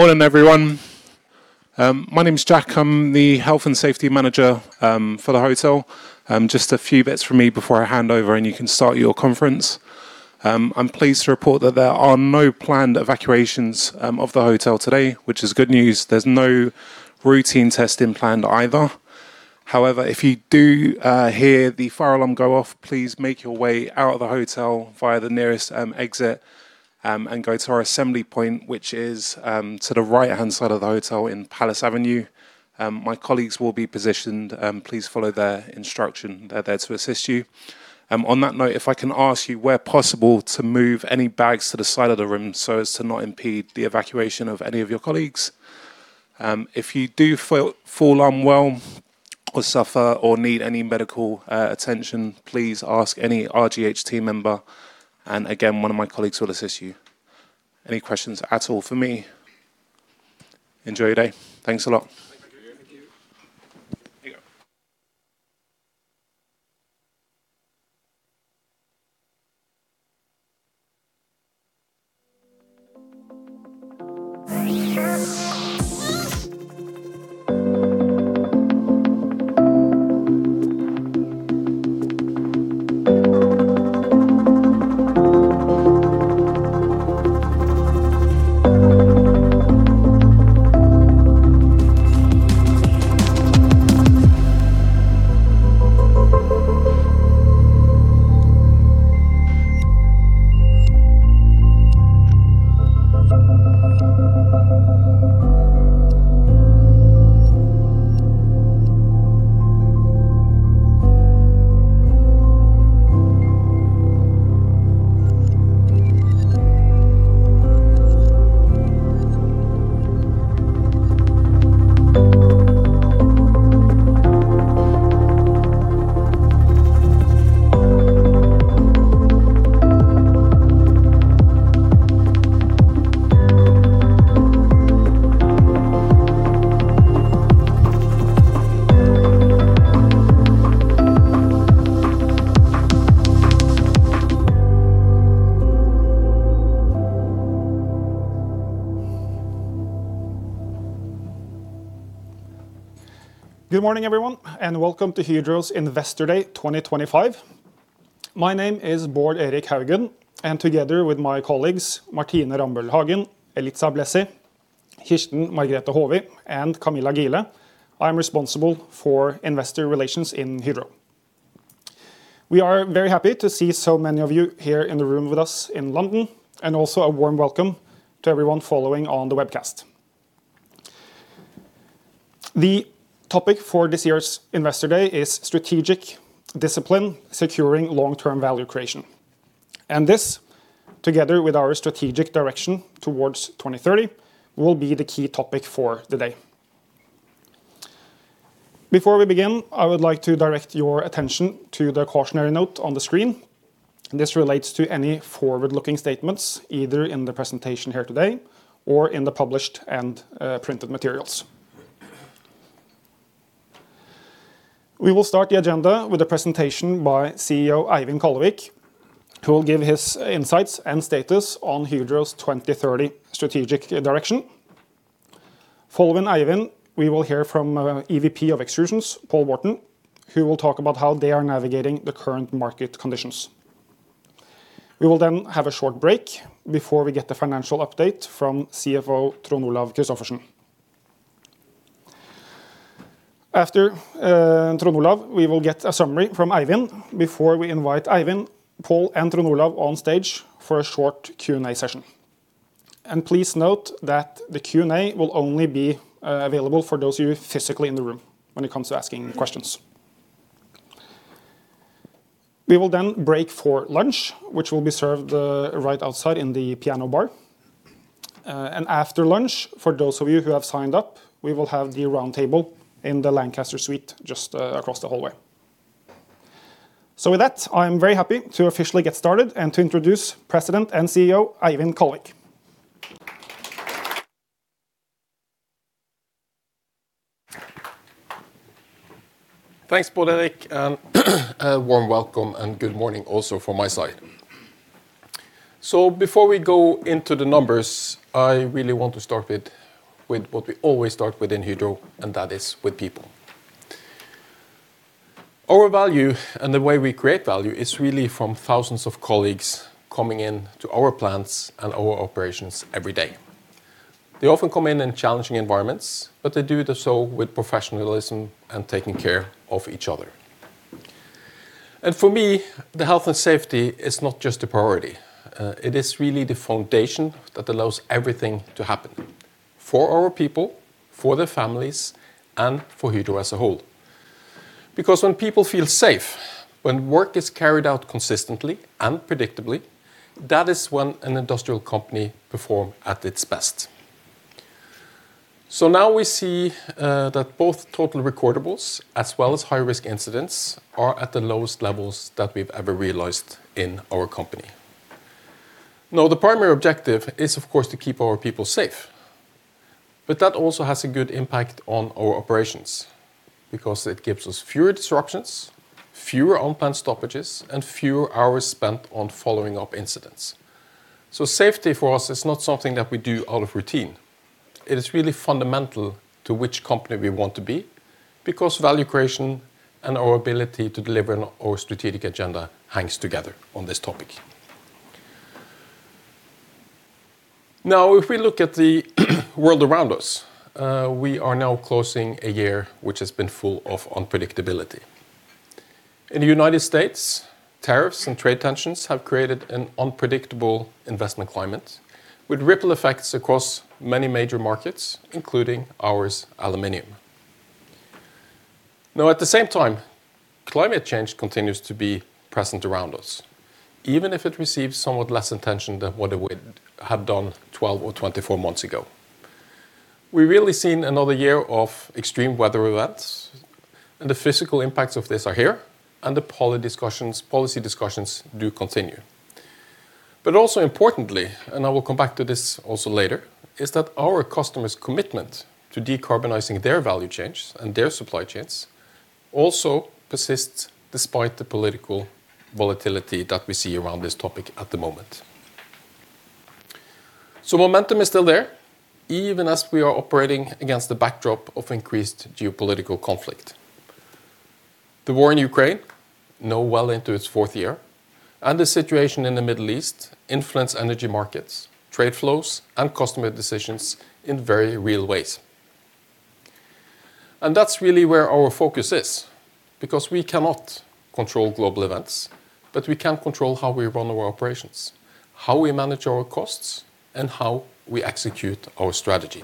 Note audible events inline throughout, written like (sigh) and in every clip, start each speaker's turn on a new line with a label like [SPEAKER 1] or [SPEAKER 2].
[SPEAKER 1] Morning, everyone. My name is Jack. I'm the Health and Safety Manager for the hotel. Just a few bits from me before I hand over, and you can start your conference. I'm pleased to report that there are no planned evacuations of the hotel today, which is good news. There's no routine testing planned either. However, if you do hear the fire alarm go off, please make your way out of the hotel via the nearest exit and go to our assembly point, which is to the right-hand side of the hotel in Palace Avenue. My colleagues will be positioned. Please follow their instruction. They're there to assist you. On that note, if I can ask you, where possible, to move any bags to the side of the room so as to not impede the evacuation of any of your colleagues. If you do fall unwell or suffer or need any medical attention, please ask any RGH team member. One of my colleagues will assist you. Any questions at all for me? Enjoy your day. Thanks a lot.
[SPEAKER 2] Good morning, everyone, and welcome to Hydro's Investor Day 2025. My name is Baard Erik Haugen, and together with my colleagues Martine Rambøl Hagen, Elitsa Blessi, Kirsten Margrethe Hovi, and Camilla Gihle, I am responsible for investor relations in Hydro. We are very happy to see so many of you here in the room with us in London, and also a warm welcome to everyone following on the webcast. The topic for this year's Investor Day is Strategic Discipline: Securing Long-Term Value Creation. This, together with our strategic direction towards 2030, will be the key topic for the day. Before we begin, I would like to direct your attention to the cautionary note on the screen. This relates to any forward-looking statements, either in the presentation here today or in the published and printed materials. We will start the agenda with a presentation by CEO Eivind Kallevik, who will give his insights and status on Hydro's 2030 strategic direction. Following Eivind, we will hear from EVP of Extrusions, Paul Warton, who will talk about how they are navigating the current market conditions. We will then have a short break before we get the financial update from CFO Trond Olaf Christophersen. After Trond Olaf, we will get a summary from Eivind before we invite Eivind, Paul, and Trond Olaf on stage for a short Q&A session. Please note that the Q&A will only be available for those of you physically in the room when it comes to asking questions. We will then break for lunch, which will be served right outside in the piano bar. After lunch, for those of you who have signed up, we will have the roundtable in the Lancaster suite just across the hallway. With that, I am very happy to officially get started and to introduce President and CEO Eivind Kallevik.
[SPEAKER 3] Thanks, Board Erik, and a warm welcome and good morning also from my side. Before we go into the numbers, I really want to start with what we always start with in Hydro, and that is with people. Our value and the way we create value is really from thousands of colleagues coming into our plants and our operations every day. They often come in in challenging environments, but they do so with professionalism and taking care of each other. For me, the health and safety is not just a priority. It is really the foundation that allows everything to happen for our people, for their families, and for Hydro as a whole. Because when people feel safe, when work is carried out consistently and predictably, that is when an industrial company performs at its best. Now we see that both total recordables as well as high-risk incidents are at the lowest levels that we've ever realized in our company. Now, the primary objective is, of course, to keep our people safe, but that also has a good impact on our operations because it gives us fewer disruptions, fewer on-plan stoppages, and fewer hours spent on following up incidents. Safety for us is not something that we do out of routine. It is really fundamental to which company we want to be because value creation and our ability to deliver on our strategic agenda hangs together on this topic. Now, if we look at the world around us, we are now closing a year which has been full of unpredictability. In the United States, tariffs and trade tensions have created an unpredictable investment climate with ripple effects across many major markets, including ours, aluminium. Now, at the same time, climate change continues to be present around us, even if it receives somewhat less attention than what it would have done 12 or 24 months ago. We've really seen another year of extreme weather events, and the physical impacts of this are here, and the policy discussions do continue. Also importantly, and I will come back to this also later, is that our customers' commitment to decarbonizing their value chains and their supply chains also persists despite the political volatility that we see around this topic at the moment. Momentum is still there, even as we are operating against the backdrop of increased geopolitical conflict. The war in Ukraine, now well into its fourth year, and the situation in the Middle East influence energy markets, trade flows, and customer decisions in very real ways. That is really where our focus is because we cannot control global events, but we can control how we run our operations, how we manage our costs, and how we execute our strategy.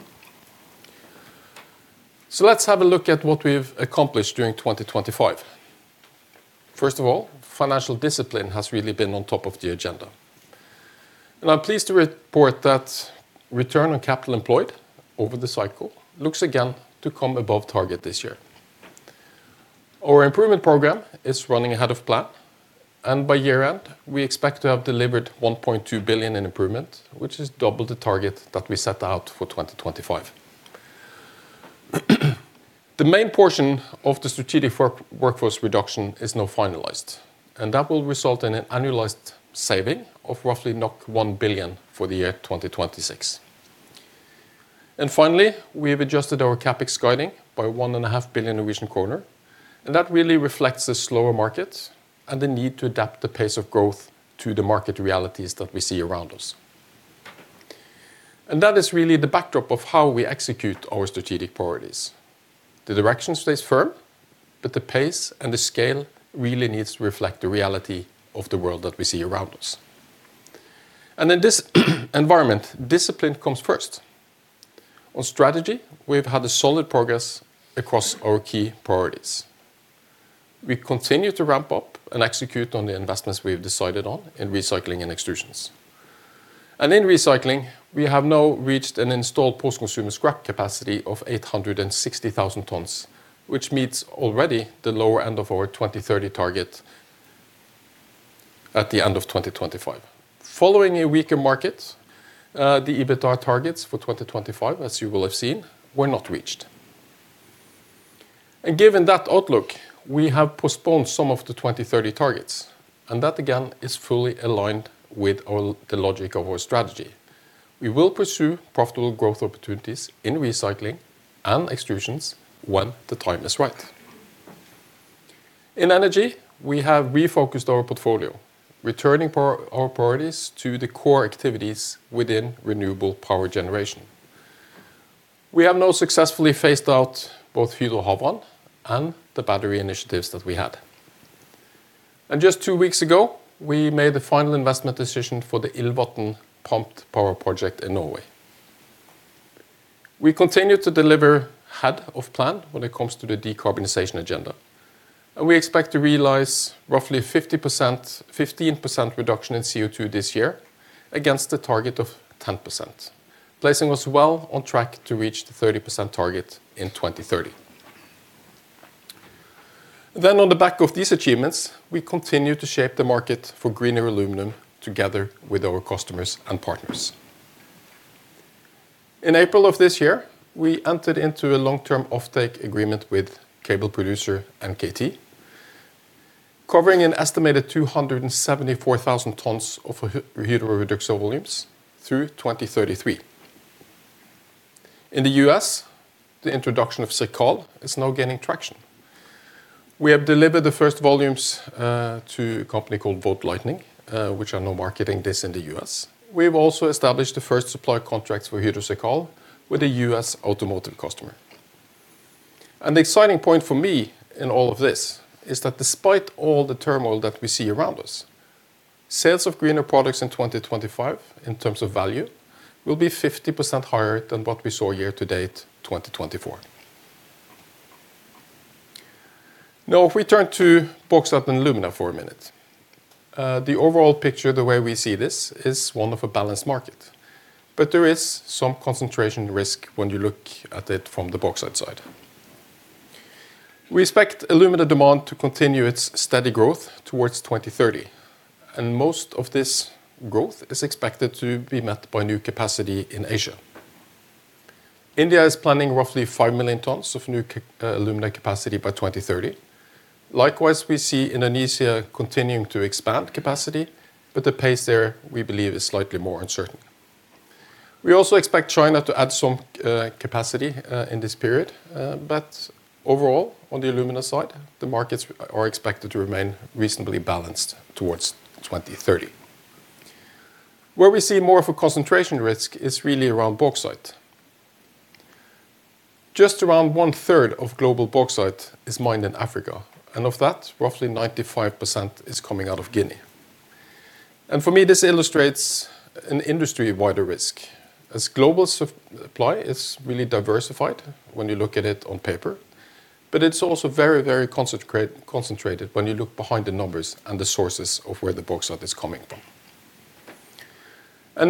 [SPEAKER 3] Let us have a look at what we have accomplished during 2025. First of all, financial discipline has really been on top of the agenda. I am pleased to report that return on capital employed over the cycle looks again to come above target this year. Our improvement program is running ahead of plan, and by year-end, we expect to have delivered 1.2 billion in improvement, which is double the target that we set out for 2025. The main portion of the strategic workforce reduction is now finalized, and that will result in an annualized saving of roughly 1 billion for the year 2026. Finally, we have adjusted our CapEx guiding by 1.5 billion Norwegian kroner, and that really reflects a slower market and the need to adapt the pace of growth to the market realities that we see around us. That is really the backdrop of how we execute our strategic priorities. The direction stays firm, but the pace and the scale really need to reflect the reality of the world that we see around us. In this environment, discipline comes first. On strategy, we've had solid progress across our key priorities. We continue to ramp up and execute on the investments we've decided on in recycling and extrusions. In recycling, we have now reached an installed post-consumer scrap capacity of 860,000 tons, which meets already the lower end of our 2030 target at the end of 2025. Following a weaker market, the EBITDA targets for 2025, as you will have seen, were not reached. Given that outlook, we have postponed some of the 2030 targets, and that, again, is fully aligned with the logic of our strategy. We will pursue profitable growth opportunities in recycling and extrusions when the time is right. In energy, we have refocused our portfolio, returning our priorities to the core activities within renewable power generation. We have now successfully phased out both Hydro Hagon and the battery initiatives that we had. Just two weeks ago, we made the final investment decision for the Illvatn pumped power project in Norway. We continue to deliver ahead of plan when it comes to the decarbonization agenda, and we expect to realize roughly a 15% reduction in CO2 this year against a target of 10%, placing us well on track to reach the 30% target in 2030. On the back of these achievements, we continue to shape the market for greener aluminum together with our customers and partners. In April of this year, we entered into a long-term offtake agreement with cable producer NKT, covering an estimated 274,000 tons of Hydro REDUXA volumes through 2033. In the U.S., the introduction of Hydro CIRCAL is now gaining traction. We have delivered the first volumes to a company called Vought Lighting, which is now marketing this in the U.S. We have also established the first supply contracts for Hydro CIRCAL with a U.S. automotive customer. The exciting point for me in all of this is that despite all the turmoil that we see around us, sales of greener products in 2025 in terms of value will be 50% higher than what we saw year-to-date 2024. If we turn to bauxite alumina for a minute, the overall picture, the way we see this, is one of a balanced market, but there is some concentration risk when you look at it from the bauxite side. We expect alumina demand to continue its steady growth towards 2030, and most of this growth is expected to be met by new capacity in Asia. India is planning roughly 5 million tons of new alumina capacity by 2030. Likewise, we see Indonesia continuing to expand capacity, but the pace there, we believe, is slightly more uncertain. We also expect China to add some capacity in this period, but overall, on the alumina side, the markets are expected to remain reasonably balanced towards 2030. Where we see more of a concentration risk is really around bauxite. Just around 1/3 of global bauxite is mined in Africa, and of that, roughly 95% is coming out of Guinea. For me, this illustrates an industry-wide risk, as global supply is really diversified when you look at it on paper, but it is also very, very concentrated when you look behind the numbers and the sources of where the bauxite is coming from.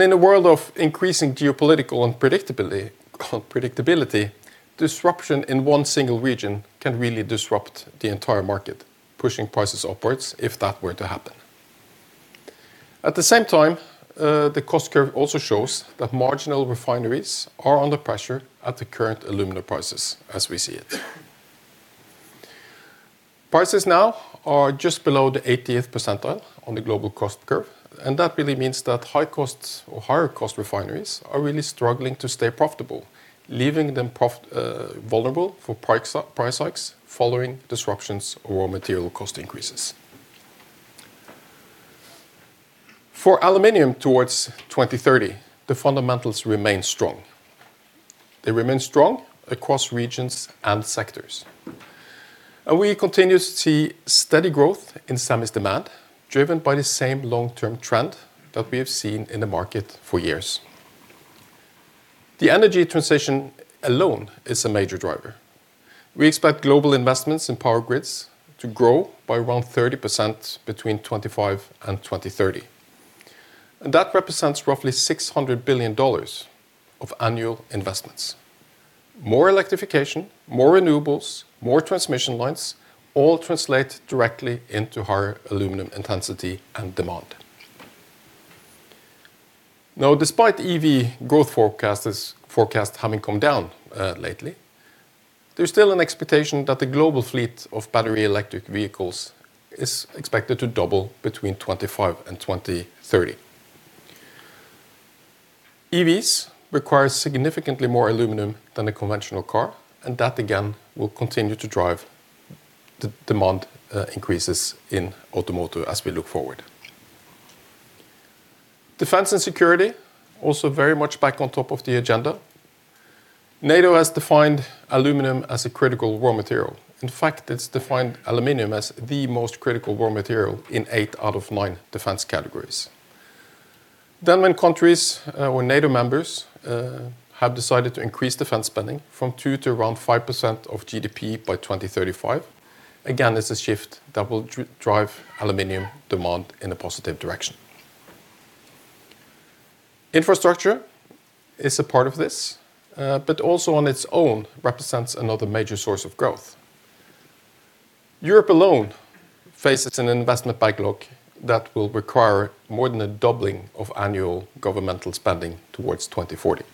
[SPEAKER 3] In a world of increasing geopolitical unpredictability, disruption in one single region can really disrupt the entire market, pushing prices upwards if that were to happen. At the same time, the cost curve also shows that marginal refineries are under pressure at the current alumina prices as we see it. Prices now are just below the 80th percentile on the global cost curve, and that really means that high-cost or higher-cost refineries are really struggling to stay profitable, leaving them vulnerable for price hikes following disruptions or raw material cost increases. For aluminium, towards 2030, the fundamentals remain strong. They remain strong across regions and sectors. We continue to see steady growth in semis demand, driven by the same long-term trend that we have seen in the market for years. The energy transition alone is a major driver. We expect global investments in power grids to grow by around 30% between 2025 and 2030. That represents roughly $600 billion of annual investments. More electrification, more renewables, more transmission lines, all translate directly into higher aluminum intensity and demand. Now, despite EV growth forecasts having come down lately, there's still an expectation that the global fleet of battery electric vehicles is expected to double between 2025 and 2030. EVs require significantly more aluminum than a conventional car, and that, again, will continue to drive the demand increases in automotive as we look forward. Defense and security are also very much back on top of the agenda. NATO has defined aluminum as a critical raw material. In fact, it's defined aluminum as the most critical raw material in eight out of nine defense categories. When countries or NATO members have decided to increase defense spending from 2% to around 5% of GDP by 2035, again, it's a shift that will drive aluminum demand in a positive direction. Infrastructure is a part of this, but also on its own represents another major source of growth. Europe alone faces an investment backlog that will require more than a doubling of annual governmental spending towards 2040.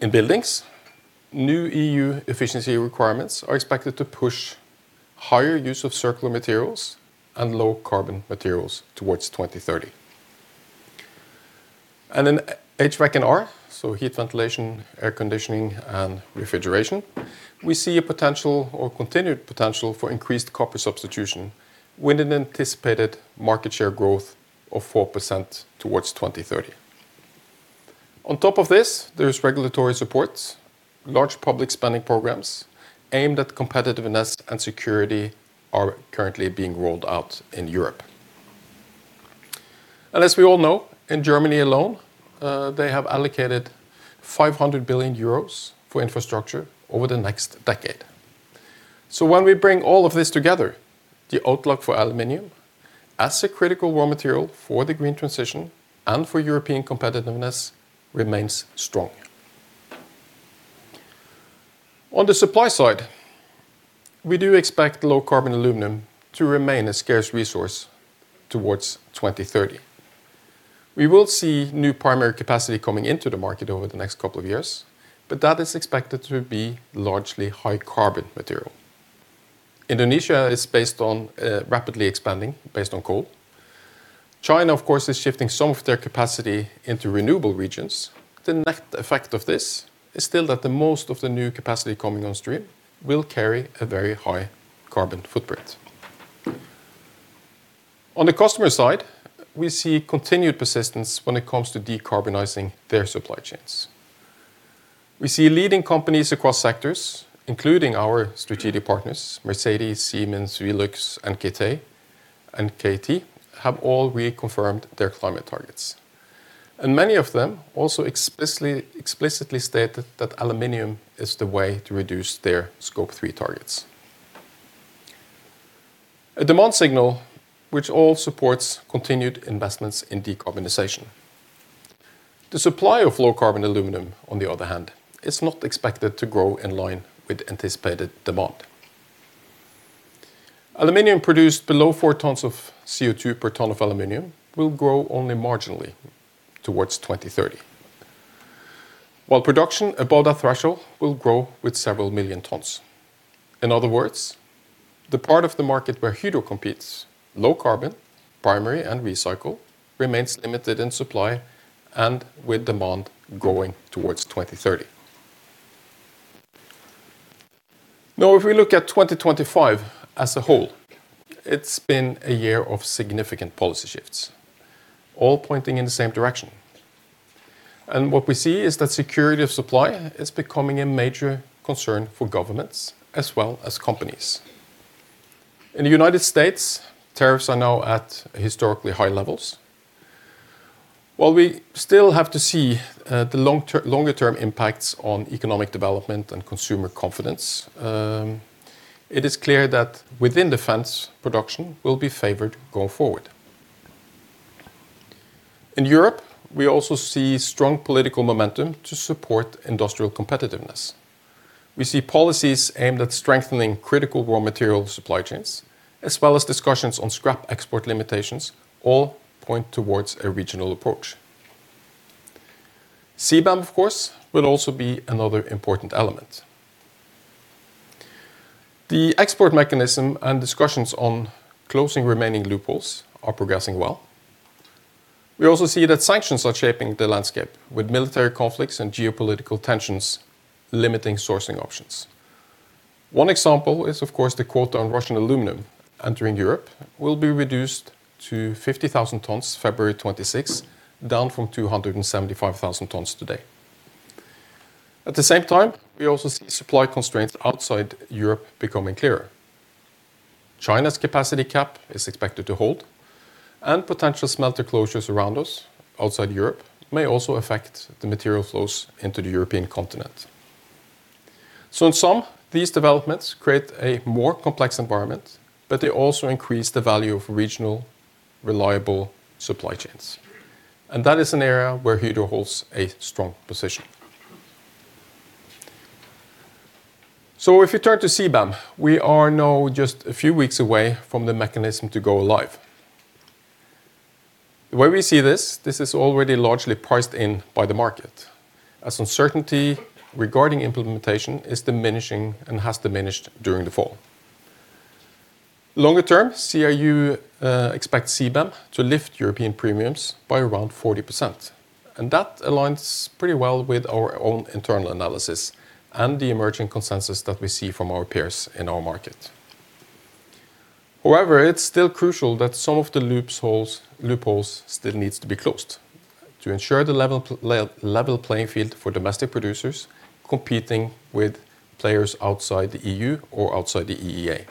[SPEAKER 3] In buildings, new EU efficiency requirements are expected to push higher use of circular materials and low-carbon materials towards 2030. In HVAC&R, so heat ventilation, air conditioning, and refrigeration, we see a potential or continued potential for increased copper substitution with an anticipated market share growth of 4% towards 2030. On top of this, there is regulatory support, large public spending programs aimed at competitiveness and security that are currently being rolled out in Europe. As we all know, in Germany alone, they have allocated 500 billion euros for infrastructure over the next decade. When we bring all of this together, the outlook for aluminium as a critical raw material for the green transition and for European competitiveness remains strong. On the supply side, we do expect low-carbon aluminum to remain a scarce resource towards 2030. We will see new primary capacity coming into the market over the next couple of years, but that is expected to be largely high-carbon material. Indonesia is rapidly expanding based on coal. China, of course, is shifting some of their capacity into renewable regions. The net effect of this is still that most of the new capacity coming on stream will carry a very high carbon footprint. On the customer side, we see continued persistence when it comes to decarbonizing their supply chains. We see leading companies across sectors, including our strategic partners, Mercedes-Benz, Siemens Mobility, VELUX, and NKT, have all reconfirmed their climate targets. Many of them also explicitly stated that aluminium is the way to reduce their Scope 3 targets. A demand signal which all supports continued investments in decarbonization. The supply of low-carbon aluminum, on the other hand, is not expected to grow in line with anticipated demand. Aluminium produced below 4 tons of CO2 per ton of aluminium will grow only marginally towards 2030, while production above that threshold will grow with several million tons. In other words, the part of the market where Hydro competes, low-carbon, primary, and recycle, remains limited in supply and with demand growing towards 2030. If we look at 2025 as a whole, it's been a year of significant policy shifts, all pointing in the same direction. What we see is that security of supply is becoming a major concern for governments as well as companies. In the United States, tariffs are now at historically high levels. While we still have to see the longer-term impacts on economic development and consumer confidence, it is clear that within defense, production will be favored going forward. In Europe, we also see strong political momentum to support industrial competitiveness. We see policies aimed at strengthening critical raw material supply chains, as well as discussions on scrap export limitations, all point towards a regional approach. CBAM, of course, will also be another important element. The export mechanism and discussions on closing remaining loopholes are progressing well. We also see that sanctions are shaping the landscape, with military conflicts and geopolitical tensions limiting sourcing options. One example is, of course, the quota on Russian aluminum entering Europe will be reduced to 50,000 tons February 26, down from 275,000 tons today. At the same time, we also see supply constraints outside Europe becoming clearer. China's capacity cap is expected to hold, and potential smelter closures around us outside Europe may also affect the material flows into the European continent. In sum, these developments create a more complex environment, but they also increase the value of regional reliable supply chains. That is an area where Hydro holds a strong position. If we turn to CBAM, we are now just a few weeks away from the mechanism to go live. The way we see this, this is already largely priced in by the market, as uncertainty regarding implementation is diminishing and has diminished during the fall. Longer term, CIU expects CBAM to lift European premiums by around 40%. That aligns pretty well with our own internal analysis and the emerging consensus that we see from our peers in our market. However, it is still crucial that some of the loopholes still need to be closed to ensure the level playing field for domestic producers competing with players outside the EU or outside the EEA.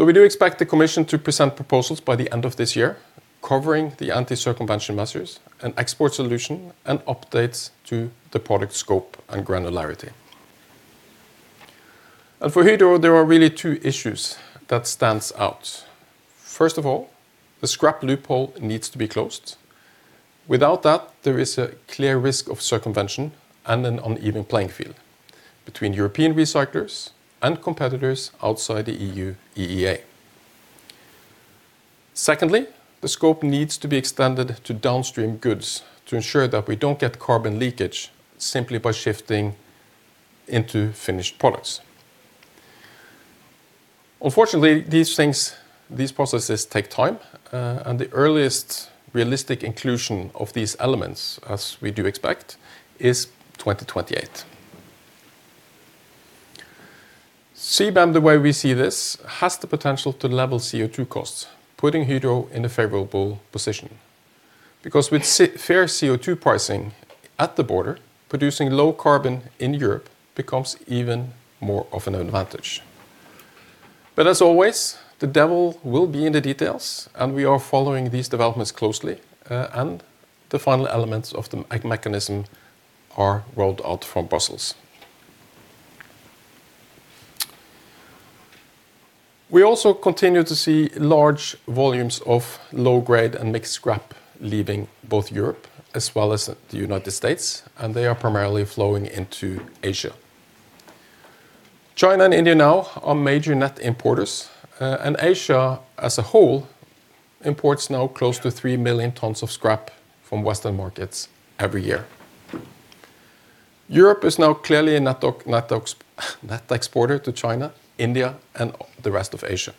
[SPEAKER 3] We do expect the Commission to present proposals by the end of this year covering the anti-circumvention measures, an export solution, and updates to the product scope and granularity. For Hydro, there are really two issues that stand out. First of all, the scrap loophole needs to be closed. Without that, there is a clear risk of circumvention and an uneven playing field between European recyclers and competitors outside the EU/EEA. Secondly, the scope needs to be extended to downstream goods to ensure that we don't get carbon leakage simply by shifting into finished products. Unfortunately, these processes take time, and the earliest realistic inclusion of these elements, as we do expect, is 2028. CBAM, the way we see this, has the potential to level CO2 costs, putting Hydro in a favorable position. Because with fair CO2 pricing at the border, producing low carbon in Europe becomes even more of an advantage. As always, the devil will be in the details, and we are following these developments closely, and the final elements of the mechanism are rolled out from Brussels. We also continue to see large volumes of low-grade and mixed scrap leaving both Europe as well as the United States, and they are primarily flowing into Asia. China and India now are major net importers, and Asia as a whole imports now close to 3 million tons of scrap from Western markets every year. Europe is now clearly a net exporter to China, India, and the rest of Asia.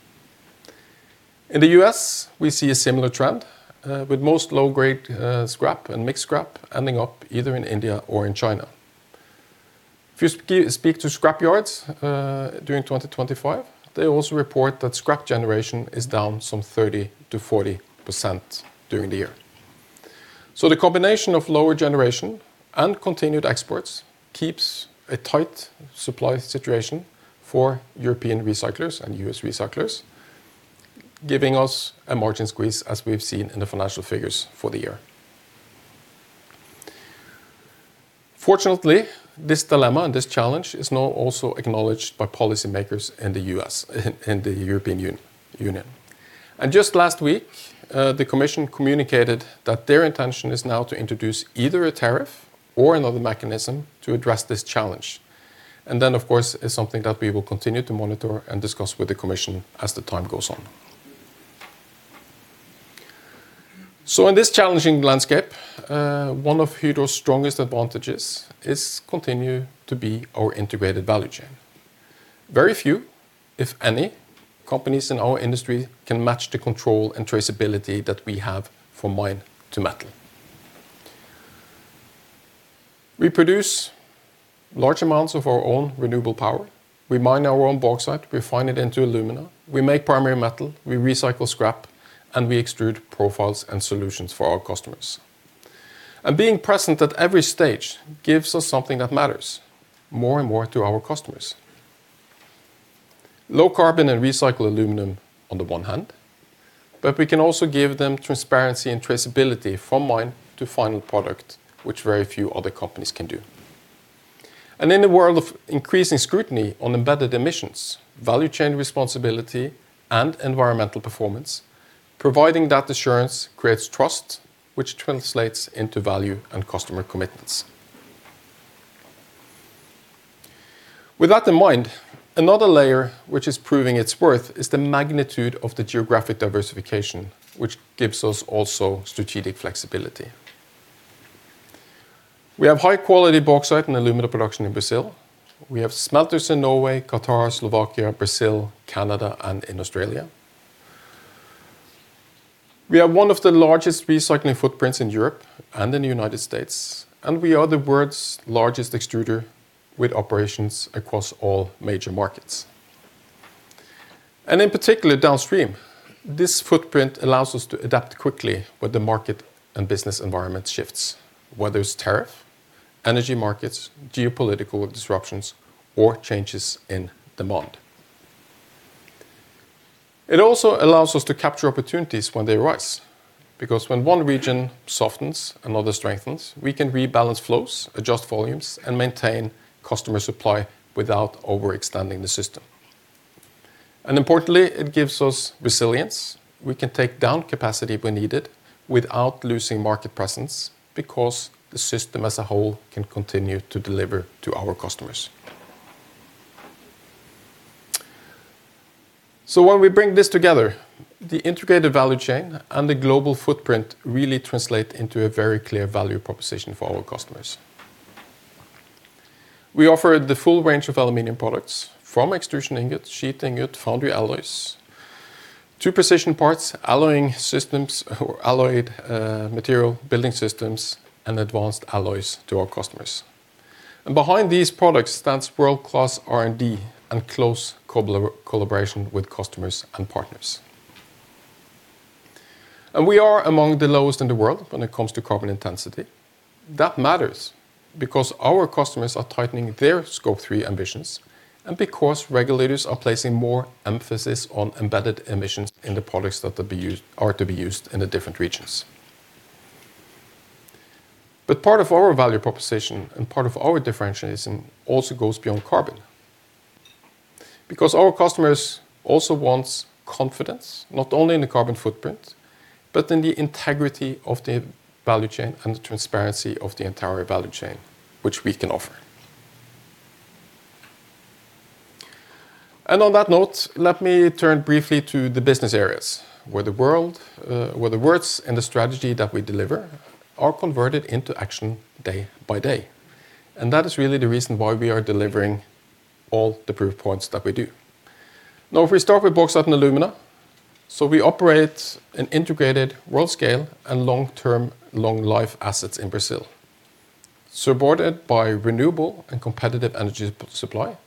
[SPEAKER 3] In the U.S., we see a similar trend, with most low-grade scrap and mixed scrap ending up either in India or in China. If you speak to scrap yards during 2025, they also report that scrap generation is down some 30%-40% during the year. The combination of lower generation and continued exports keeps a tight supply situation for European recyclers and U.S. recyclers, giving us a margin squeeze as we've seen in the financial figures for the year. Fortunately, this dilemma and this challenge is now also acknowledged by policymakers in the U.S. and the European Union. Just last week, the Commission communicated that their intention is now to introduce either a tariff or another mechanism to address this challenge. Of course, it is something that we will continue to monitor and discuss with the Commission as time goes on. In this challenging landscape, one of Hydro's strongest advantages is to continue to be our integrated value chain. Very few, if any, companies in our industry can match the control and traceability that we have from mine to metal. We produce large amounts of our own renewable power. We mine our own bauxite, refine it into alumina, we make primary metal, we recycle scrap, and we extrude profiles and solutions for our customers. Being present at every stage gives us something that matters more and more to our customers. Low carbon and recycled aluminum, on the one hand, but we can also give them transparency and traceability from mine to final product, which very few other companies can do. In a world of increasing scrutiny on embedded emissions, value chain responsibility, and environmental performance, providing that assurance creates trust, which translates into value and customer commitments. With that in mind, another layer which is proving its worth is the magnitude of the geographic diversification, which gives us also strategic flexibility. We have high-quality bauxite and alumina production in Brazil. We have smelters in Norway, Qatar, Slovakia, Brazil, Canada, and in Australia. We are one of the largest recycling footprints in Europe and in the United States, and we are the world's largest extruder with operations across all major markets. In particular, downstream, this footprint allows us to adapt quickly when the market and business environment shifts, whether it is tariff, energy markets, geopolitical disruptions, or changes in demand. It also allows us to capture opportunities when they arise. When one region softens and another strengthens, we can rebalance flows, adjust volumes, and maintain customer supply without overextending the system. Importantly, it gives us resilience. We can take down capacity when needed without losing market presence because the system as a whole can continue to deliver to our customers. When we bring this together, the integrated value chain and the global footprint really translate into a very clear value proposition for our customers. We offer the full range of aluminum products from extrusion ingots, sheet ingots, foundry alloys, to precision parts, alloying systems or alloyed material building systems, and advanced alloys to our customers. Behind these products stands world-class R&D and close collaboration with customers and partners. We are among the lowest in the world when it comes to carbon intensity. That matters because our customers are tightening their Scope 3 ambitions and because regulators are placing more emphasis on embedded emissions in the products that are to be used in the different regions. Part of our value proposition and part of our differentiation also goes beyond carbon. Our customers also want confidence not only in the carbon footprint, but in the integrity of the value chain and the transparency of the entire value chain which we can offer. On that note, let me turn briefly to the business areas where the words and the strategy that we deliver are converted into action day by day. That is really the reason why we are delivering all the proof points that we do. If we start with bauxite and alumina, we operate an integrated world-scale and long-term long-life assets in Brazil, supported by renewable and competitive energy supply,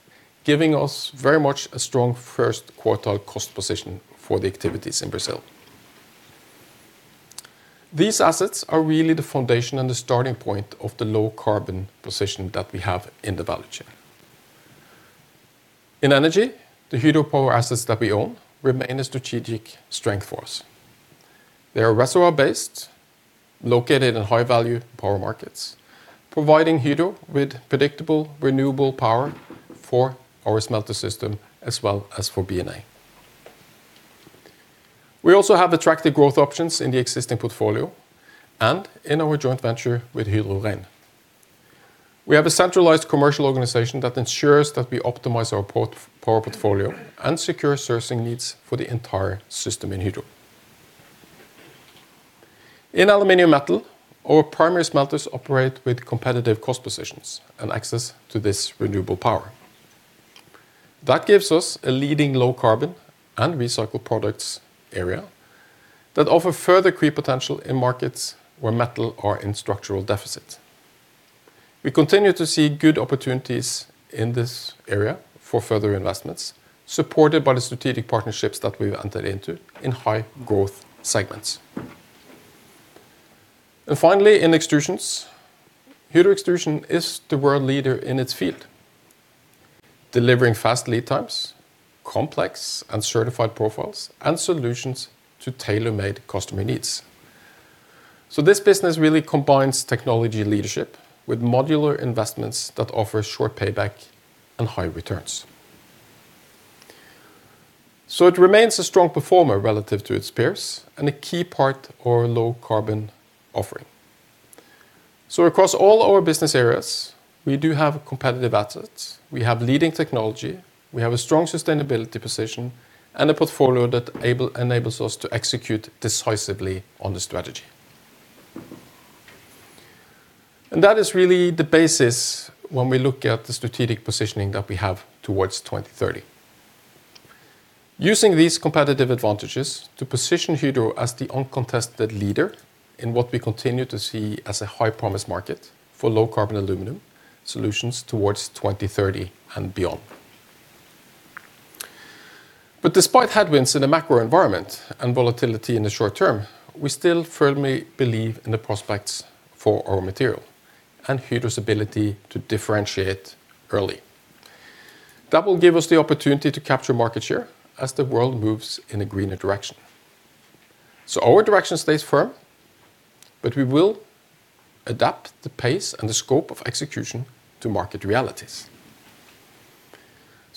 [SPEAKER 3] giving us very much a strong first quartile cost position for the activities in Brazil. These assets are really the foundation and the starting point of the low-carbon position that we have in the value chain. In energy, the Hydro Power assets that we own remain a strategic strength for us. They are reservoir-based, located in high-value power markets, providing Hydro with predictable renewable power for our smelter system as well as for B&A. We also have attractive growth options in the existing portfolio and in our joint venture with Hydro Reine. We have a centralized commercial organization that ensures that we optimize our power portfolio and secure sourcing needs for the entire system in Hydro. In aluminum metal, our primary smelters operate with competitive cost positions and access to this renewable power. That gives us a leading low-carbon and recycled products area that offers further creep potential in markets where metal is in structural deficit. We continue to see good opportunities in this area for further investments, supported by the strategic partnerships that we've entered into in high-growth segments. Finally, in extrusions, Hydro Extrusions is the world leader in its field, delivering fast lead times, complex and certified profiles, and solutions to tailor-made customer needs. This business really combines technology leadership with modular investments that offer short payback and high returns. It remains a strong performer relative to its peers and a key part of our low-carbon offering. Across all our business areas, we do have competitive assets. We have leading technology. We have a strong sustainability position and a portfolio that enables us to execute decisively on the strategy. That is really the basis when we look at the strategic positioning that we have towards 2030. Using these competitive advantages to position Hydro as the uncontested leader in what we continue to see as a high-promise market for low-carbon aluminum solutions towards 2030 and beyond. Despite headwinds in the macro environment and volatility in the short term, we still firmly believe in the prospects for our material and Hydro's ability to differentiate early. That will give us the opportunity to capture market share as the world moves in a greener direction. Our direction stays firm, but we will adapt the pace and the scope of execution to market realities.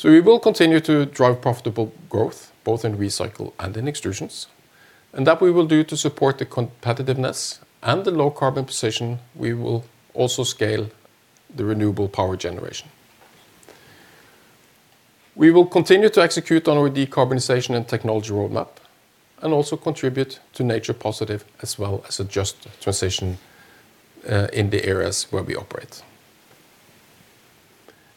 [SPEAKER 3] We will continue to drive profitable growth both in recycle and in extrusions. That we will do to support the competitiveness and the low-carbon position. We will also scale the renewable power generation. We will continue to execute on our decarbonization and technology roadmap and also contribute to nature positive as well as a just transition in the areas where we operate.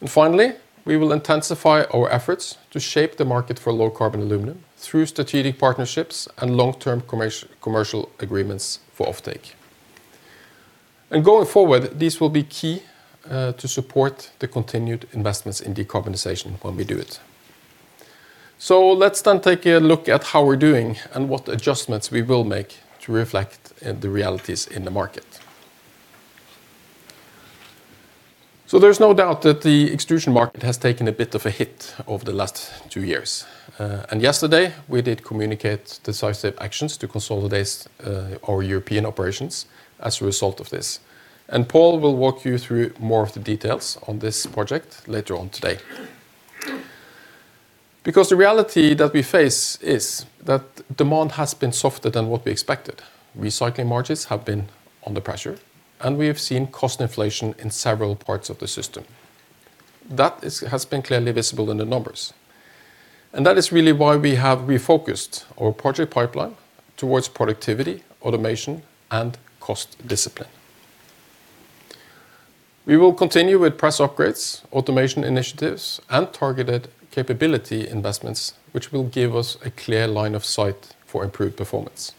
[SPEAKER 3] Finally, we will intensify our efforts to shape the market for low-carbon aluminum through strategic partnerships and long-term commercial agreements for offtake. Going forward, these will be key to support the continued investments in decarbonization when we do it. Let's then take a look at how we're doing and what adjustments we will make to reflect the realities in the market. There is no doubt that the extrusion market has taken a bit of a hit over the last two years. Yesterday, we did communicate decisive actions to consolidate our European operations as a result of this. Paul will walk you through more of the details on this project later on today. The reality that we face is that demand has been softer than what we expected. Recycling margins have been under pressure, and we have seen cost inflation in several parts of the system. That has been clearly visible in the numbers. That is really why we have refocused our project pipeline towards productivity, automation, and cost discipline. We will continue with press upgrades, automation initiatives, and targeted capability investments, which will give us a clear line of sight for improved performance.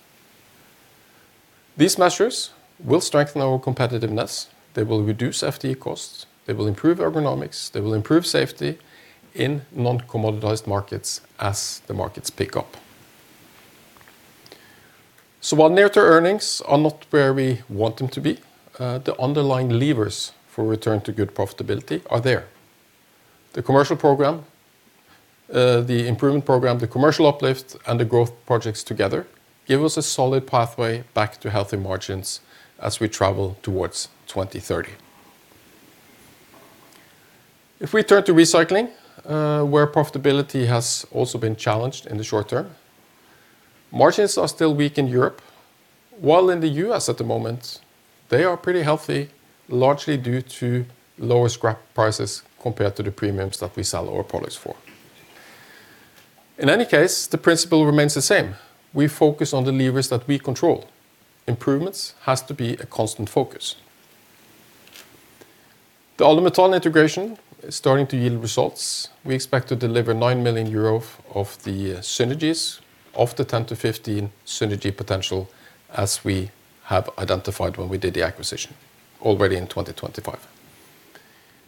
[SPEAKER 3] These measures will strengthen our competitiveness. They will reduce FTE costs. They will improve ergonomics. They will improve safety in non-commoditized markets as the markets pick up. While near-term earnings are not where we want them to be, the underlying levers for return to good profitability are there. The commercial program, the improvement program, the commercial uplift, and the growth projects together give us a solid pathway back to healthy margins as we travel towards 2030. If we turn to recycling, where profitability has also been challenged in the short term, margins are still weak in Europe, while in the U.S. at the moment, they are pretty healthy, largely due to lower scrap prices compared to the premiums that we sell our products for. In any case, the principle remains the same. We focus on the levers that we control. Improvements have to be a constant focus. The Alumetal integration is starting to yield results. We expect to deliver 9 million euros of the synergies, of the 10-15 synergy potential, as we have identified when we did the acquisition already in 2025.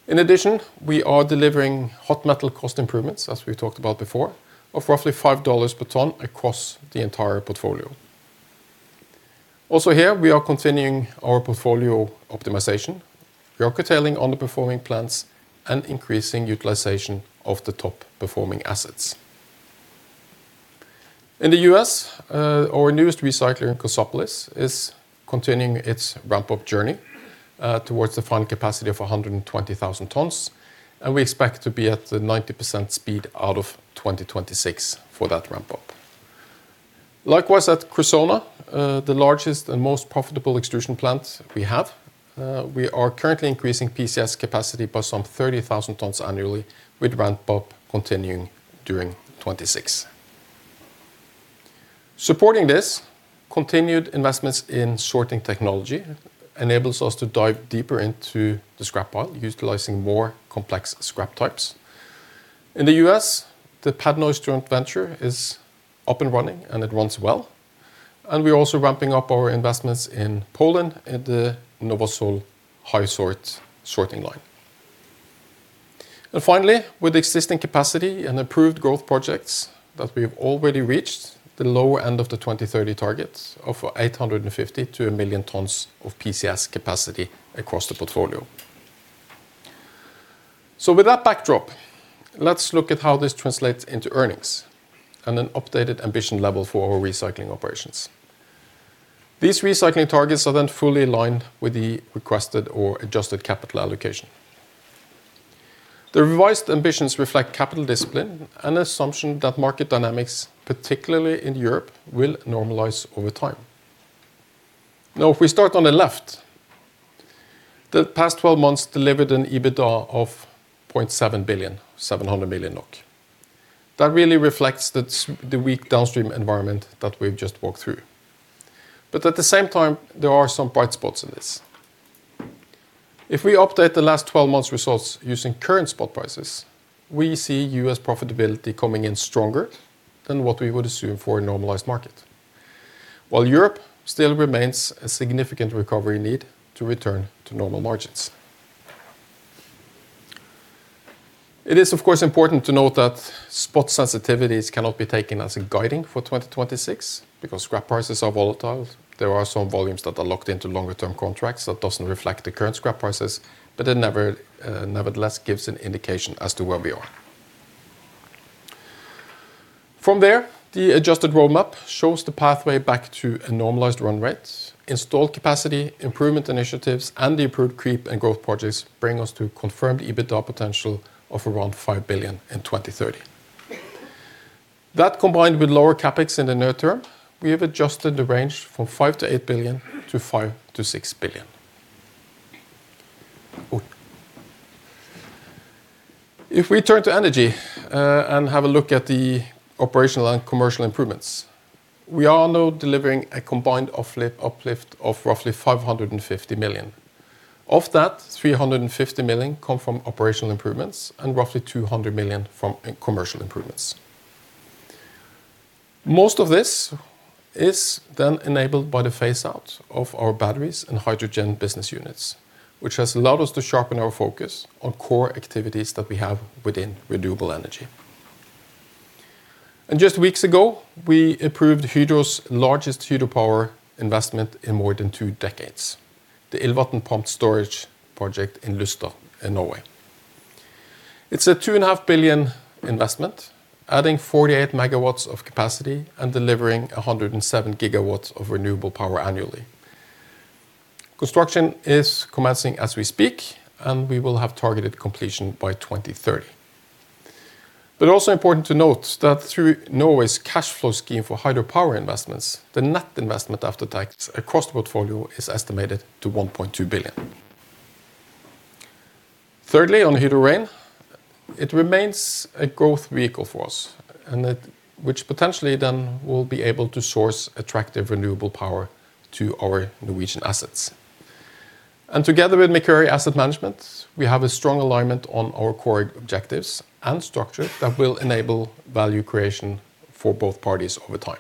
[SPEAKER 3] In addition, we are delivering hot metal cost improvements, as we've talked about before, of roughly $5 per ton across the entire portfolio. Also here, we are continuing our portfolio optimization, right-sizing underperforming plants, and increasing utilization of the top performing assets. In the U.S., our newest recycler, Inconso, is continuing its ramp-up journey towards the final capacity of 120,000 tons, and we expect to be at the 90% speed out of 2026 for that ramp-up. Likewise, at Kursona, the largest and most profitable extrusion plant we have, we are currently increasing PCS capacity by some 30,000 tons annually, with ramp-up continuing during 2026. Supporting this, continued investments in sorting technology enables us to dive deeper into the scrap pile, utilizing more complex scrap types. In the U.S., the PADNOS Strand venture is up and running, and it runs well. We are also ramping up our investments in Poland in the NovoSOL High Sort sorting line. Finally, with existing capacity and improved growth projects that we have already reached the lower end of the 2030 target of 850,000-1,000,000 tons of PCS capacity across the portfolio. With that backdrop, let's look at how this translates into earnings and an updated ambition level for our recycling operations. These recycling targets are then fully aligned with the requested or adjusted capital allocation. The revised ambitions reflect capital discipline and the assumption that market dynamics, particularly in Europe, will normalize over time. Now, if we start on the left, the past 12 months delivered an EBITDA of 0.7 billion, 700 million NOK. That really reflects the weak downstream environment that we've just walked through. At the same time, there are some bright spots in this. If we update the last 12 months' results using current spot prices, we see US profitability coming in stronger than what we would assume for a normalized market, while Europe still remains a significant recovery need to return to normal margins. It is, of course, important to note that spot sensitivities cannot be taken as a guiding for 2026 because scrap prices are volatile. There are some volumes that are locked into longer-term contracts that do not reflect the current scrap prices, but it nevertheless gives an indication as to where we are. From there, the adjusted roadmap shows the pathway back to a normalized run rate. Installed capacity, improvement initiatives, and the approved creep and growth projects bring us to confirmed EBITDA potential of around 5 billion in 2030. That combined with lower CapEx in the near term, we have adjusted the range from 5 billion-8 billion to 5 billion-6 billion. If we turn to energy and have a look at the operational and commercial improvements, we are now delivering a combined uplift of roughly 550 million. Of that, 350 million come from operational improvements and roughly 200 million from commercial improvements. Most of this is then enabled by the phase-out of our batteries and hydrogen business units, which has allowed us to sharpen our focus on core activities that we have within renewable energy. Just weeks ago, we approved Hydro's largest hydropower investment in more than two decades, the Illvatn Pump Storage Project in Luster, Norway. It's an 2.5 billion investment, adding 48 MW of capacity and delivering 107 GW hours of renewable power annually. Construction is commencing as we speak, and we will have targeted completion by 2030. It is also important to note that through Norway's cash flow scheme for hydropower investments, the net investment after tax across the portfolio is estimated to 1.2 billion. Thirdly, on Hydro Rein, it remains a growth vehicle for us, which potentially then will be able to source attractive renewable power to our Norwegian assets. Together with Mercury Asset Management, we have a strong alignment on our core objectives and structure that will enable value creation for both parties over time.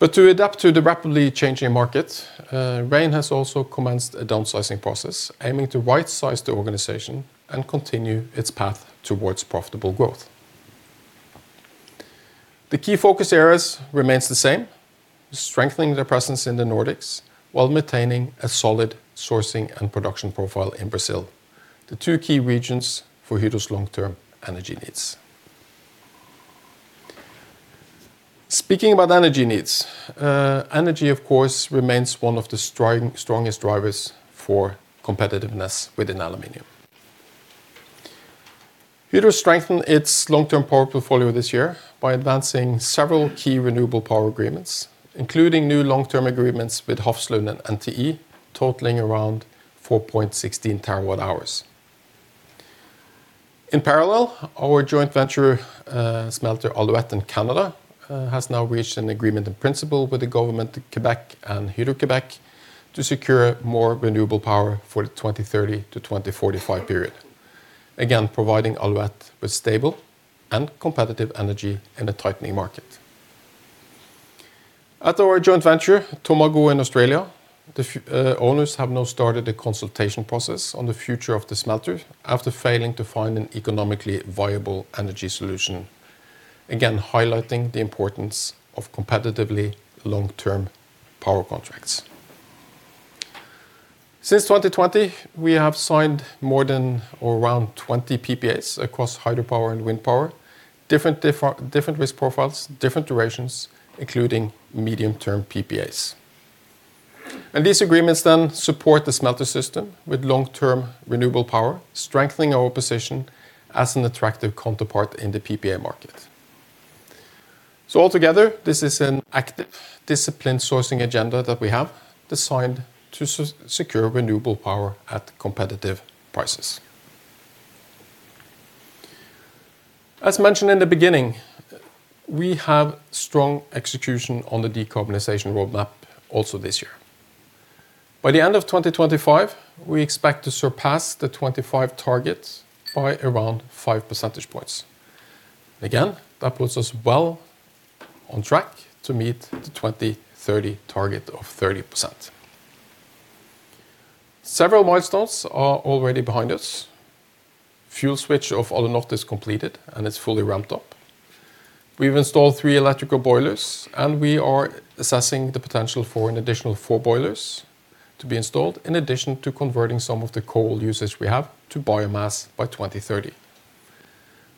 [SPEAKER 3] To adapt to the rapidly changing market, Reine has also commenced a downsizing process, aiming to right-size the organization and continue its path towards profitable growth. The key focus areas remain the same: strengthening their presence in the Nordics while maintaining a solid sourcing and production profile in Brazil, the two key regions for Hydro's long-term energy needs. Speaking about energy needs, energy, of course, remains one of the strongest drivers for competitiveness within aluminum. Hydro strengthened its long-term power portfolio this year by advancing several key renewable power agreements, including new long-term agreements with Hofslund and NTE, totaling around 4.16 TWh. In parallel, our joint venture, smelter Alouette in Canada, has now reached an agreement in principle with the government of Quebec and Hydro-Quebec to secure more renewable power for the 2030 to 2045 period, again providing Alouette with stable and competitive energy in a tightening market. At our joint venture, Tomago in Australia, the owners have now started a consultation process on the future of the smelter after failing to find an economically viable energy solution, again highlighting the importance of competitively long-term power contracts. Since 2020, we have signed more than or around 20 PPAs across hydropower and wind power, different risk profiles, different durations, including medium-term PPAs. These agreements then support the smelter system with long-term renewable power, strengthening our position as an attractive counterpart in the PPA market. Altogether, this is an active, disciplined sourcing agenda that we have designed to secure renewable power at competitive prices. As mentioned in the beginning, we have strong execution on the decarbonization roadmap also this year. By the end of 2025, we expect to surpass the 2025 target by around 5 percentage points. Again, that puts us well on track to meet the 2030 target of 30%. Several milestones are already behind us. Fuel switch of Alunorte is completed and is fully ramped up. We've installed three electrical boilers, and we are assessing the potential for an additional four boilers to be installed in addition to converting some of the coal usage we have to biomass by 2030.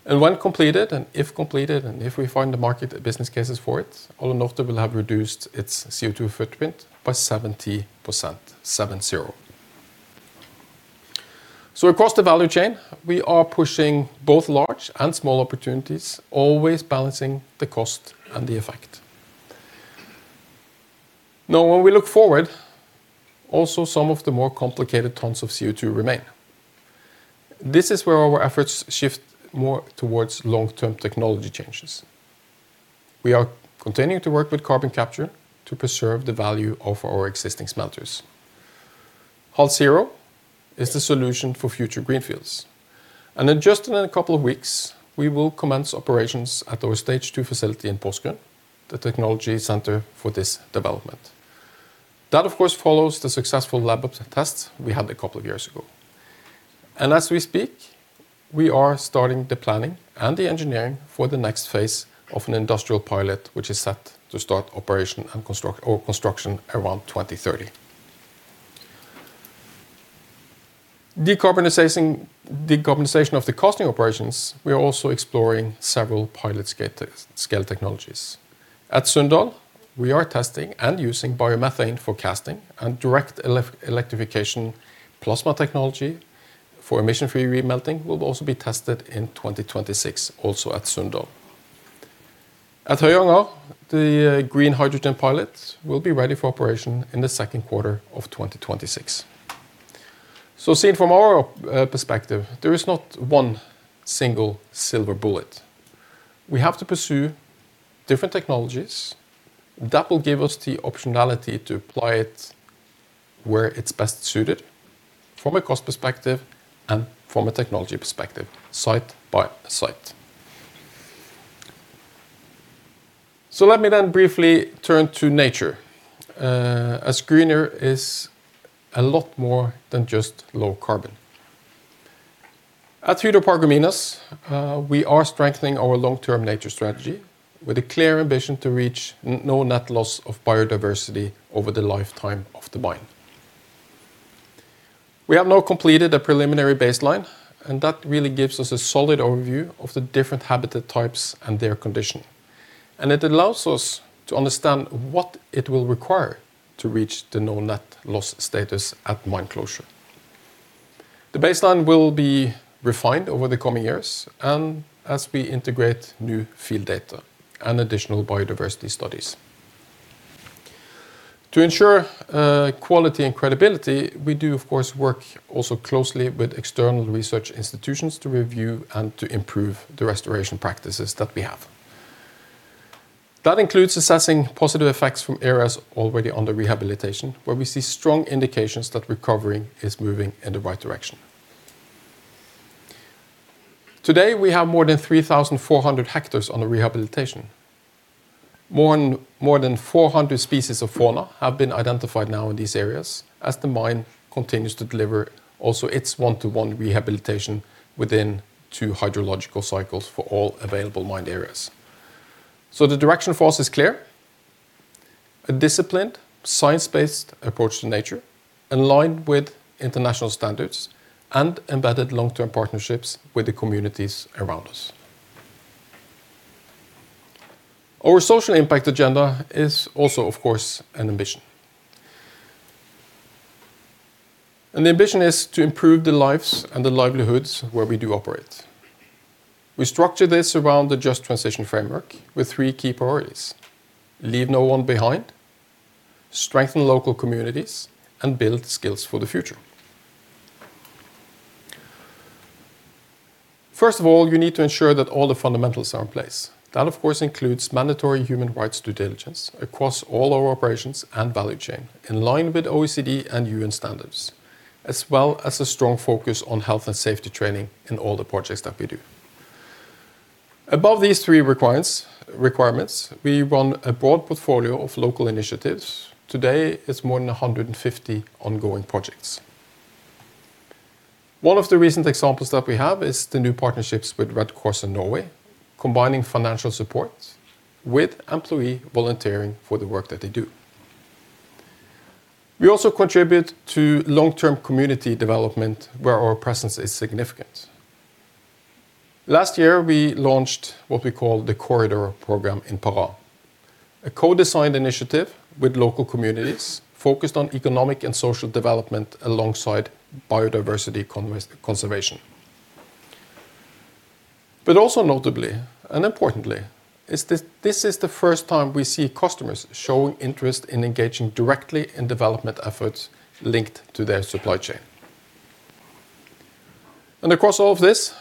[SPEAKER 3] When completed, and if completed, and if we find the market business cases for it, Alunorte will have reduced its CO2 footprint by 70%, 7-0. Across the value chain, we are pushing both large and small opportunities, always balancing the cost and the effect. Now, when we look forward, also some of the more complicated tons of CO2 remain. This is where our efforts shift more towards long-term technology changes. We are continuing to work with carbon capture to preserve the value of our existing smelters. HALUL Zero is the solution for future greenfields. In just a couple of weeks, we will commence operations at our stage 2 facility in Porsgrunn, the technology center for this development. That, of course, follows the successful lab tests we had a couple of years ago. As we speak, we are starting the planning and the engineering for the next phase of an industrial pilot, which is set to start operation and construction around 2030. Decarbonization of the casting operations, we are also exploring several pilot scale technologies. At Sunndal, we are testing and using biomethane for casting and direct electrification plasma technology for emission-free remelting will also be tested in 2026, also at Sunndal. At Høyanger, the green hydrogen pilot will be ready for operation in the second quarter of 2026. Seen from our perspective, there is not one single silver bullet. We have to pursue different technologies that will give us the optionality to apply it where it's best suited from a cost perspective and from a technology perspective, site by site. Let me then briefly turn to nature. A screener is a lot more than just low carbon. At Hydro Paragominas, we are strengthening our long-term nature strategy with a clear ambition to reach no net loss of biodiversity over the lifetime of the mine. We have now completed a preliminary baseline, and that really gives us a solid overview of the different habitat types and their condition. It allows us to understand what it will require to reach the no net loss status at mine closure. The baseline will be refined over the coming years as we integrate new field data and additional biodiversity studies. To ensure quality and credibility, we do, of course, work also closely with external research institutions to review and to improve the restoration practices that we have. That includes assessing positive effects from areas already under rehabilitation, where we see strong indications that recovery is moving in the right direction. Today, we have more than 3,400 hectares under rehabilitation. More than 400 species of fauna have been identified now in these areas as the mine continues to deliver also its one-to-one rehabilitation within two hydrological cycles for all available mined areas. The direction for us is clear: a disciplined, science-based approach to nature aligned with international standards and embedded long-term partnerships with the communities around us. Our social impact agenda is also, of course, an ambition. The ambition is to improve the lives and the livelihoods where we do operate. We structure this around the Just Transition Framework with three key priorities: leave no one behind, strengthen local communities, and build skills for the future. First of all, you need to ensure that all the fundamentals are in place. That, of course, includes mandatory human rights due diligence across all our operations and value chain in line with OECD and UN standards, as well as a strong focus on health and safety training in all the projects that we do. Above these three requirements, we run a broad portfolio of local initiatives. Today, it's more than 150 ongoing projects. One of the recent examples that we have is the new partnerships with Red Cross Norway, combining financial support with employee volunteering for the work that they do. We also contribute to long-term community development where our presence is significant. Last year, we launched what we call the Corridor Program in Pará, a co-designed initiative with local communities focused on economic and social development alongside biodiversity conservation. Also notably and importantly, this is the first time we see customers showing interest in engaging directly in development efforts linked to their supply chain. Across all of this,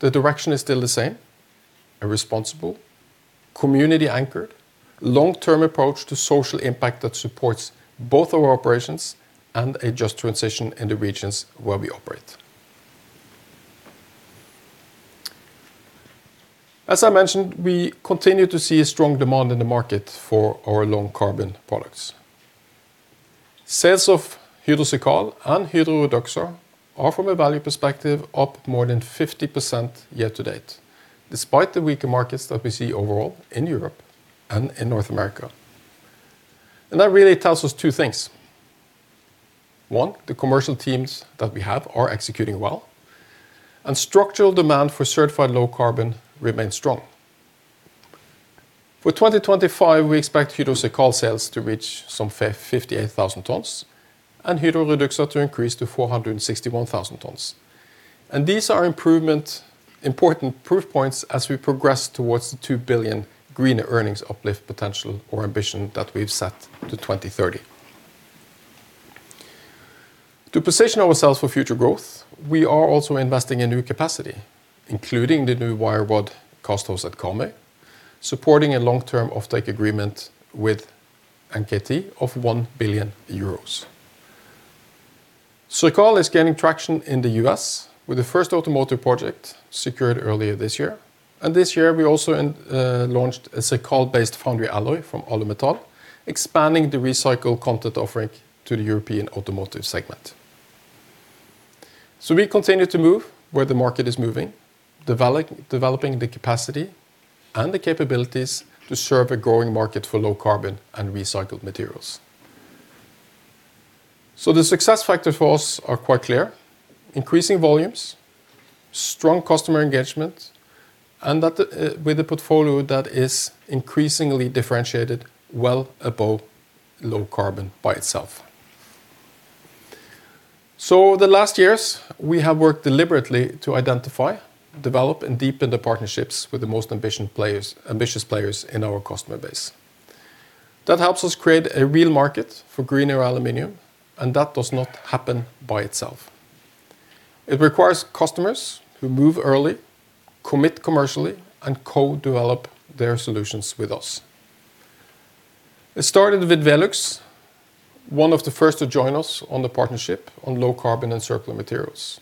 [SPEAKER 3] the direction is still the same: a responsible, community-anchored, long-term approach to social impact that supports both our operations and a just transition in the regions where we operate. As I mentioned, we continue to see a strong demand in the market for our low-carbon products. Sales of Hydro CIRCAL and Hydro REDUXA are, from a value perspective, up more than 50% year-to-date, despite the weaker markets that we see overall in Europe and in North America. That really tells us two things. One, the commercial teams that we have are executing well, and structural demand for certified low carbon remains strong. For 2025, we expect Hydro CIRCAL sales to reach some 58,000 tons and Hydro REDUXA to increase to 461,000 tons. These are important proof points as we progress towards the 2 billion green earnings uplift potential or ambition that we've set to 2030. To position ourselves for future growth, we are also investing in new capacity, including the new Wire Rod Karmøy at Karmøy, supporting a long-term offtake agreement with NKT of 1 billion euros. CIRCAL is gaining traction in the US with the first automotive project secured earlier this year. This year, we also launched a CIRCAL-based foundry alloy from Alumetal, expanding the recycle content offering to the European automotive segment. We continue to move where the market is moving, developing the capacity and the capabilities to serve a growing market for low carbon and recycled materials. The success factors for us are quite clear: increasing volumes, strong customer engagement, and with a portfolio that is increasingly differentiated well above low carbon by itself. The last years, we have worked deliberately to identify, develop, and deepen the partnerships with the most ambitious players in our customer base. That helps us create a real market for greener aluminium, and that does not happen by itself. It requires customers who move early, commit commercially, and co-develop their solutions with us. It started with Velux, one of the first to join us on the partnership on low carbon and circular materials.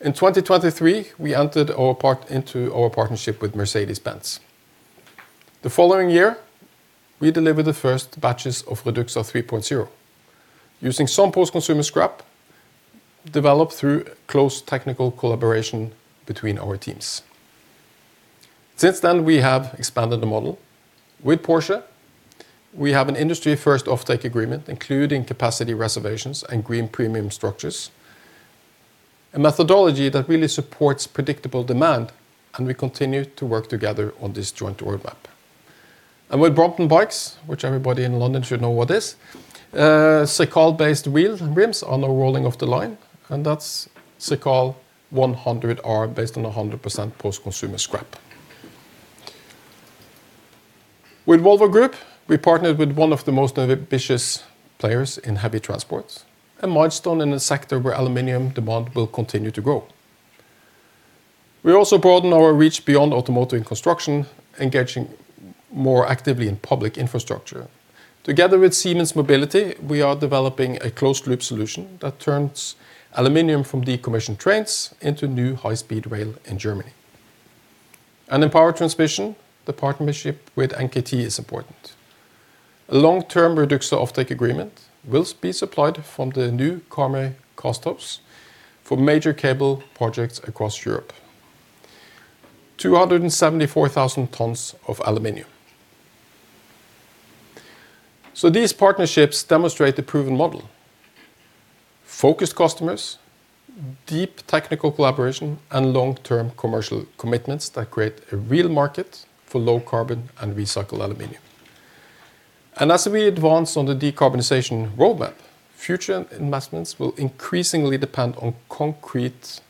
[SPEAKER 3] In 2023, we entered our part into our partnership with Mercedes-Benz. The following year, we delivered the first batches of REDUXA 3.0 using some post-consumer scrap developed through close technical collaboration between our teams. Since then, we have expanded the model. With Porsche, we have an industry-first offtake agreement, including capacity reservations and green premium structures, a methodology that really supports predictable demand, and we continue to work together on this joint roadmap. With Brompton Bikes, which everybody in London should know what it is, CIRCAL-based wheel rims are now rolling off the line, and that's CIRCAL 100R based on 100% post-consumer scrap. With Volvo Group, we partnered with one of the most ambitious players in heavy transport, a milestone in a sector where aluminium demand will continue to grow. We also broaden our reach beyond automotive and construction, engaging more actively in public infrastructure. Together with Siemens Mobility, we are developing a closed-loop solution that turns aluminium from decommissioned trains into new high-speed rail in Germany. In power transmission, the partnership with NKT is important. A long-term REDUXA offtake agreement will be supplied from the new Karmøy casthouse for major cable projects across Europe: 274,000 tons of aluminium. These partnerships demonstrate the proven model: focused customers, deep technical collaboration, and long-term commercial commitments that create a real market for low carbon and recycled aluminium. As we advance on the decarbonization roadmap, future investments will increasingly depend on concrete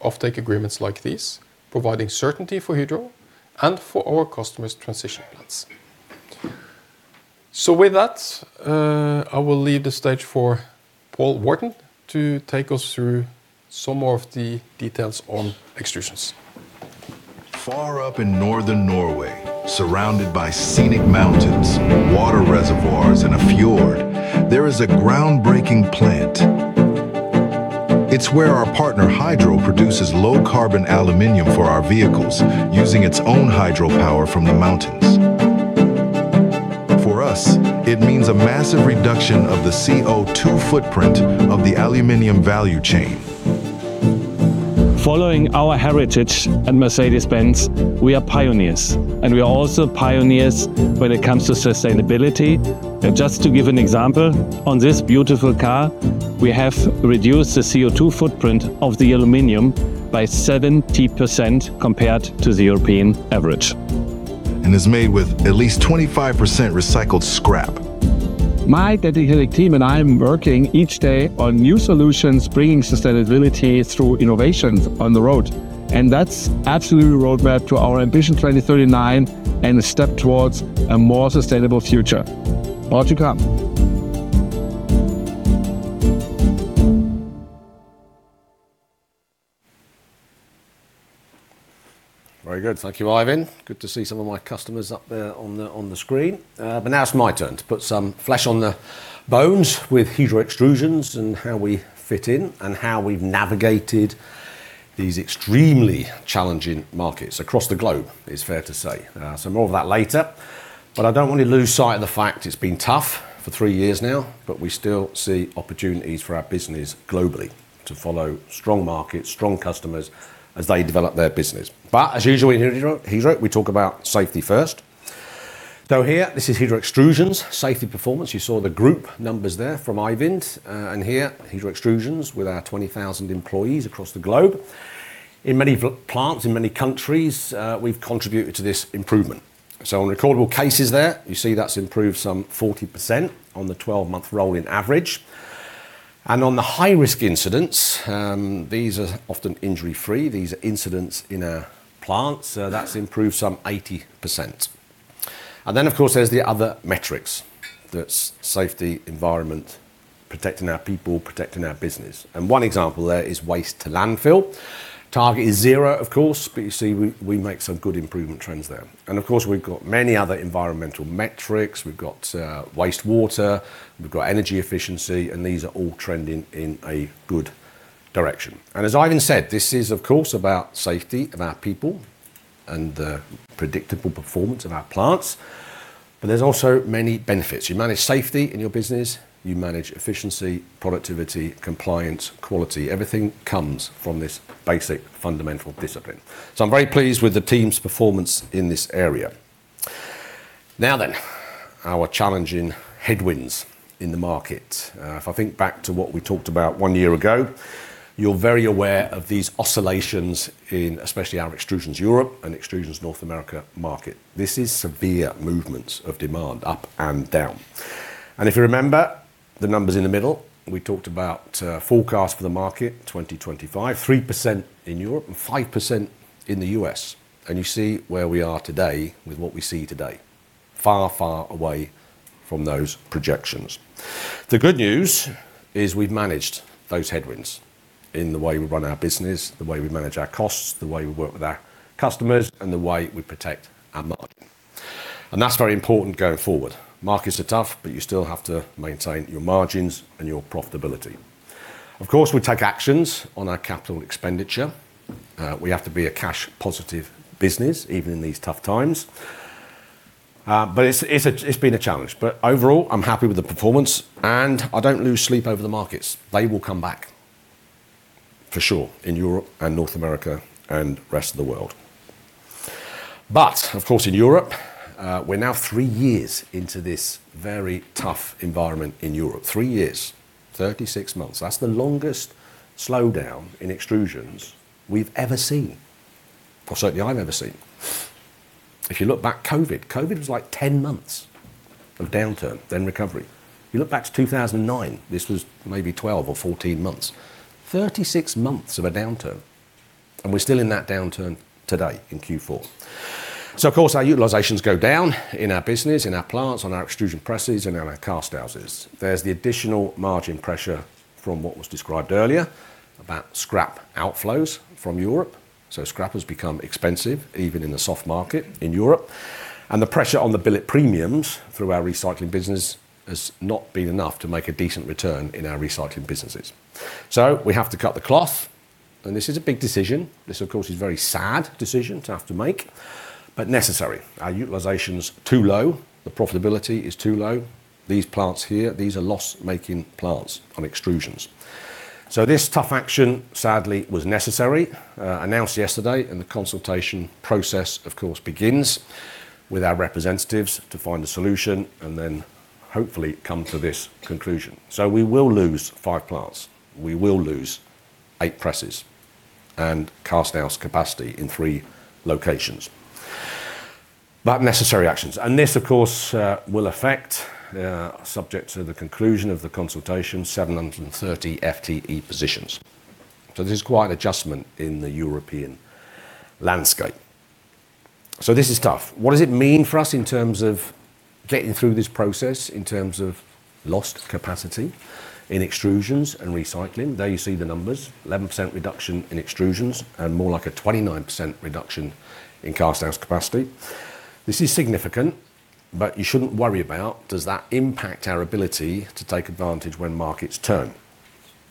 [SPEAKER 3] offtake agreements like these, providing certainty for Hydro and for our customers' transition plans. With that, I will leave the stage for Paul Warton to take us through some more of the details on extrusions. Far up in northern Norway, surrounded by scenic mountains, water reservoirs, and a fjord, there is a groundbreaking plant. It's where our partner Hydro produces low carbon aluminium for our vehicles using its own hydropower from the mountains. For us, it means a massive reduction of the CO2 footprint of the aluminium value chain.
[SPEAKER 4] Following our heritage at Mercedes-Benz, we are pioneers, and we are also pioneers when it comes to sustainability. Just to give an example, on this beautiful car, we have reduced the CO2 footprint of the aluminium by 70% compared to the European average.
[SPEAKER 3] It's made with at least 25% recycled scrap.
[SPEAKER 4] My dedicated team and I are working each day on new solutions, bringing sustainability through innovations on the road. That's absolutely a roadmap to our ambition 2039 and a step towards a more sustainable future. Hard to come. Very good.
[SPEAKER 5] Thank you, Ivan. Good to see some of my customers up there on the screen. Now it's my turn to put some flesh on the bones with Hydro Extrusions and how we fit in and how we've navigated these extremely challenging markets across the globe, it's fair to say. More of that later. I don't want to lose sight of the fact it's been tough for three years now, but we still see opportunities for our business globally to follow strong markets, strong customers as they develop their business. As usual in Hydro, we talk about safety first. Here, this is Hydro Extrusions, safety performance. You saw the group numbers there from Ivan. Here, Hydro Extrusions with our 20,000 employees across the globe. In many plants, in many countries, we've contributed to this improvement. On recordable cases there, you see that's improved some 40% on the 12-month rolling average. On the high-risk incidents, these are often injury-free. These are incidents in a plant. That's improved some 80%. Of course, there's the other metrics. That's safety, environment, protecting our people, protecting our business. One example there is waste to landfill. Target is zero, of course, but you see we make some good improvement trends there. Of course, we've got many other environmental metrics. We've got wastewater, we've got energy efficiency, and these are all trending in a good direction. As Ivan said, this is, of course, about safety of our people and the predictable performance of our plants. There's also many benefits. You manage safety in your business, you manage efficiency, productivity, compliance, quality. Everything comes from this basic fundamental discipline. I'm very pleased with the team's performance in this area. Now, our challenging headwinds in the market. If I think back to what we talked about one year ago, you're very aware of these oscillations in especially our Extrusions Europe and Extrusions North America market. This is severe movements of demand up and down. If you remember the numbers in the middle, we talked about forecast for the market 2025, 3% in Europe and 5% in the US. You see where we are today with what we see today, far, far away from those projections. The good news is we've managed those headwinds in the way we run our business, the way we manage our costs, the way we work with our customers, and the way we protect our margin. That's very important going forward. Markets are tough, but you still have to maintain your margins and your profitability. Of course, we take actions on our capital expenditure. We have to be a cash-positive business even in these tough times. It's been a challenge. Overall, I'm happy with the performance, and I don't lose sleep over the markets. They will come back for sure in Europe and North America and the rest of the world. Of course, in Europe, we're now three years into this very tough environment in Europe. Three years, 36 months. That's the longest slowdown in extrusions we've ever seen, or certainly I've ever seen. If you look back, COVID was like 10 months of downturn, then recovery. You look back to 2009, this was maybe 12 or 14 months, 36 months of a downturn. We're still in that downturn today in Q4. Of course, our utilizations go down in our business, in our plants, on our extrusion presses and on our cast houses. There is the additional margin pressure from what was described earlier about scrap outflows from Europe. Scrap has become expensive even in the soft market in Europe. The pressure on the billet premiums through our recycling business has not been enough to make a decent return in our recycling businesses. We have to cut the cloth. This is a big decision. This, of course, is a very sad decision to have to make, but necessary. Our utilization is too low. The profitability is too low. These plants here, these are loss-making plants on extrusions. This tough action, sadly, was necessary, announced yesterday, and the consultation process, of course, begins with our representatives to find a solution and then hopefully come to this conclusion. We will lose five plants. We will lose eight presses and cast house capacity in three locations. Necessary actions. This, of course, will affect, subject to the conclusion of the consultation, 730 FTE positions. This is quite an adjustment in the European landscape. This is tough. What does it mean for us in terms of getting through this process, in terms of lost capacity in extrusions and recycling? There you see the numbers: 11% reduction in extrusions and more like a 29% reduction in cast house capacity. This is significant, but you should not worry about does that impact our ability to take advantage when markets turn.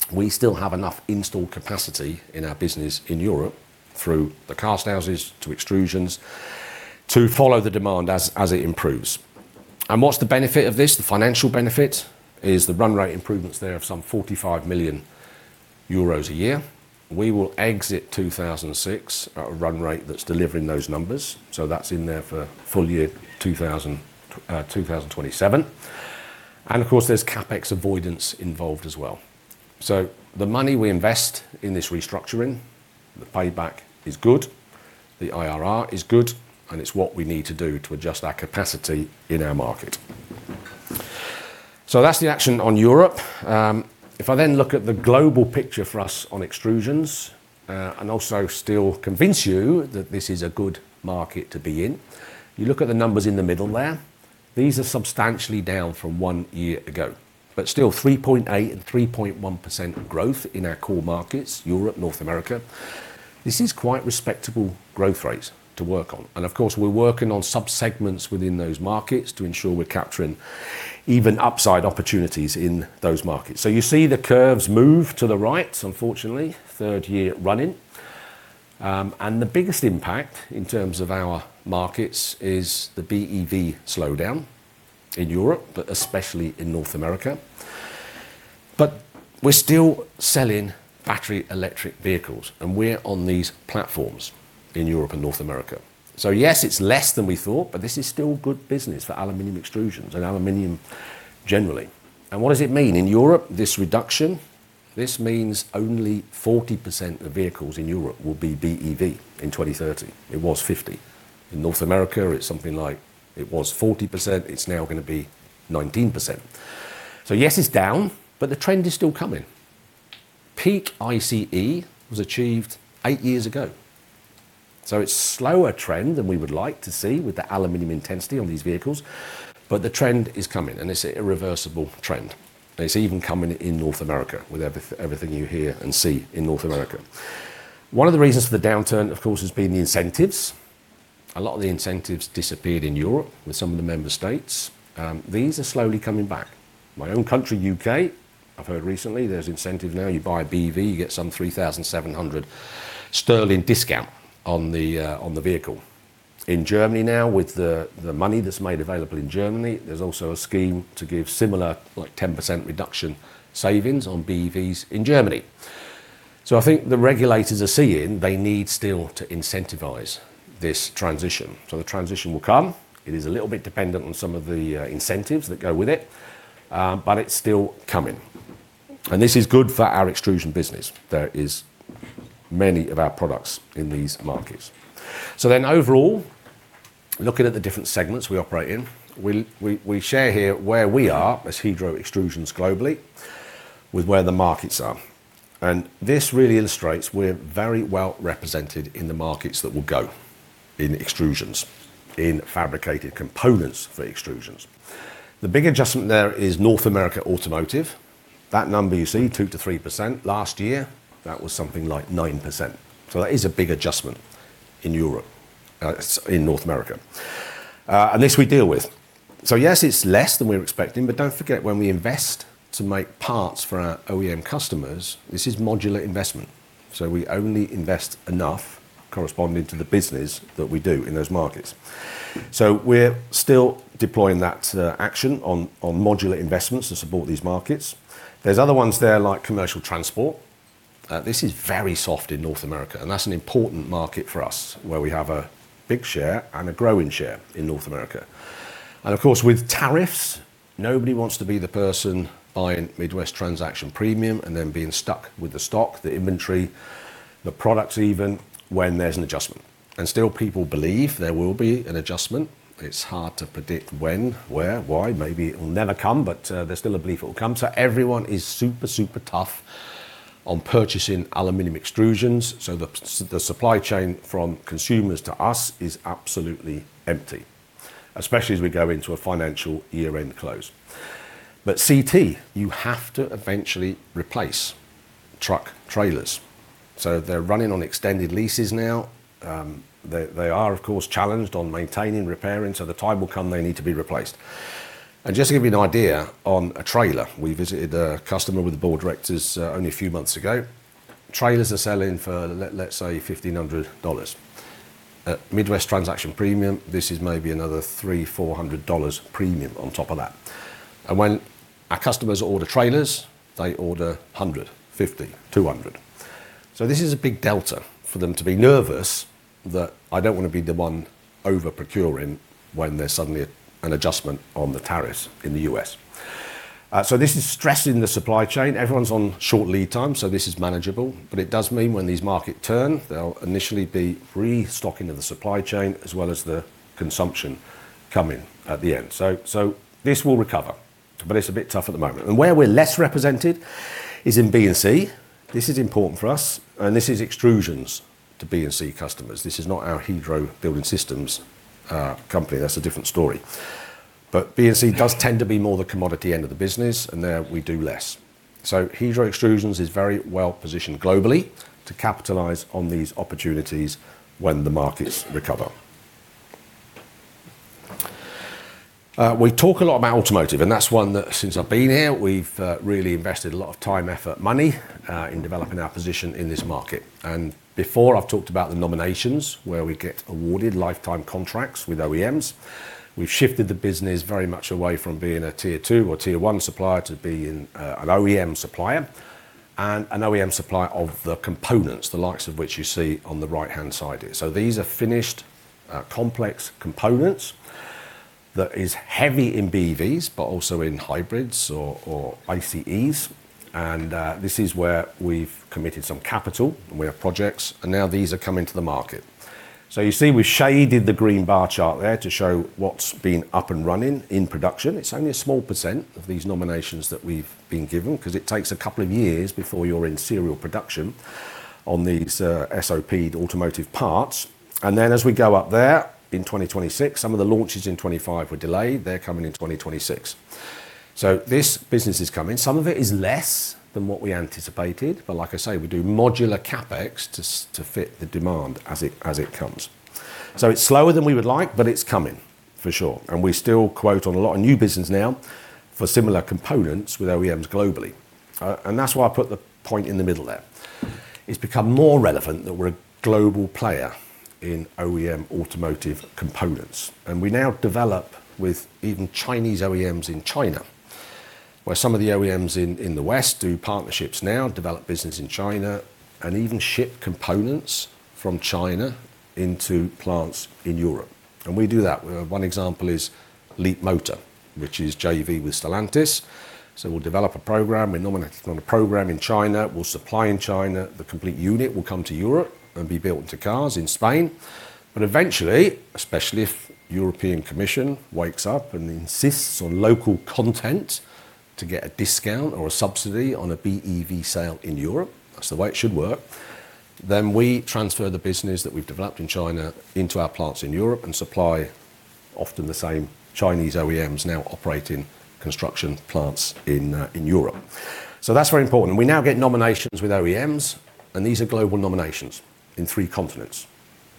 [SPEAKER 5] We still have enough installed capacity in our business in Europe through the cast houses to extrusions to follow the demand as it improves. What is the benefit of this? The financial benefit is the run rate improvements there of some 45 million euros a year. We will exit 2006 at a run rate that's delivering those numbers. That is in there for full year 2027. Of course, there's CapEx avoidance involved as well. The money we invest in this restructuring, the payback is good, the IRR is good, and it's what we need to do to adjust our capacity in our market. That is the action on Europe. If I then look at the global picture for us on extrusions and also still convince you that this is a good market to be in, you look at the numbers in the middle there. These are substantially down from one year ago, but still 3.8% and 3.1% growth in our core markets, Europe, North America. This is quite respectable growth rates to work on. Of course, we're working on subsegments within those markets to ensure we're capturing even upside opportunities in those markets. You see the curves move to the right, unfortunately, third year running. The biggest impact in terms of our markets is the BEV slowdown in Europe, but especially in North America. We're still selling battery electric vehicles, and we're on these platforms in Europe and North America. Yes, it's less than we thought, but this is still good business for aluminium extrusions and aluminium generally. What does it mean in Europe? This reduction means only 40% of vehicles in Europe will be BEV in 2030. It was 50%. In North America, it's something like it was 40%. It's now going to be 19%. Yes, it's down, but the trend is still coming. Peak ICE was achieved eight years ago. It's a slower trend than we would like to see with the aluminium intensity on these vehicles, but the trend is coming, and it's an irreversible trend. It's even coming in North America with everything you hear and see in North America. One of the reasons for the downturn, of course, has been the incentives. A lot of the incentives disappeared in Europe with some of the member states. These are slowly coming back. My own country, U.K., I've heard recently there's incentives now. You buy a BEV, you get some 3,700 sterling discount on the vehicle. In Germany now, with the money that's made available in Germany, there's also a scheme to give similar like 10% reduction savings on BEVs in Germany. I think the regulators are seeing they need still to incentivize this transition. The transition will come. It is a little bit dependent on some of the incentives that go with it, but it's still coming. This is good for our extrusion business. There are many of our products in these markets. Overall, looking at the different segments we operate in, we share here where we are as Hydro Extrusions globally with where the markets are. This really illustrates we are very well represented in the markets that will go in extrusions, in fabricated components for extrusions. The big adjustment there is North America automotive. That number you see, 2%-3% last year, that was something like 9%. That is a big adjustment in Europe, in North America. This we deal with. Yes, it's less than we were expecting, but do not forget when we invest to make parts for our OEM customers, this is modular investment. We only invest enough corresponding to the business that we do in those markets. We are still deploying that action on modular investments to support these markets. There are other ones there like commercial transport. This is very soft in North America, and that is an important market for us where we have a big share and a growing share in North America. Of course, with tariffs, nobody wants to be the person buying Midwest transaction premium and then being stuck with the stock, the inventory, the products even when there is an adjustment. Still, people believe there will be an adjustment. It is hard to predict when, where, why. Maybe it will never come, but there is still a belief it will come. Everyone is super, super tough on purchasing aluminium extrusions. The supply chain from consumers to us is absolutely empty, especially as we go into a financial year-end close. CT, you have to eventually replace truck trailers. They are running on extended leases now. They are, of course, challenged on maintaining, repairing. The time will come they need to be replaced. Just to give you an idea on a trailer, we visited a customer with the board of directors only a few months ago. Trailers are selling for, let's say, $1,500. At Midwest transaction premium, this is maybe another $300-$400 premium on top of that. When our customers order trailers, they order 100, 50, 200. This is a big delta for them to be nervous that I do not want to be the one over-procuring when there is suddenly an adjustment on the tariffs in the U.S. This is stressing the supply chain. Everyone's on short lead time, so this is manageable. It does mean when these markets turn, there will initially be restocking of the supply chain as well as the consumption coming at the end. This will recover, but it's a bit tough at the moment. Where we're less represented is in B and C. This is important for us, and this is extrusions to B and C customers. This is not our Hydro Building Systems company. That's a different story. B and C does tend to be more the commodity end of the business, and there we do less. Hydro Extrusions is very well positioned globally to capitalize on these opportunities when the markets recover. We talk a lot about automotive, and that's one that since I've been here, we've really invested a lot of time, effort, money in developing our position in this market. Previously, I have talked about the nominations where we get awarded lifetime contracts with OEMs. We have shifted the business very much away from being a tier two or tier one supplier to being an OEM supplier and an OEM supplier of the components, the likes of which you see on the right-hand side here. These are finished complex components that are heavy in BEVs, but also in hybrids or ICEs. This is where we have committed some capital and we have projects, and now these are coming to the market. You see we have shaded the green bar chart there to show what has been up and running in production. It is only a small percentage of these nominations that we have been given because it takes a couple of years before you are in serial production on these SOP automotive parts. As we go up there in 2026, some of the launches in 2025 were delayed. They are coming in 2026. This business is coming. Some of it is less than what we anticipated, but like I say, we do modular CapEx to fit the demand as it comes. It is slower than we would like, but it is coming for sure. We still quote on a lot of new business now for similar components with OEMs globally. That is why I put the point in the middle there. It has become more relevant that we are a global player in OEM automotive components. We now develop with even Chinese OEMs in China, where some of the OEMs in the West do partnerships now, develop business in China, and even ship components from China into plants in Europe. We do that. One example is Leapmotor, which is JV with Stellantis. We will develop a program. We are nominating on a program in China. We will supply in China. The complete unit will come to Europe and be built into cars in Spain. Eventually, especially if the European Commission wakes up and insists on local content to get a discount or a subsidy on a BEV sale in Europe, that is the way it should work. We transfer the business that we have developed in China into our plants in Europe and supply often the same Chinese OEMs now operating construction plants in Europe. That is very important. We now get nominations with OEMs, and these are global nominations in three continents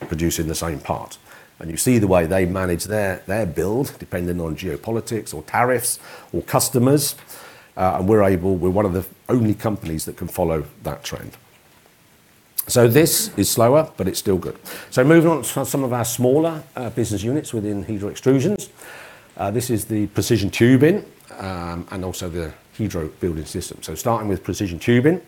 [SPEAKER 5] producing the same part. You see the way they manage their build depending on geopolitics or tariffs or customers. We're able, we're one of the only companies that can follow that trend. This is slower, but it's still good. Moving on to some of our smaller business units within Hydro Extrusions. This is the precision tubing and also the Hydro Building System. Starting with precision tubing,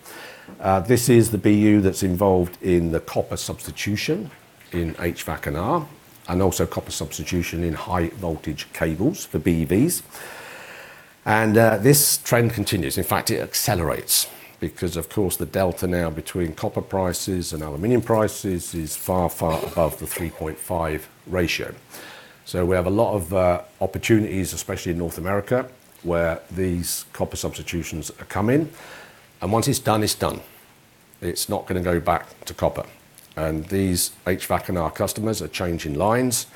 [SPEAKER 5] this is the BU that's involved in the copper substitution in HVAC&R, and also copper substitution in high voltage cables for BEVs. This trend continues. In fact, it accelerates because, of course, the delta now between copper prices and aluminium prices is far, far above the 3.5 ratio. We have a lot of opportunities, especially in North America, where these copper substitutions are coming. Once it's done, it's done. It's not going to go back to copper. These HVAC&R customers are changing lines.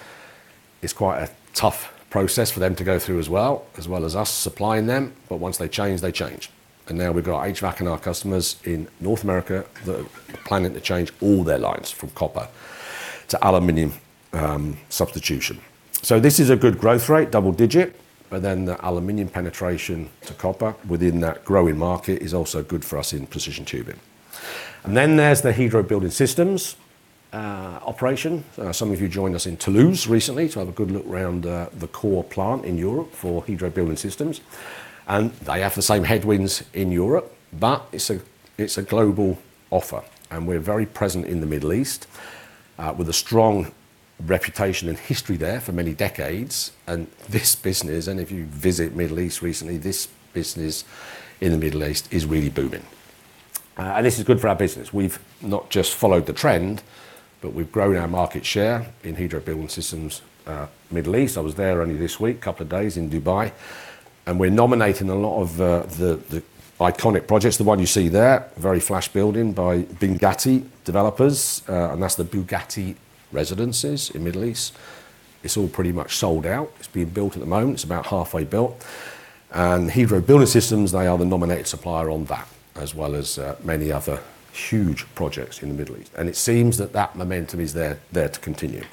[SPEAKER 5] It's quite a tough process for them to go through as well, as well as us supplying them. Once they change, they change. Now we've got HVAC&R customers in North America that are planning to change all their lines from copper to aluminium substitution. This is a good growth rate, double digit, but then the aluminium penetration to copper within that growing market is also good for us in precision tubing. There is the Hydro Building Systems operation. Some of you joined us in Toulouse recently to have a good look around the core plant in Europe for Hydro Building Systems. They have the same headwinds in Europe, but it's a global offer. We're very present in the Middle East with a strong reputation and history there for many decades. This business, and if you visit the Middle East recently, this business in the Middle East is really booming. This is good for our business. We've not just followed the trend, but we've grown our market share in Hydro Building Systems Middle East. I was there only this week, a couple of days in Dubai. We're nominating a lot of the iconic projects, the one you see there, very flash building by Binghatti Developers. That's the Bugatti Residences in the Middle East. It's all pretty much sold out. It's being built at the moment. It's about halfway built. Hydro Building Systems, they are the nominated supplier on that, as well as many other huge projects in the Middle East. It seems that that momentum is there to continue.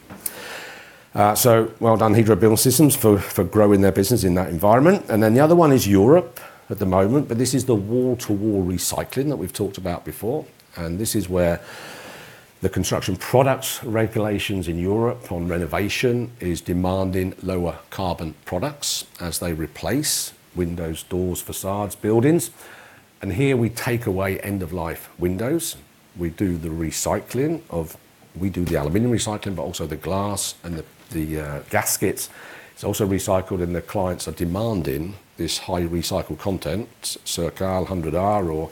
[SPEAKER 5] Well done, Hydro Building Systems, for growing their business in that environment. The other one is Europe at the moment, but this is the wall-to-wall recycling that we've talked about before. This is where the construction products regulations in Europe on renovation are demanding lower carbon products as they replace windows, doors, facades, buildings. Here we take away end-of-life windows. We do the recycling of, we do the aluminium recycling, but also the glass and the gaskets. It's also recycled, and the clients are demanding this high-recycled content, CIRCAL 100R or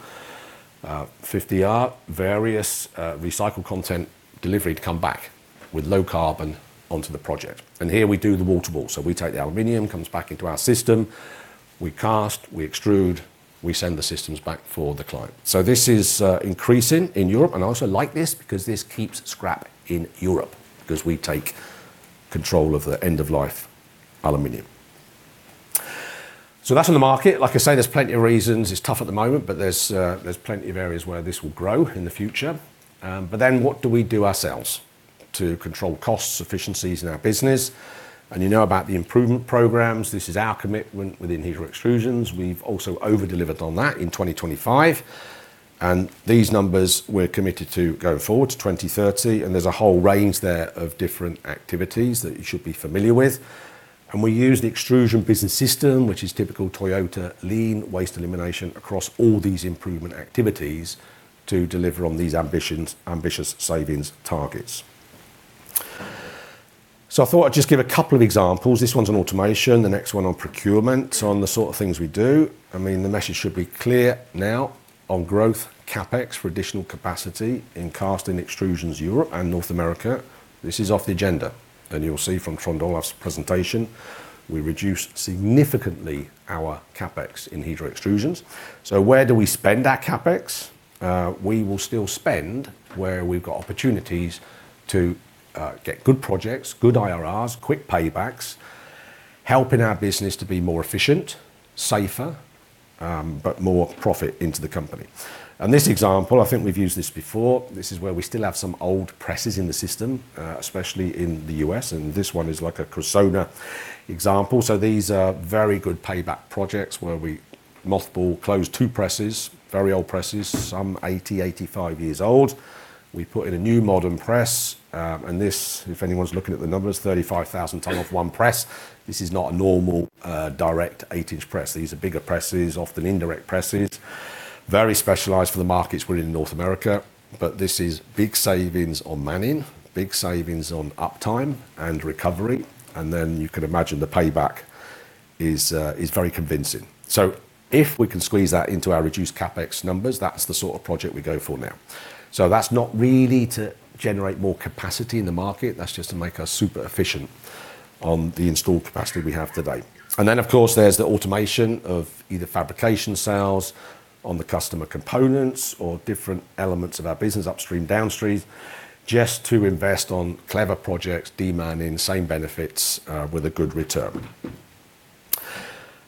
[SPEAKER 5] 50R, various recycled content delivery to come back with low carbon onto the project. Here we do the wall-to-wall. We take the aluminium, comes back into our system. We cast, we extrude, we send the systems back for the client. This is increasing in Europe. I also like this because this keeps scrap in Europe because we take control of the end-of-life aluminium. That is in the market. Like I say, there are plenty of reasons. It is tough at the moment, but there are plenty of areas where this will grow in the future. What do we do ourselves to control costs, efficiencies in our business? You know about the improvement programs. This is our commitment within Hydro Extrusions. We have also over-delivered on that in 2025. These numbers we are committed to going forward to 2030. There is a whole range there of different activities that you should be familiar with. We use the extrusion business system, which is typical Toyota lean waste elimination across all these improvement activities to deliver on these ambitious savings targets. I thought I would just give a couple of examples. This one is on automation. The next one on procurement, on the sort of things we do. I mean, the message should be clear now on growth CapEx for additional capacity in casting extrusions Europe and North America. This is off the agenda. You will see from Trondal's presentation, we reduce significantly our CapEx in Hydro Extrusions. Where do we spend our CapEx? We will still spend where we have opportunities to get good projects, good IRRs, quick paybacks, helping our business to be more efficient, safer, but more profit into the company. This example, I think we have used this before. This is where we still have some old presses in the system, especially in the US. This one is like a (audio distortion) example. These are very good payback projects where we multiple closed two presses, very old presses, some 80, 85 years old. We put in a new modern press. If anyone's looking at the numbers, 35,000 tonne of one press. This is not a normal direct eight-inch press. These are bigger presses, often indirect presses, very specialized for the markets we're in North America. This is big savings on manning, big savings on uptime and recovery. You can imagine the payback is very convincing. If we can squeeze that into our reduced CapEx numbers, that's the sort of project we go for now. That's not really to generate more capacity in the market. That's just to make us super efficient on the installed capacity we have today. Of course, there's the automation of either fabrication cells on the customer components or different elements of our business upstream, downstream, just to invest on clever projects, demanding the same benefits with a good return.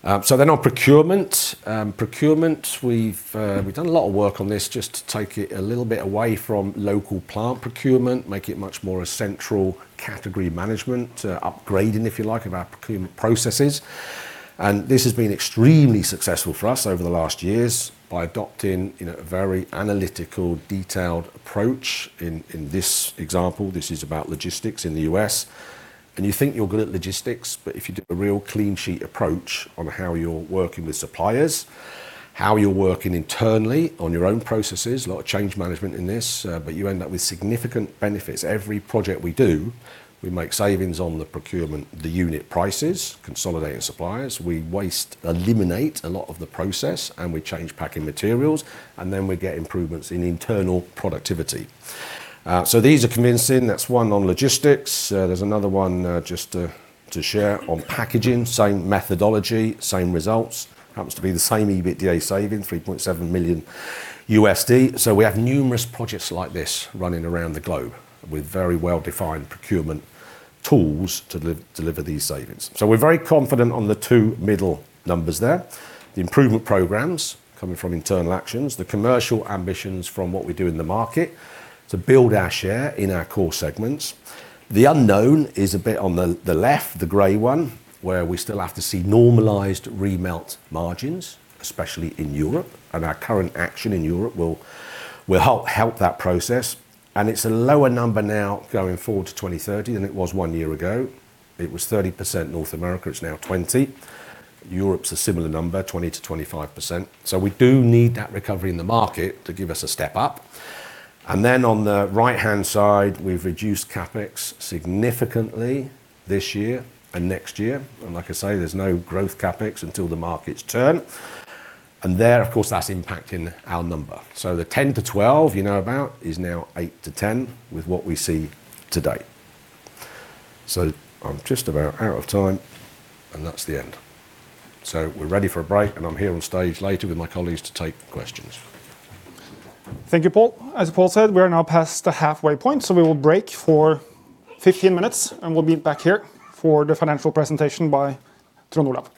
[SPEAKER 5] On procurement, procurement, we've done a lot of work on this just to take it a little bit away from local plant procurement, make it much more a central category management, upgrading, if you like, of our procurement processes. This has been extremely successful for us over the last years by adopting a very analytical, detailed approach. In this example, this is about logistics in the U.S. You think you're good at logistics, but if you do a real clean sheet approach on how you're working with suppliers, how you're working internally on your own processes, a lot of change management in this, but you end up with significant benefits. Every project we do, we make savings on the procurement, the unit prices, consolidating suppliers. We waste, eliminate a lot of the process, and we change packing materials, and then we get improvements in internal productivity. These are convincing. That is one on logistics. There is another one just to share on packaging, same methodology, same results. Happens to be the same EBITDA saving, $3.7 million. We have numerous projects like this running around the globe with very well-defined procurement tools to deliver these savings. We are very confident on the two middle numbers there. The improvement programs coming from internal actions, the commercial ambitions from what we do in the market to build our share in our core segments. The unknown is a bit on the left, the gray one, where we still have to see normalized remount margins, especially in Europe. Our current action in Europe will help that process. It is a lower number now going forward to 2030 than it was one year ago. It was 30% North America. It is now 20%. Europe is a similar number, 20%-25%. We do need that recovery in the market to give us a step up. On the right-hand side, we have reduced CapEx significantly this year and next year. Like I say, there is no growth CapEx until the markets turn. That, of course, is impacting our number. The 10-12 you know about is now 8-10 with what we see today. I am just about out of time, and that is the end. We are ready for a break, and I am here on stage later with my colleagues to take questions. Thank you, Paul. As Paul said, we are now past the halfway point, so we will break for 15 minutes, and we will be back here for the financial presentation by Trond Olav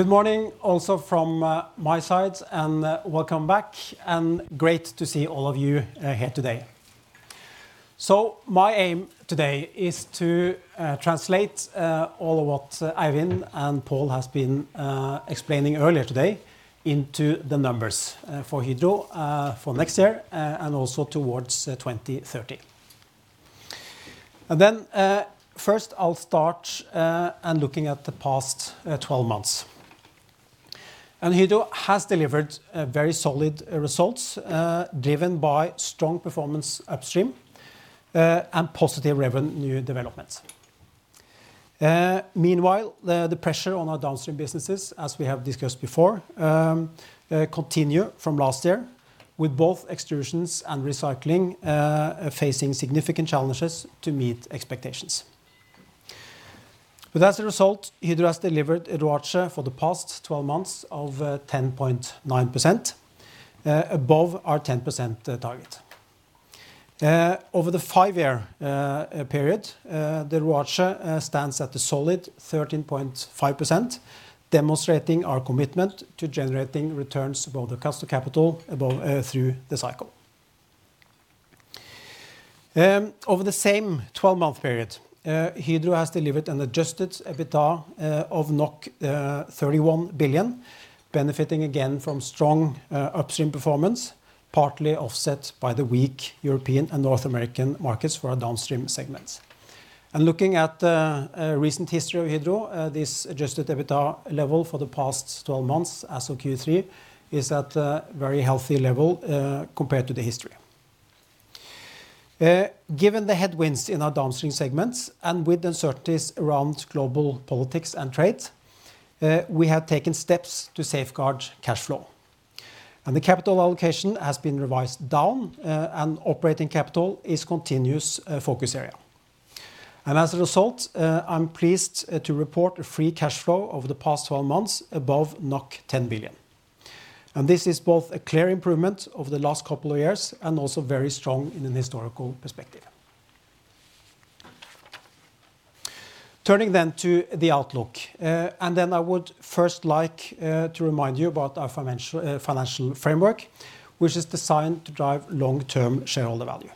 [SPEAKER 5] Christophersen.
[SPEAKER 6] Good morning also from my side, and welcome back. Great to see all of you here today. My aim today is to translate all of what Eivind and Paul have been explaining earlier today into the numbers for Hydro for next year and also towards 2030. First, I'll start by looking at the past 12 months. Hydro has delivered very solid results, driven by strong performance upstream and positive revenue developments. Meanwhile, the pressure on our downstream businesses, as we have discussed before, continues from last year, with both extrusions and recycling facing significant challenges to meet expectations. As a result, Hydro has delivered a ROAC for the past 12 months of 10.9%, above our 10% target. Over the five-year period, the ROAC stands at a solid 13.5%, demonstrating our commitment to generating returns above the cost of capital through the cycle. Over the same 12-month period, Hydro has delivered an adjusted EBITDA of 31 billion, benefiting again from strong upstream performance, partly offset by the weak European and North American markets for our downstream segments. Looking at the recent history of Hydro, this adjusted EBITDA level for the past 12 months, as of Q3, is at a very healthy level compared to the history. Given the headwinds in our downstream segments and with uncertainties around global politics and trade, we have taken steps to safeguard cash flow. The capital allocation has been revised down, and operating capital is a continuous focus area. As a result, I'm pleased to report a free cash flow over the past 12 months above 10 billion. This is both a clear improvement over the last couple of years and also very strong in a historical perspective. Turning then to the outlook, I would first like to remind you about our financial framework, which is designed to drive long-term shareholder value.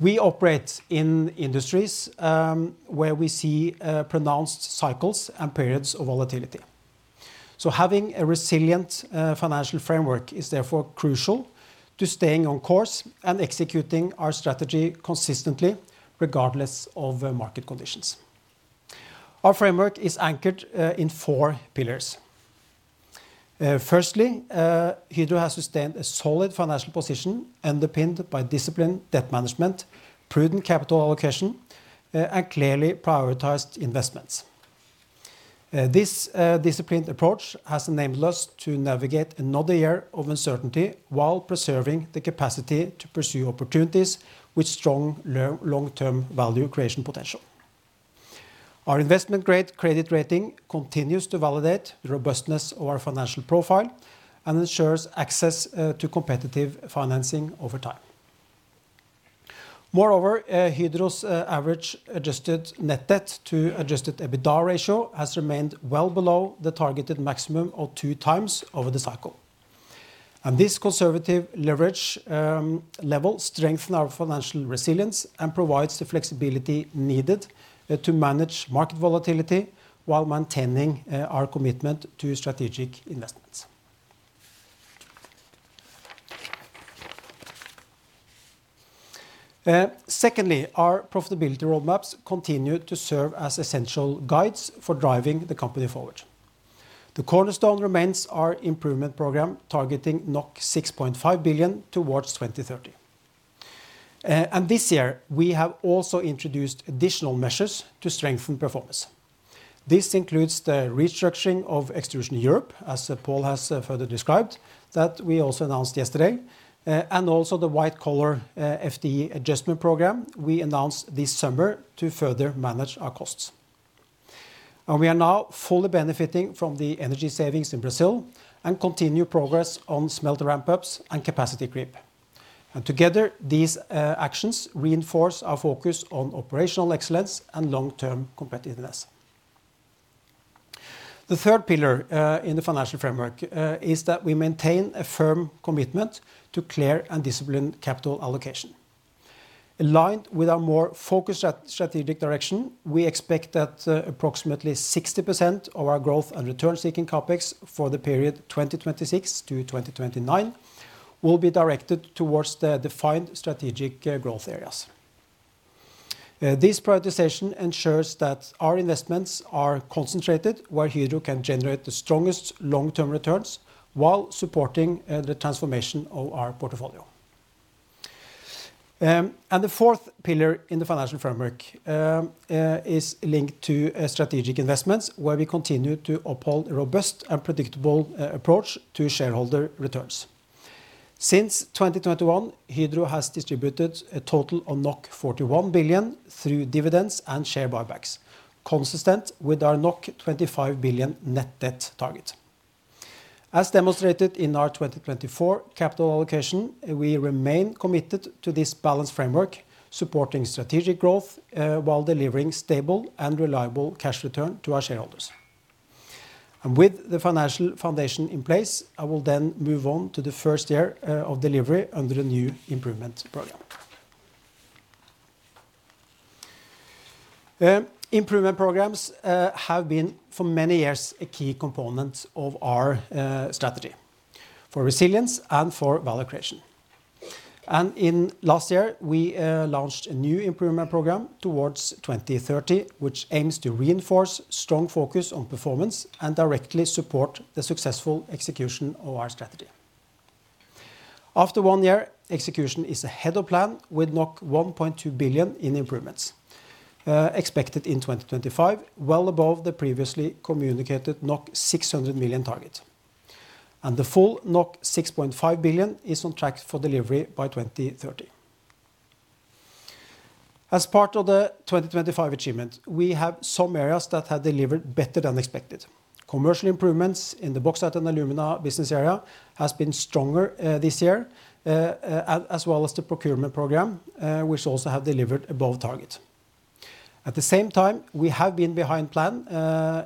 [SPEAKER 6] We operate in industries where we see pronounced cycles and periods of volatility. Having a resilient financial framework is therefore crucial to staying on course and executing our strategy consistently, regardless of market conditions. Our framework is anchored in four pillars. Firstly, Hydro has sustained a solid financial position underpinned by disciplined debt management, prudent capital allocation, and clearly prioritized investments. This disciplined approach has enabled us to navigate another year of uncertainty while preserving the capacity to pursue opportunities with strong long-term value creation potential. Our investment-grade credit rating continues to validate the robustness of our financial profile and ensures access to competitive financing over time. Moreover, Hydro's average adjusted net debt to adjusted EBITDA ratio has remained well below the targeted maximum of 2x over the cycle. This conservative leverage level strengthens our financial resilience and provides the flexibility needed to manage market volatility while maintaining our commitment to strategic investments. Secondly, our profitability roadmaps continue to serve as essential guides for driving the company forward. The cornerstone remains our improvement program targeting 6.5 billion towards 2030. This year, we have also introduced additional measures to strengthen performance. This includes the restructuring of Extrusion Europe, as Paul has further described, that we also announced yesterday, and also the white-collar FTE adjustment program we announced this summer to further manage our costs. We are now fully benefiting from the energy savings in Brazil and continue progress on smelter ramp-ups and capacity creep. Together, these actions reinforce our focus on operational excellence and long-term competitiveness. The third pillar in the financial framework is that we maintain a firm commitment to clear and disciplined capital allocation. Aligned with our more focused strategic direction, we expect that approximately 60% of our growth and return-seeking CapEx for the period 2026 to 2029 will be directed towards the defined strategic growth areas. This prioritization ensures that our investments are concentrated where Hydro can generate the strongest long-term returns while supporting the transformation of our portfolio. The fourth pillar in the financial framework is linked to strategic investments, where we continue to uphold a robust and predictable approach to shareholder returns. Since 2021, Hydro has distributed a total of 41 billion through dividends and share buybacks, consistent with our 25 billion net debt target. As demonstrated in our 2024 capital allocation, we remain committed to this balanced framework, supporting strategic growth while delivering stable and reliable cash return to our shareholders. With the financial foundation in place, I will then move on to the first year of delivery under the new improvement program. Improvement programs have been, for many years, a key component of our strategy for resilience and for value creation. In last year, we launched a new improvement program towards 2030, which aims to reinforce strong focus on performance and directly support the successful execution of our strategy. After one year, execution is ahead of plan with 1.2 billion in improvements expected in 2025, well above the previously communicated 600 million target. The full 6.5 billion is on track for delivery by 2030. As part of the 2025 achievement, we have some areas that have delivered better than expected. Commercial improvements in the bauxite and alumina business area have been stronger this year, as well as the procurement program, which also has delivered above target. At the same time, we have been behind plan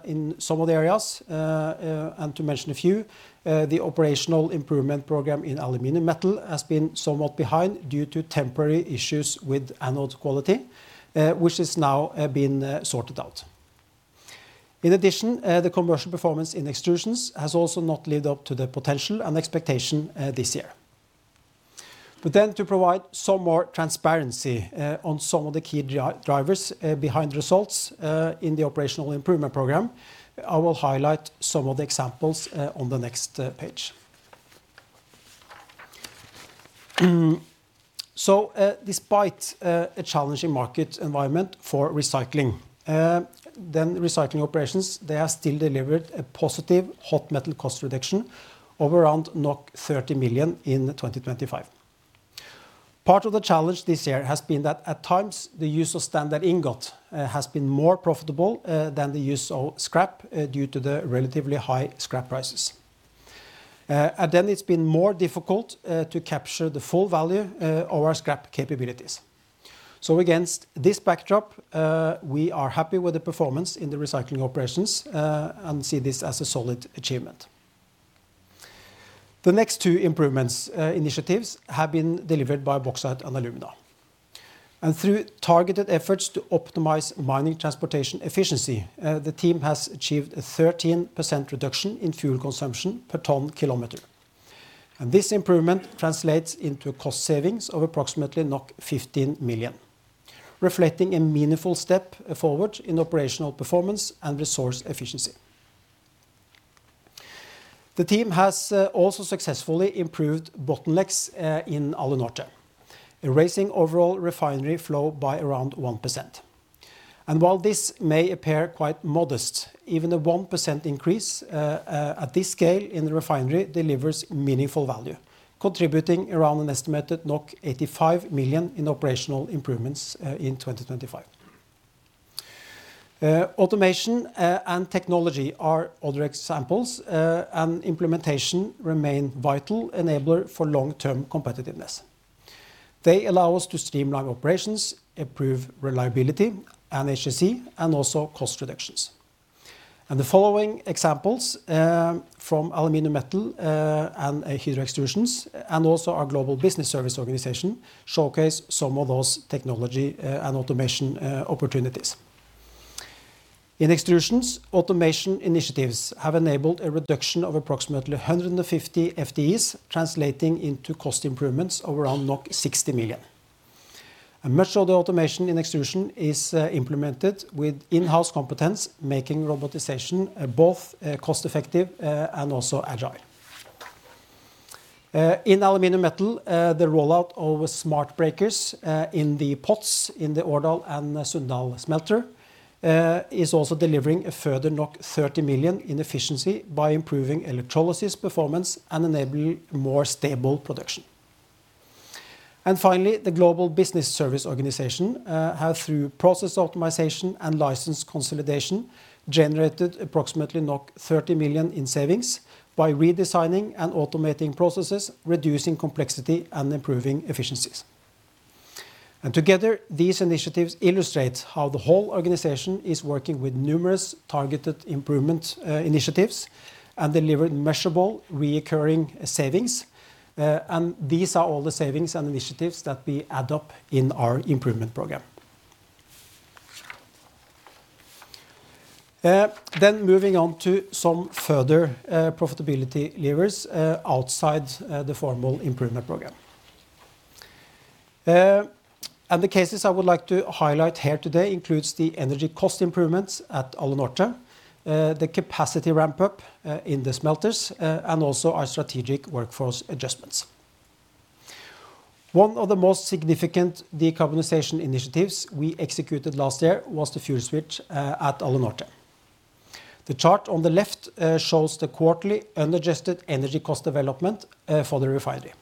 [SPEAKER 6] in some of the areas, and to mention a few, the operational improvement program in aluminium metal has been somewhat behind due to temporary issues with anode quality, which has now been sorted out. In addition, the commercial performance in extrusions has also not lived up to the potential and expectation this year. To provide some more transparency on some of the key drivers behind the results in the operational improvement program, I will highlight some of the examples on the next page. Despite a challenging market environment for recycling, recycling operations have still delivered a positive hot metal cost reduction of around 30 million in 2025. Part of the challenge this year has been that at times, the use of standard ingot has been more profitable than the use of scrap due to the relatively high scrap prices. It has been more difficult to capture the full value of our scrap capabilities. Against this backdrop, we are happy with the performance in the recycling operations and see this as a solid achievement. The next two improvement initiatives have been delivered by bauxite and alumina. Through targeted efforts to optimize mining transportation efficiency, the team has achieved a 13% reduction in fuel consumption per ton kilometer. This improvement translates into cost savings of approximately 15 million, reflecting a meaningful step forward in operational performance and resource efficiency. The team has also successfully improved bottlenecks in Alunorte, increasing overall refinery flow by around 1%. While this may appear quite modest, even a 1% increase at this scale in the refinery delivers meaningful value, contributing around an estimated 85 million in operational improvements in 2025. Automation and technology are other examples, and implementation remains a vital enabler for long-term competitiveness. They allow us to streamline operations, improve reliability and efficiency, and also cost reductions. The following examples from aluminium metal and Hydro Extrusions, and also our Global Business Service Organization, showcase some of those technology and automation opportunities. In Extrusions, automation initiatives have enabled a reduction of approximately 150 FTEs, translating into cost improvements of around 60 million. Much of the automation in Extrusion is implemented with in-house competence, making robotisation both cost-effective and also agile. In aluminum metal, the rollout of smart breakers in the pots in the Odal and Sunndal smelter is also delivering a further 30 million in efficiency by improving electrolysis performance and enabling more stable production. Finally, the Global Business Service Organization has, through process optimisation and license consolidation, generated approximately 30 million in savings by redesigning and automating processes, reducing complexity and improving efficiencies. Together, these initiatives illustrate how the whole organisation is working with numerous targeted improvement initiatives and delivering measurable reoccurring savings. These are all the savings and initiatives that we add up in our improvement program. Moving on to some further profitability levers outside the formal improvement program. The cases I would like to highlight here today include the energy cost improvements at Alunorte, the capacity ramp-up in the smelters, and also our strategic workforce adjustments. One of the most significant decarbonization initiatives we executed last year was the fuel switch at Alunorte. The chart on the left shows the quarterly unadjusted energy cost development for the refinery.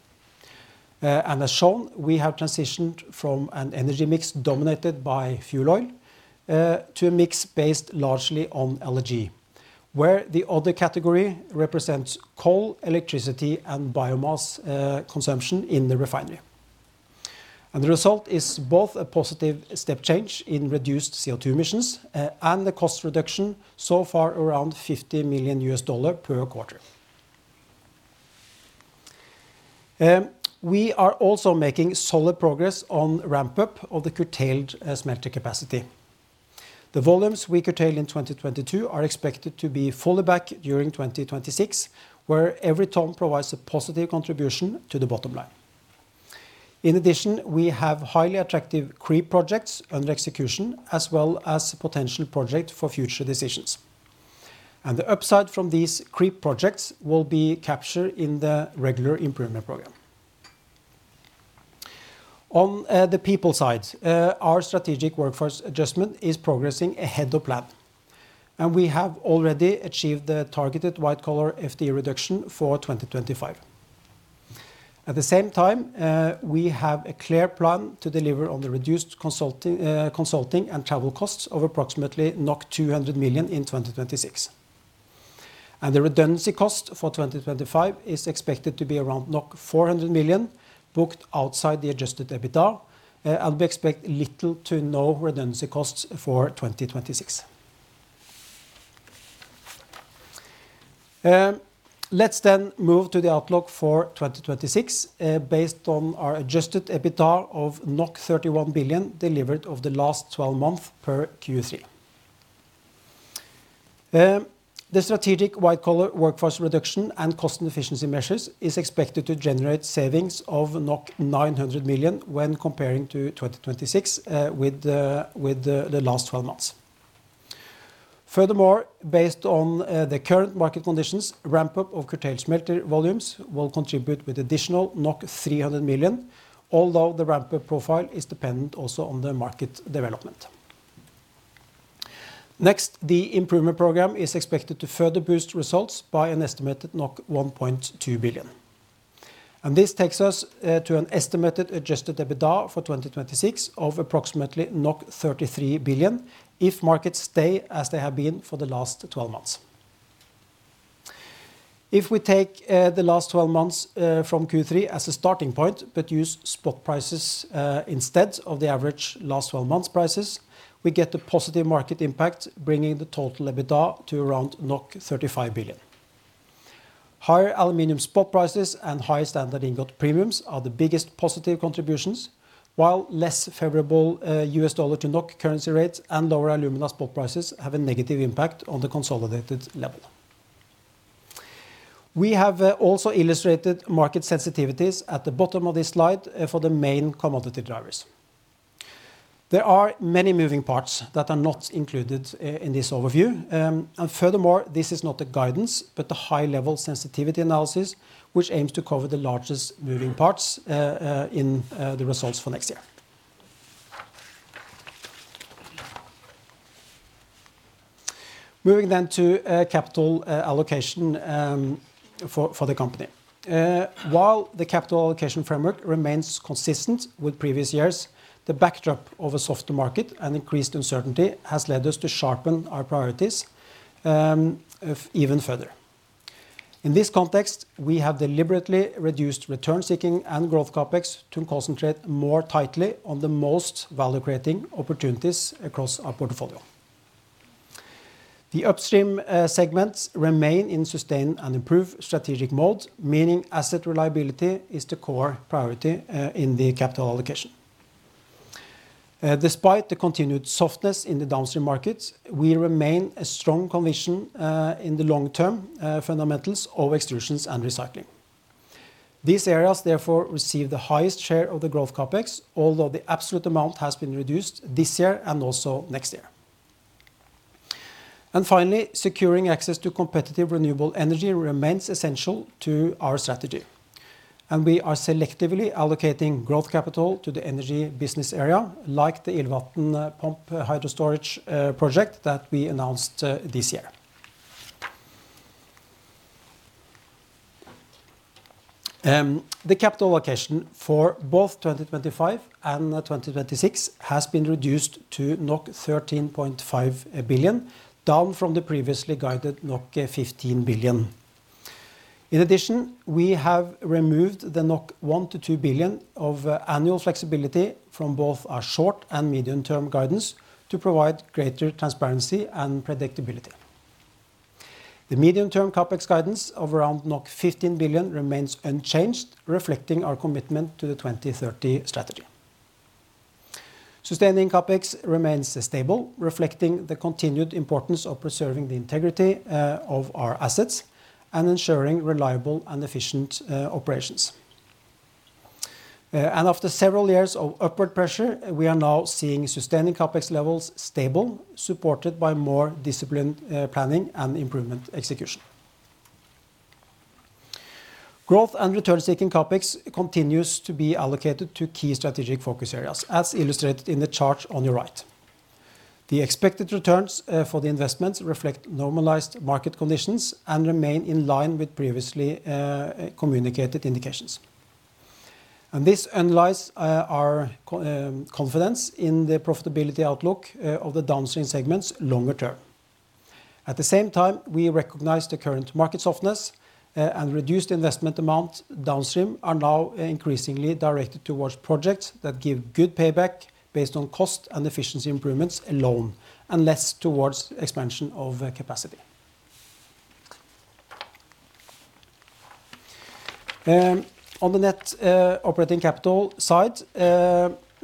[SPEAKER 6] As shown, we have transitioned from an energy mix dominated by fuel oil to a mix based largely on LNG, where the other category represents coal, electricity, and biomass consumption in the refinery. The result is both a positive step change in reduced CO2 emissions and the cost reduction so far around $50 million per quarter. We are also making solid progress on the ramp-up of the curtailed smelter capacity. The volumes we curtailed in 2022 are expected to be fully back during 2026, where every tonne provides a positive contribution to the bottom line. In addition, we have highly attractive CREEP projects under execution, as well as a potential project for future decisions. The upside from these CREEP projects will be captured in the regular improvement program. On the people side, our strategic workforce adjustment is progressing ahead of plan. We have already achieved the targeted white-collar FTE reduction for 2025. At the same time, we have a clear plan to deliver on the reduced consulting and travel costs of approximately 200 million in 2026. The redundancy cost for 2025 is expected to be around 400 million booked outside the adjusted EBITDA, and we expect little to no redundancy costs for 2026. Let's then move to the outlook for 2026, based on our adjusted EBITDA of 31 billion delivered over the last 12 months per Q3. The strategic white-collar workforce reduction and cost efficiency measures is expected to generate savings of 900 million when compared to 2026 with the last 12 months. Furthermore, based on the current market conditions, ramp-up of curtailed smelter volumes will contribute with additional 300 million, although the ramp-up profile is dependent also on the market development. Next, the improvement program is expected to further boost results by an estimated 1.2 billion. This takes us to an estimated adjusted EBITDA for 2026 of approximately 33 billion if markets stay as they have been for the last 12 months. If we take the last 12 months from Q3 as a starting point, but use spot prices instead of the average last 12 months prices, we get a positive market impact, bringing the total EBITDA to around 35 billion. Higher aluminium spot prices and higher standard ingot premiums are the biggest positive contributions, while less favourable US dollar to NOK currency rates and lower alumina spot prices have a negative impact on the consolidated level. We have also illustrated market sensitivities at the bottom of this slide for the main commodity drivers. There are many moving parts that are not included in this overview. Furthermore, this is not a guidance, but a high-level sensitivity analysis, which aims to cover the largest moving parts in the results for next year. Moving then to capital allocation for the company. While the capital allocation framework remains consistent with previous years, the backdrop of a softer market and increased uncertainty has led us to sharpen our priorities even further. In this context, we have deliberately reduced return-seeking and growth CapEx to concentrate more tightly on the most value-creating opportunities across our portfolio. The upstream segments remain in sustain and improve strategic mode, meaning asset reliability is the core priority in the capital allocation. Despite the continued softness in the downstream markets, we remain a strong conviction in the long-term fundamentals of extrusions and recycling. These areas, therefore, receive the highest share of the growth CapEx, although the absolute amount has been reduced this year and also next year. Finally, securing access to competitive renewable energy remains essential to our strategy. We are selectively allocating growth capital to the energy business area, like the Illvatn pump hydro storage project that we announced this year. The capital allocation for both 2025 and 2026 has been reduced to 13.5 billion, down from the previously guided 15 billion. In addition, we have removed the 1 billion-2 billion of annual flexibility from both our short and medium-term guidance to provide greater transparency and predictability. The medium-term CapEx guidance of around 15 billion remains unchanged, reflecting our commitment to the 2030 strategy. Sustaining CapEx remains stable, reflecting the continued importance of preserving the integrity of our assets and ensuring reliable and efficient operations. After several years of upward pressure, we are now seeing sustaining CapEx levels stable, supported by more disciplined planning and improvement execution. Growth and return-seeking CapEx continues to be allocated to key strategic focus areas, as illustrated in the chart on your right. The expected returns for the investments reflect normalised market conditions and remain in line with previously communicated indications. This analyses our confidence in the profitability outlook of the downstream segments longer term. At the same time, we recognise the current market softness and reduced investment amount downstream are now increasingly directed towards projects that give good payback based on cost and efficiency improvements alone and less towards expansion of capacity. On the net operating capital side,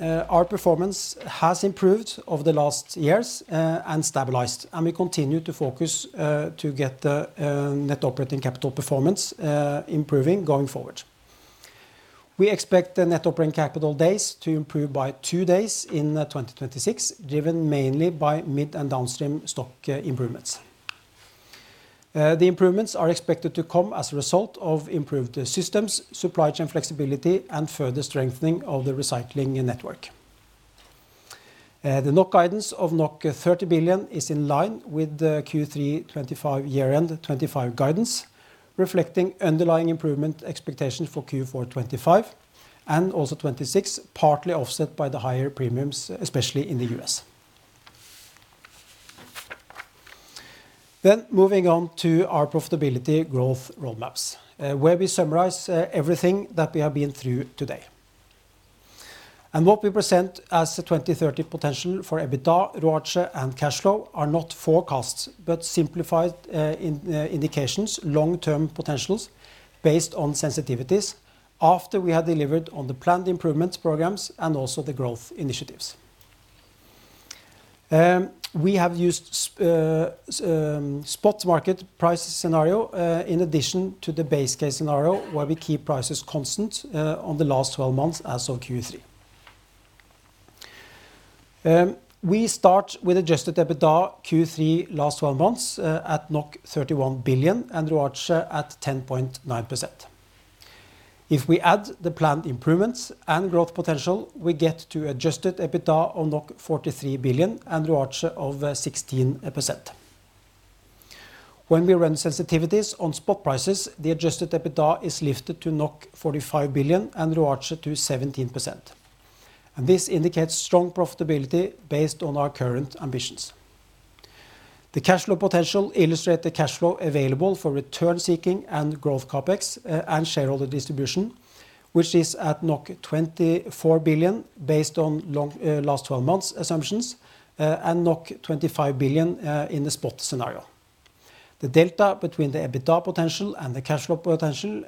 [SPEAKER 6] our performance has improved over the last years and stabilised, and we continue to focus to get the net operating capital performance improving going forward. We expect the net operating capital days to improve by two days in 2026, driven mainly by mid and downstream stock improvements. The improvements are expected to come as a result of improved systems, supply chain flexibility, and further strengthening of the recycling network. The 30 billion guidance is in line with the Q3 2025 year-end 2025 guidance, reflecting underlying improvement expectations for Q4 2025 and also 2026, partly offset by the higher premiums, especially in the U.S. Moving on to our profitability growth roadmaps, where we summarize everything that we have been through today. What we present as the 2030 potential for EBITDA, ROAC, and cash flow are not forecasts, but simplified indications, long-term potentials based on sensitivities after we have delivered on the planned improvement programs and also the growth initiatives. We have used a spot market price scenario in addition to the base case scenario where we keep prices constant on the last 12 months as of Q3. We start with adjusted EBITDA Q3 last 12 months at NOK 31 billion and ROAC at 10.9%. If we add the planned improvements and growth potential, we get to adjusted EBITDA of 43 billion and ROAC of 16%. When we run sensitivities on spot prices, the adjusted EBITDA is lifted to 45 billion and ROAC to 17%. This indicates strong profitability based on our current ambitions. The cash flow potential illustrates the cash flow available for return-seeking and growth CapEx and shareholder distribution, which is at 24 billion based on last 12 months assumptions and 25 billion in the spot scenario. The delta between the EBITDA potential and the cash flow potential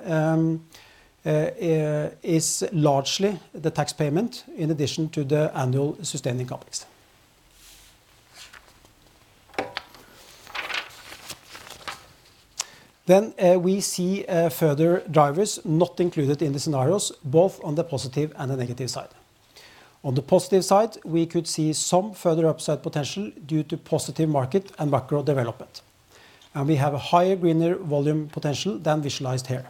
[SPEAKER 6] is largely the tax payment in addition to the annual sustaining CapEx. We see further drivers not included in the scenarios, both on the positive and the negative side. On the positive side, we could see some further upside potential due to positive market and macro development. We have a higher greener volume potential than visualized here.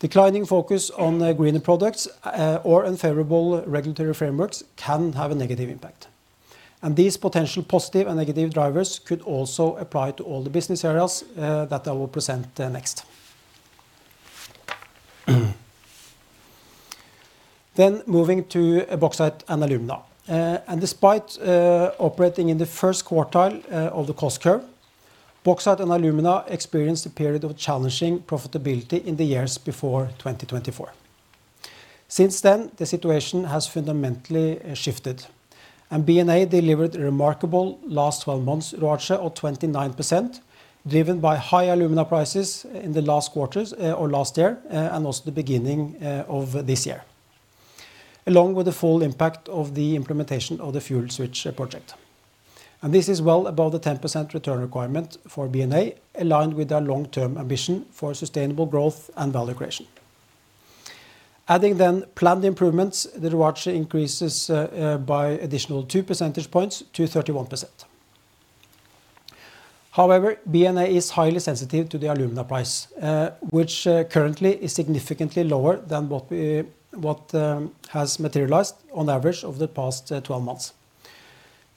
[SPEAKER 6] Declining focus on greener products or unfavorable regulatory frameworks can have a negative impact. These potential positive and negative drivers could also apply to all the business areas that I will present next. Moving to bauxite and alumina. Despite operating in the first quartile of the cost curve, bauxite and alumina experienced a period of challenging profitability in the years before 2024. Since then, the situation has fundamentally shifted. B&A delivered a remarkable last 12 months ROAC of 29%, driven by high alumina prices in the last quarter of last year and also the beginning of this year, along with the full impact of the implementation of the fuel switch project. This is well above the 10% return requirement for B&A, aligned with our long-term ambition for sustainable growth and value creation. Adding planned improvements, the ROAC increases by an additional 2 percentage points to 31%. However, B&A is highly sensitive to the alumina price, which currently is significantly lower than what has materialized on average over the past 12 months.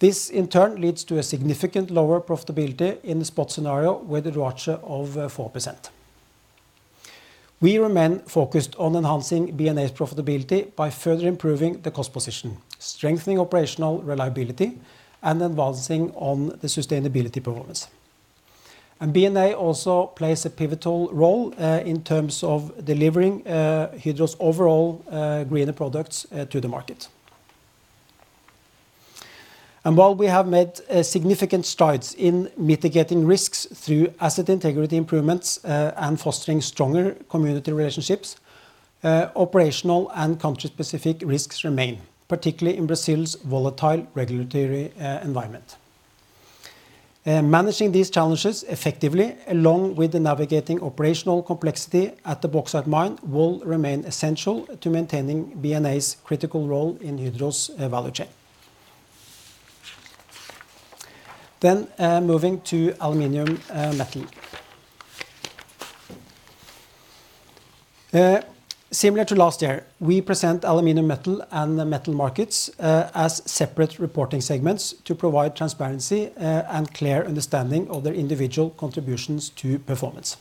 [SPEAKER 6] This, in turn, leads to significantly lower profitability in the spot scenario with a ROAC of 4%. We remain focused on enhancing B&A's profitability by further improving the cost position, strengthening operational reliability, and advancing on the sustainability performance. B&A also plays a pivotal role in terms of delivering Hydro's overall greener products to the market. While we have made significant strides in mitigating risks through asset integrity improvements and fostering stronger community relationships, operational and country-specific risks remain, particularly in Brazil's volatile regulatory environment. Managing these challenges effectively, along with navigating operational complexity at the bauxite mine, will remain essential to maintaining B&A's critical role in Hydro's value chain. Moving to aluminium metal. Similar to last year, we present aluminium metal and Metal Markets as separate reporting segments to provide transparency and clear understanding of their individual contributions to performance.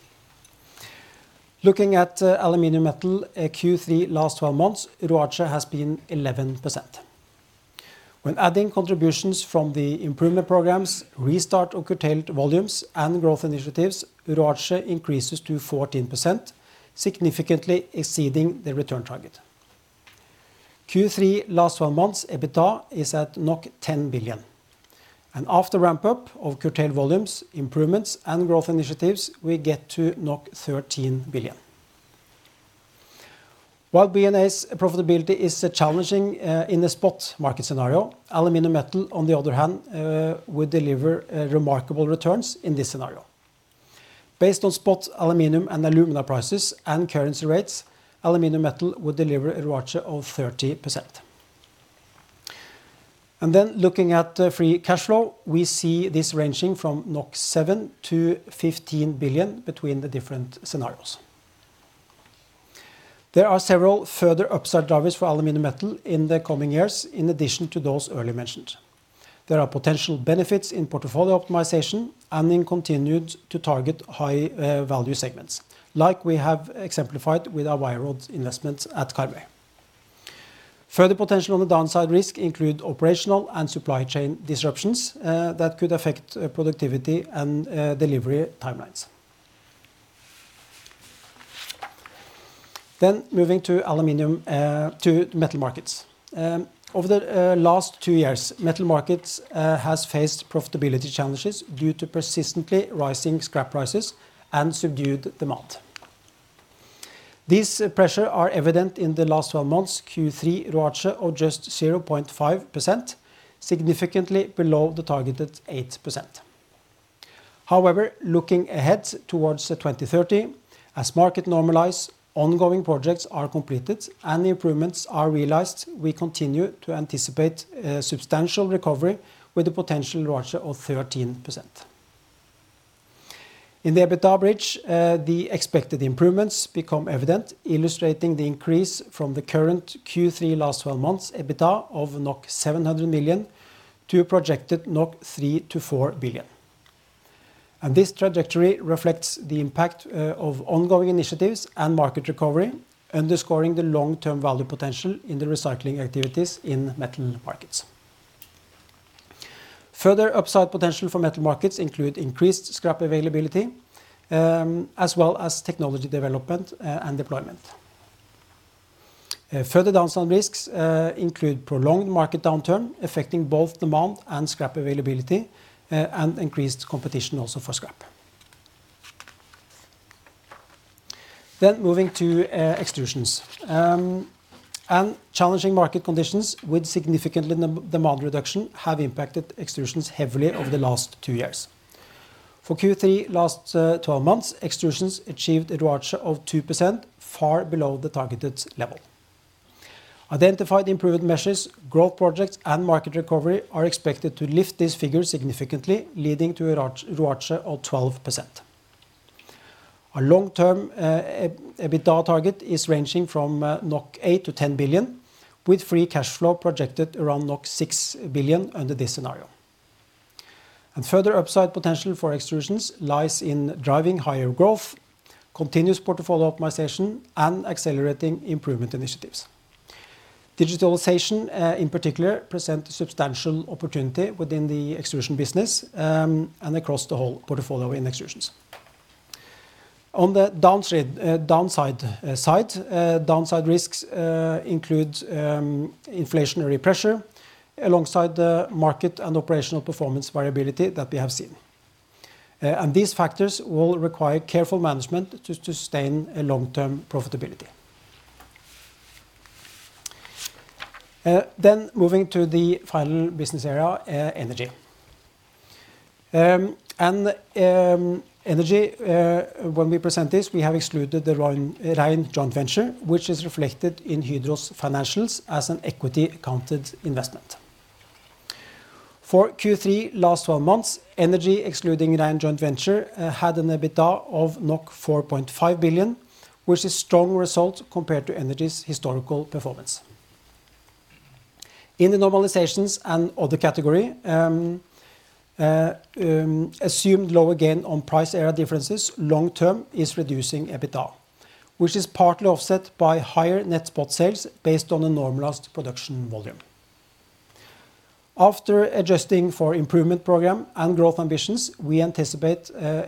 [SPEAKER 6] Looking at aluminium metal Q3 last 12 months, ROAC has been 11%. When adding contributions from the improvement programs, restart of curtailed volumes, and growth initiatives, ROAC increases to 14%, significantly exceeding the return target. Q3 last 12 months EBITDA is at NOK 10 billion. After ramp-up of curtailed volumes, improvements, and growth initiatives, we get to 13 billion. While B&A's profitability is challenging in the spot market scenario, aluminium metal, on the other hand, would deliver remarkable returns in this scenario. Based on spot aluminium and alumina prices and currency rates, aluminium metal would deliver a ROAC of 30%. Looking at free cash flow, we see this ranging from 7-15 billion between the different scenarios. There are several further upside drivers for aluminium metal in the coming years, in addition to those earlier mentioned. There are potential benefits in portfolio optimization and in continuing to target high-value segments, like we have exemplified with our wire rod investments at Karmøy. Further potential on the downside risk includes operational and supply chain disruptions that could affect productivity and delivery timelines. Moving to metal markets. Over the last two years, metal markets have faced profitability challenges due to persistently rising scrap prices and subdued demand. These pressures are evident in the last 12 months' Q3 ROAC of just 0.5%, significantly below the targeted 8%. However, looking ahead towards 2030, as markets normalize, ongoing projects are completed, and the improvements are realized, we continue to anticipate a substantial recovery with a potential ROAC of 13%. In the EBITDA bridge, the expected improvements become evident, illustrating the increase from the current Q3 last 12 months EBITDA of NOK 700 million to projected 3 billion-4 billion NOK. This trajectory reflects the impact of ongoing initiatives and market recovery, underscoring the long-term value potential in the recycling activities in metal markets. Further upside potential for metal markets includes increased scrap availability, as well as technology development and deployment. Further downside risks include prolonged market downturn affecting both demand and scrap availability, and increased competition also for scrap. Moving to extrusions. Challenging market conditions with significant demand reduction have impacted extrusions heavily over the last two years. For Q3 last 12 months, extrusions achieved a ROAC of 2%, far below the targeted level. Identified improvement measures, growth projects, and market recovery are expected to lift these figures significantly, leading to a ROAC of 12%. Our long-term EBITDA target is ranging from 8 billion-10 billion, with free cash flow projected around 6 billion under this scenario. Further upside potential for extrusions lies in driving higher growth, continuous portfolio optimization, and accelerating improvement initiatives. Digitalization, in particular, presents a substantial opportunity within the extrusion business and across the whole portfolio in extrusions. On the downside, downside risks include inflationary pressure alongside the market and operational performance variability that we have seen. These factors will require careful management to sustain long-term profitability. Moving to the final business area, energy. Energy, when we present this, we have excluded the Rhine Joint Venture, which is reflected in Hydro's financials as an equity-accounted investment. For Q3 last 12 months, energy excluding Rhine Joint Venture had an EBITDA of 4.5 billion, which is a strong result compared to energy's historical performance. In the normalisations and other categories, assumed lower gain on price area differences long-term is reducing EBITDA, which is partly offset by higher net spot sales based on the normalised production volume. After adjusting for improvement program and growth ambitions, we anticipate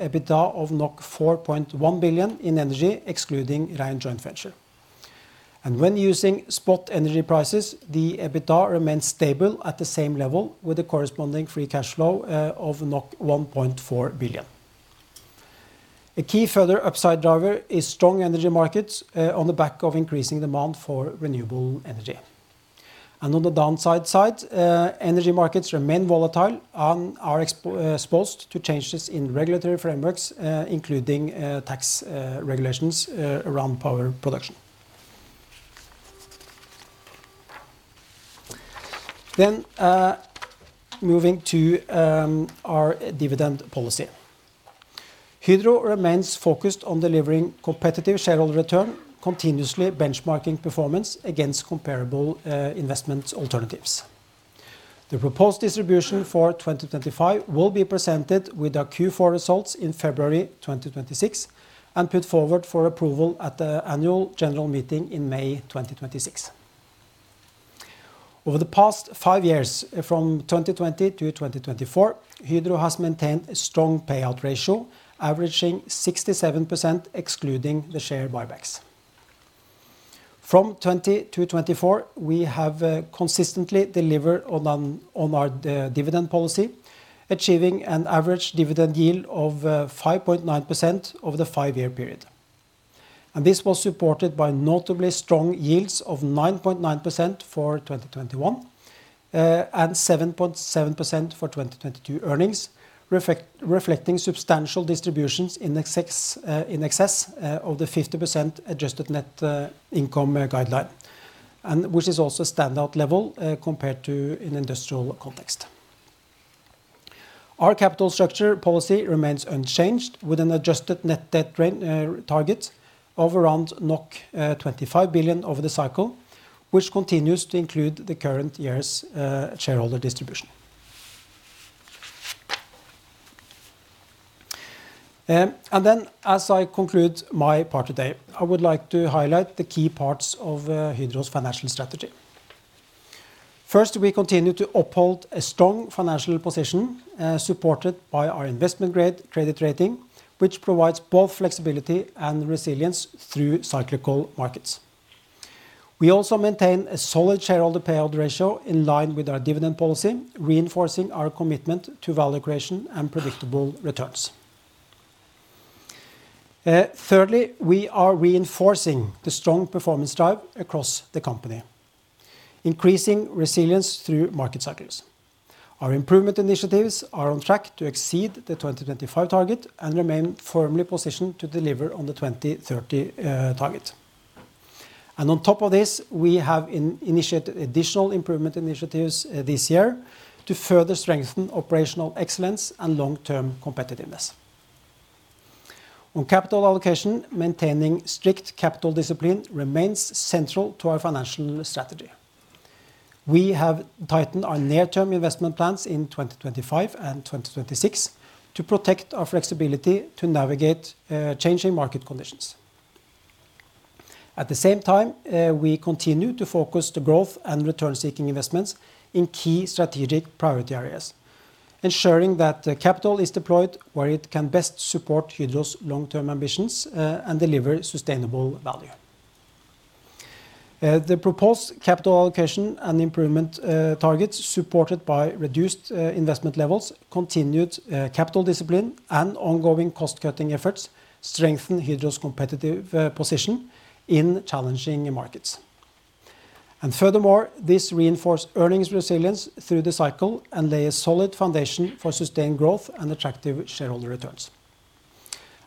[SPEAKER 6] EBITDA of 4.1 billion in energy excluding Rhine Joint Venture. When using spot energy prices, the EBITDA remains stable at the same level with the corresponding free cash flow of 1.4 billion. A key further upside driver is strong energy markets on the back of increasing demand for renewable energy. On the downside, energy markets remain volatile and are exposed to changes in regulatory frameworks, including tax regulations around power production. Moving to our dividend policy, Hydro remains focused on delivering competitive shareholder return, continuously benchmarking performance against comparable investment alternatives. The proposed distribution for 2025 will be presented with our Q4 results in February 2026 and put forward for approval at the annual general meeting in May 2026. Over the past five years, from 2020 to 2024, Hydro has maintained a strong payout ratio, averaging 67% excluding the share buybacks. From 2020 to 2024, we have consistently delivered on our dividend policy, achieving an average dividend yield of 5.9% over the five-year period. This was supported by notably strong yields of 9.9% for 2021 and 7.7% for 2022 earnings, reflecting substantial distributions in excess of the 50% adjusted net income guideline, which is also a standout level compared to an industrial context. Our capital structure policy remains unchanged, with an adjusted net debt target of around 25 billion over the cycle, which continues to include the current year's shareholder distribution. As I conclude my part today, I would like to highlight the key parts of Hydro's financial strategy. First, we continue to uphold a strong financial position supported by our investment-grade credit rating, which provides both flexibility and resilience through cyclical markets. We also maintain a solid shareholder payout ratio in line with our dividend policy, reinforcing our commitment to value creation and predictable returns. Thirdly, we are reinforcing the strong performance drive across the company, increasing resilience through market cycles. Our improvement initiatives are on track to exceed the 2025 target and remain firmly positioned to deliver on the 2030 target. On top of this, we have initiated additional improvement initiatives this year to further strengthen operational excellence and long-term competitiveness. On capital allocation, maintaining strict capital discipline remains central to our financial strategy. We have tightened our near-term investment plans in 2025 and 2026 to protect our flexibility to navigate changing market conditions. At the same time, we continue to focus the growth and return-seeking investments in key strategic priority areas, ensuring that the capital is deployed where it can best support Hydro's long-term ambitions and deliver sustainable value. The proposed capital allocation and improvement targets, supported by reduced investment levels, continued capital discipline, and ongoing cost-cutting efforts, strengthen Hydro's competitive position in challenging markets. Furthermore, this reinforces earnings resilience through the cycle and lays a solid foundation for sustained growth and attractive shareholder returns.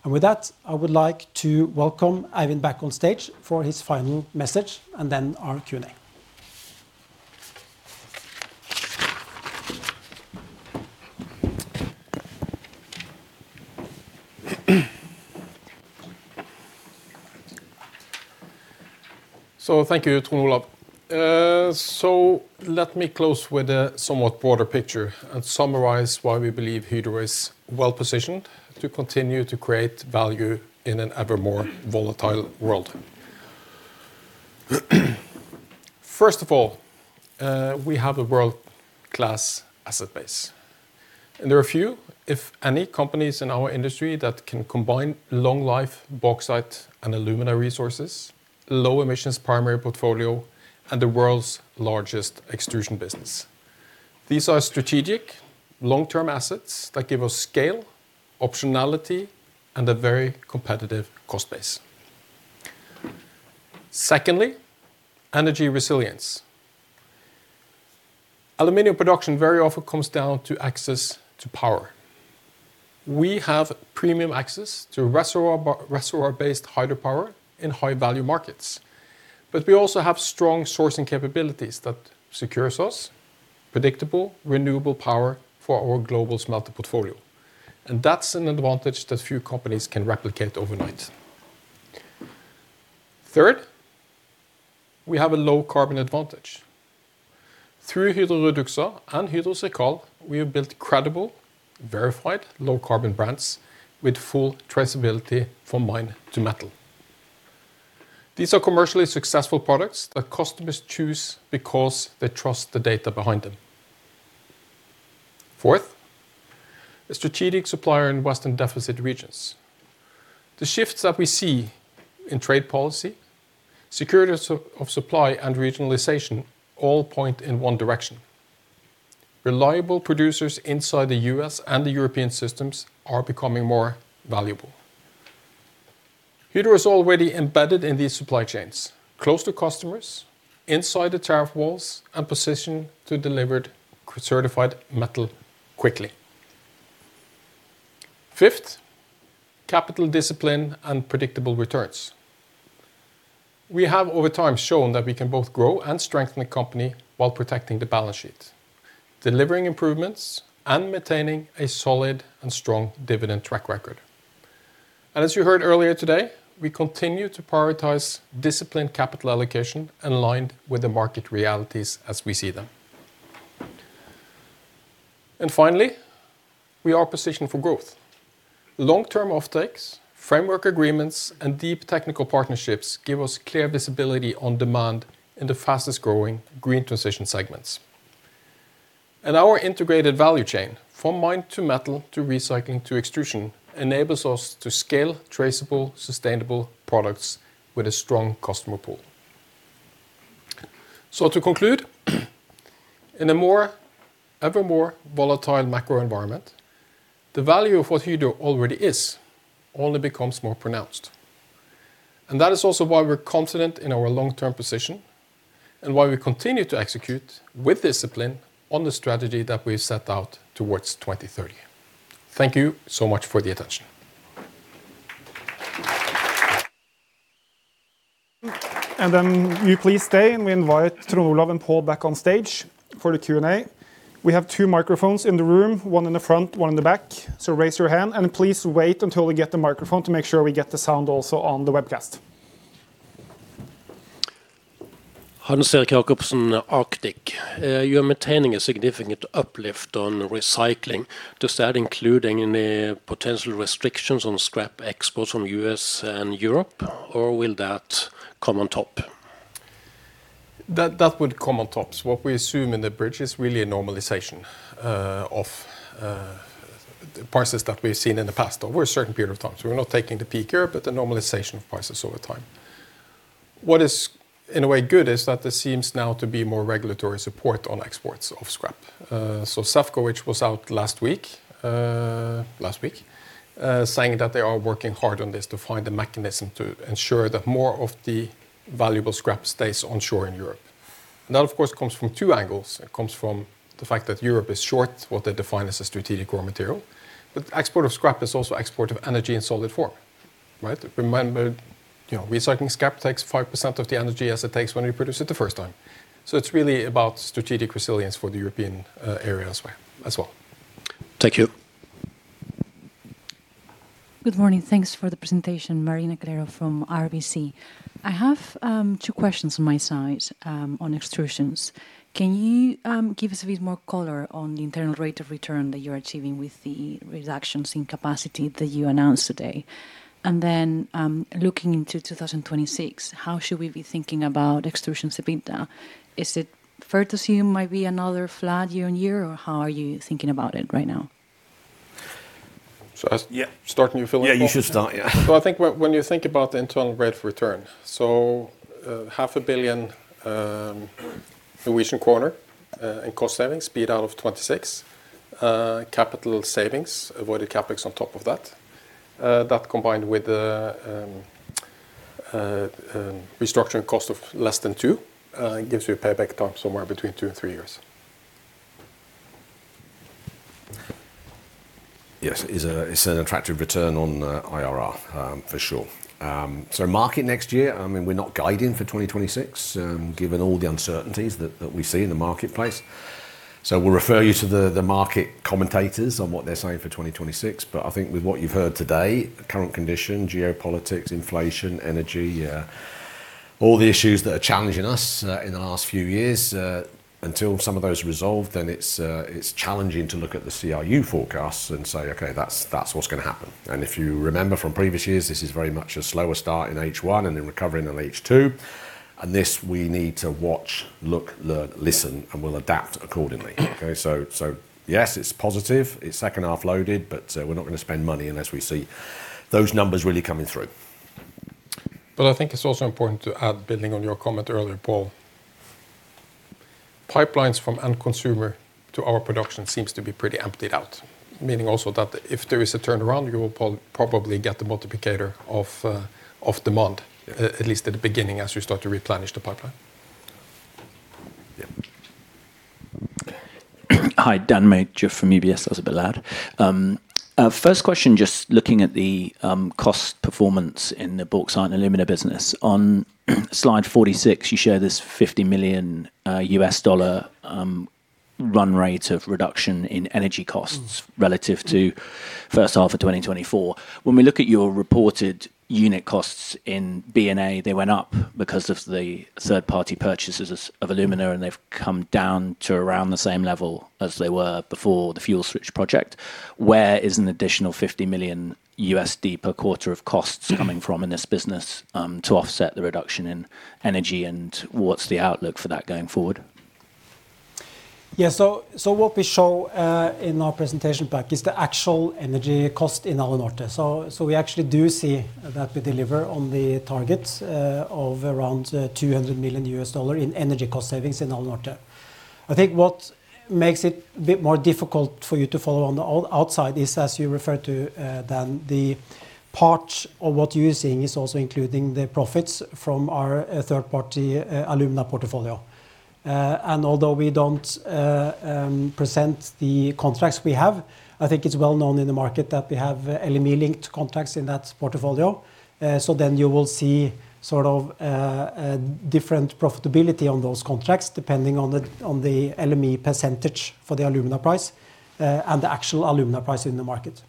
[SPEAKER 6] With that, I would like to welcome Eivind back on stage for his final message and then our Q&A.
[SPEAKER 3] Thank you, Trond Olav. Let me close with a somewhat broader picture and summarize why we believe Hydro is well positioned to continue to create value in an ever more volatile world. First of all, we have a world-class asset base. There are a few, if any, companies in our industry that can combine long-life, bauxite, and alumina resources, low-emissions primary portfolio, and the world's largest extrusion business. These are strategic, long-term assets that give us scale, optionality, and a very competitive cost base. Secondly, energy resilience. Aluminium production very often comes down to access to power. We have premium access to reservoir-based hydropower in high-value markets, but we also have strong sourcing capabilities that secure us predictable renewable power for our global smelter portfolio. That is an advantage that few companies can replicate overnight. Third, we have a low carbon advantage. Through Hydro REDUXA and Hydro CIRCAL, we have built credible, verified low carbon brands with full traceability from mine to metal. These are commercially successful products that customers choose because they trust the data behind them. Fourth, a strategic supplier in Western deficit regions. The shifts that we see in trade policy, security of supply, and regionalisation all point in one direction. Reliable producers inside the U.S. and the European systems are becoming more valuable. Hydro is already embedded in these supply chains, close to customers, inside the tariff walls, and positioned to deliver certified metal quickly. Fifth, capital discipline and predictable returns. We have over time shown that we can both grow and strengthen a company while protecting the balance sheet, delivering improvements, and maintaining a solid and strong dividend track record. As you heard earlier today, we continue to prioritize disciplined capital allocation aligned with the market realities as we see them. Finally, we are positioned for growth. Long-term offtakes, framework agreements, and deep technical partnerships give us clear visibility on demand in the fastest-growing green transition segments. Our integrated value chain, from mine to metal to recycling to extrusion, enables us to scale traceable, sustainable products with a strong customer pool. To conclude, in a more ever more volatile macro environment, the value of what Hydro already is only becomes more pronounced. That is also why we're confident in our long-term position and why we continue to execute with discipline on the strategy that we have set out towards 2030. Thank you so much for the attention.
[SPEAKER 2] Please stay and we invite Trond Olav and Paul back on stage for the Q&A. We have two microphones in the room, one in the front, one in the back. Raise your hand and please wait until we get the microphone to make sure we get the sound also on the webcast.
[SPEAKER 7] Hans Erik Jacobsen, Arctic. You are maintaining a significant uplift on recycling. Does that include any potential restrictions on scrap exports from the US and Europe, or will that come on top?
[SPEAKER 6] That would come on top. What we assume in the bridge is really a normalisation of prices that we have seen in the past over a certain period of time. We are not taking the peak here, but the normalisation of prices over time. What is in a way good is that there seems now to be more regulatory support on exports of scrap. Safco, which was out last week, said that they are working hard on this to find a mechanism to ensure that more of the valuable scrap stays on shore in Europe. That, of course, comes from two angles. It comes from the fact that Europe is short what they define as a strategic raw material. Export of scrap is also export of energy in solid form. Remember, recycling scrap takes 5% of the energy as it takes when we produce it the first time. So it's really about strategic resilience for the European area as well.
[SPEAKER 8] Thank you. Good morning. Thanks for the presentation, (audio distortion) from RBC. I have two questions on my side on extrusions. Can you give us a bit more color on the internal rate of return that you're achieving with the reductions in capacity that you announced today? And then looking into 2026, how should we be thinking about extrusion EBITDA? Is it fair to assume it might be another flat year on year, or how are you thinking about it right now?
[SPEAKER 5] So starting your fill in. Yeah, you should start.
[SPEAKER 6] I think when you think about the internal rate of return, half a billion NOK in cost savings, speed out of 2026 capital savings, avoided CapEx on top of that, that combined with restructuring cost of less than two, gives you a payback time somewhere between two and three years.
[SPEAKER 5] Yes, it's an attractive return on IRR for sure. Market next year, I mean, we're not guiding for 2026 given all the uncertainties that we see in the marketplace. We'll refer you to the market commentators on what they're saying for 2026. I think with what you've heard today, current condition, geopolitics, inflation, energy, all the issues that are challenging us in the last few years, until some of those are resolved, then it's challenging to look at the CRU forecasts and say, okay, that's what's going to happen. If you remember from previous years, this is very much a slower start in H1 and then recovering in H2. We need to watch, look, learn, listen, and we'll adapt accordingly. Yes, it's positive. It's second half loaded, but we're not going to spend money unless we see those numbers really coming through.
[SPEAKER 6] I think it's also important to add, building on your comment earlier, Paul, pipelines from end consumer to our production seem to be pretty emptied out, meaning also that if there is a turnaround, you will probably get the multiplicator of demand, at least at the beginning as you start to replenish the pipeline.
[SPEAKER 9] Hi, Dan Major from UBS. (audio distortion) First question, just looking at the cost performance in the bauxite and alumina business. On slide 46, you share this $50 million run rate of reduction in energy costs relative to first half of 2024. When we look at your reported unit costs in B&A, they went up because of the third-party purchases of alumina, and they've come down to around the same level as they were before the fuel switch project. Where is an additional $50 million per quarter of costs coming from in this business to offset the reduction in energy? What's the outlook for that going forward?
[SPEAKER 6] Yeah, what we show in our presentation pack is the actual energy cost in Alunorte. We actually do see that we deliver on the target of around $200 million in energy cost savings in Alunorte. I think what makes it a bit more difficult for you to follow on the outside is, as you referred to, Dan, the part of what you're seeing is also including the profits from our third-party alumina portfolio. Although we don't present the contracts we have, I think it's well known in the market that we have LME-linked contracts in that portfolio. You will see different profitability on those contracts depending on the LME percentage for the alumina price and the actual alumina price in the market.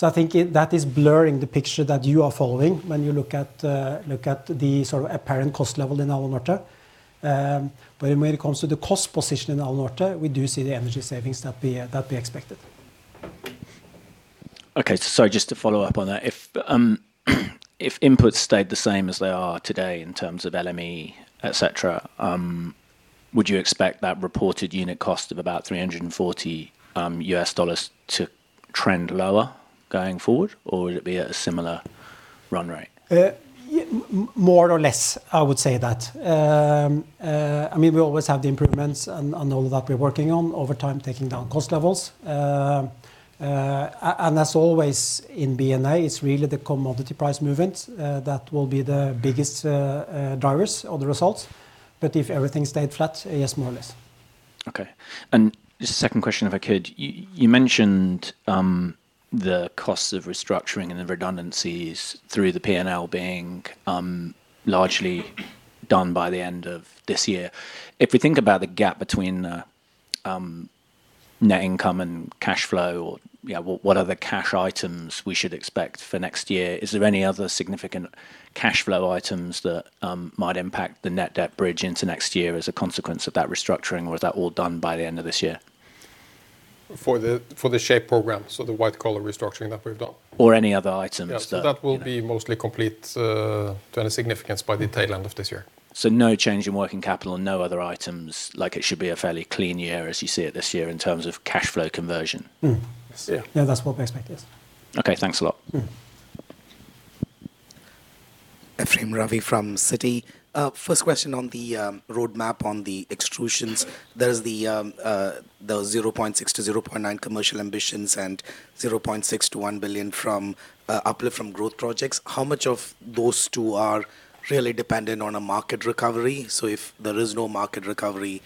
[SPEAKER 6] I think that is blurring the picture that you are following when you look at the sort of apparent cost level in Alunorte. When it comes to the cost position in Alunorte, we do see the energy savings that we expected.
[SPEAKER 9] Okay, just to follow up on that, if inputs stayed the same as they are today in terms of LME, etc., would you expect that reported unit cost of about $340 to trend lower going forward, or would it be at a similar run rate?
[SPEAKER 6] More or less, I would say that. I mean, we always have the improvements and all of that we're working on over time, taking down cost levels. As always in B&A, it's really the commodity price movement that will be the biggest drivers of the results. If everything stayed flat, yes, more or less.
[SPEAKER 9] Okay. Just a second question, if I could. You mentioned the costs of restructuring and the redundancies through the P&L being largely done by the end of this year. If we think about the gap between net income and cash flow, or what are the cash items we should expect for next year, is there any other significant cash flow items that might impact the net debt bridge into next year as a consequence of that restructuring, or is that all done by the end of this year?
[SPEAKER 6] For the shape program, so the white collar restructuring that we've done. Or any other items that will be mostly complete to any significance by the tail end of this year. No change in working capital, no other items, like it should be a fairly clean year as you see it this year in terms of cash flow conversion. Yeah, that's what we expect, yes.
[SPEAKER 9] Okay, thanks a lot.
[SPEAKER 10] Ephrem Ravi from Citi. First question on the roadmap on the extrusions. There's the $600 million-$900 million commercial ambitions and $600 million-$1 billion from uplift from growth projects. How much of those two are really dependent on a market recovery? If there is no market recovery,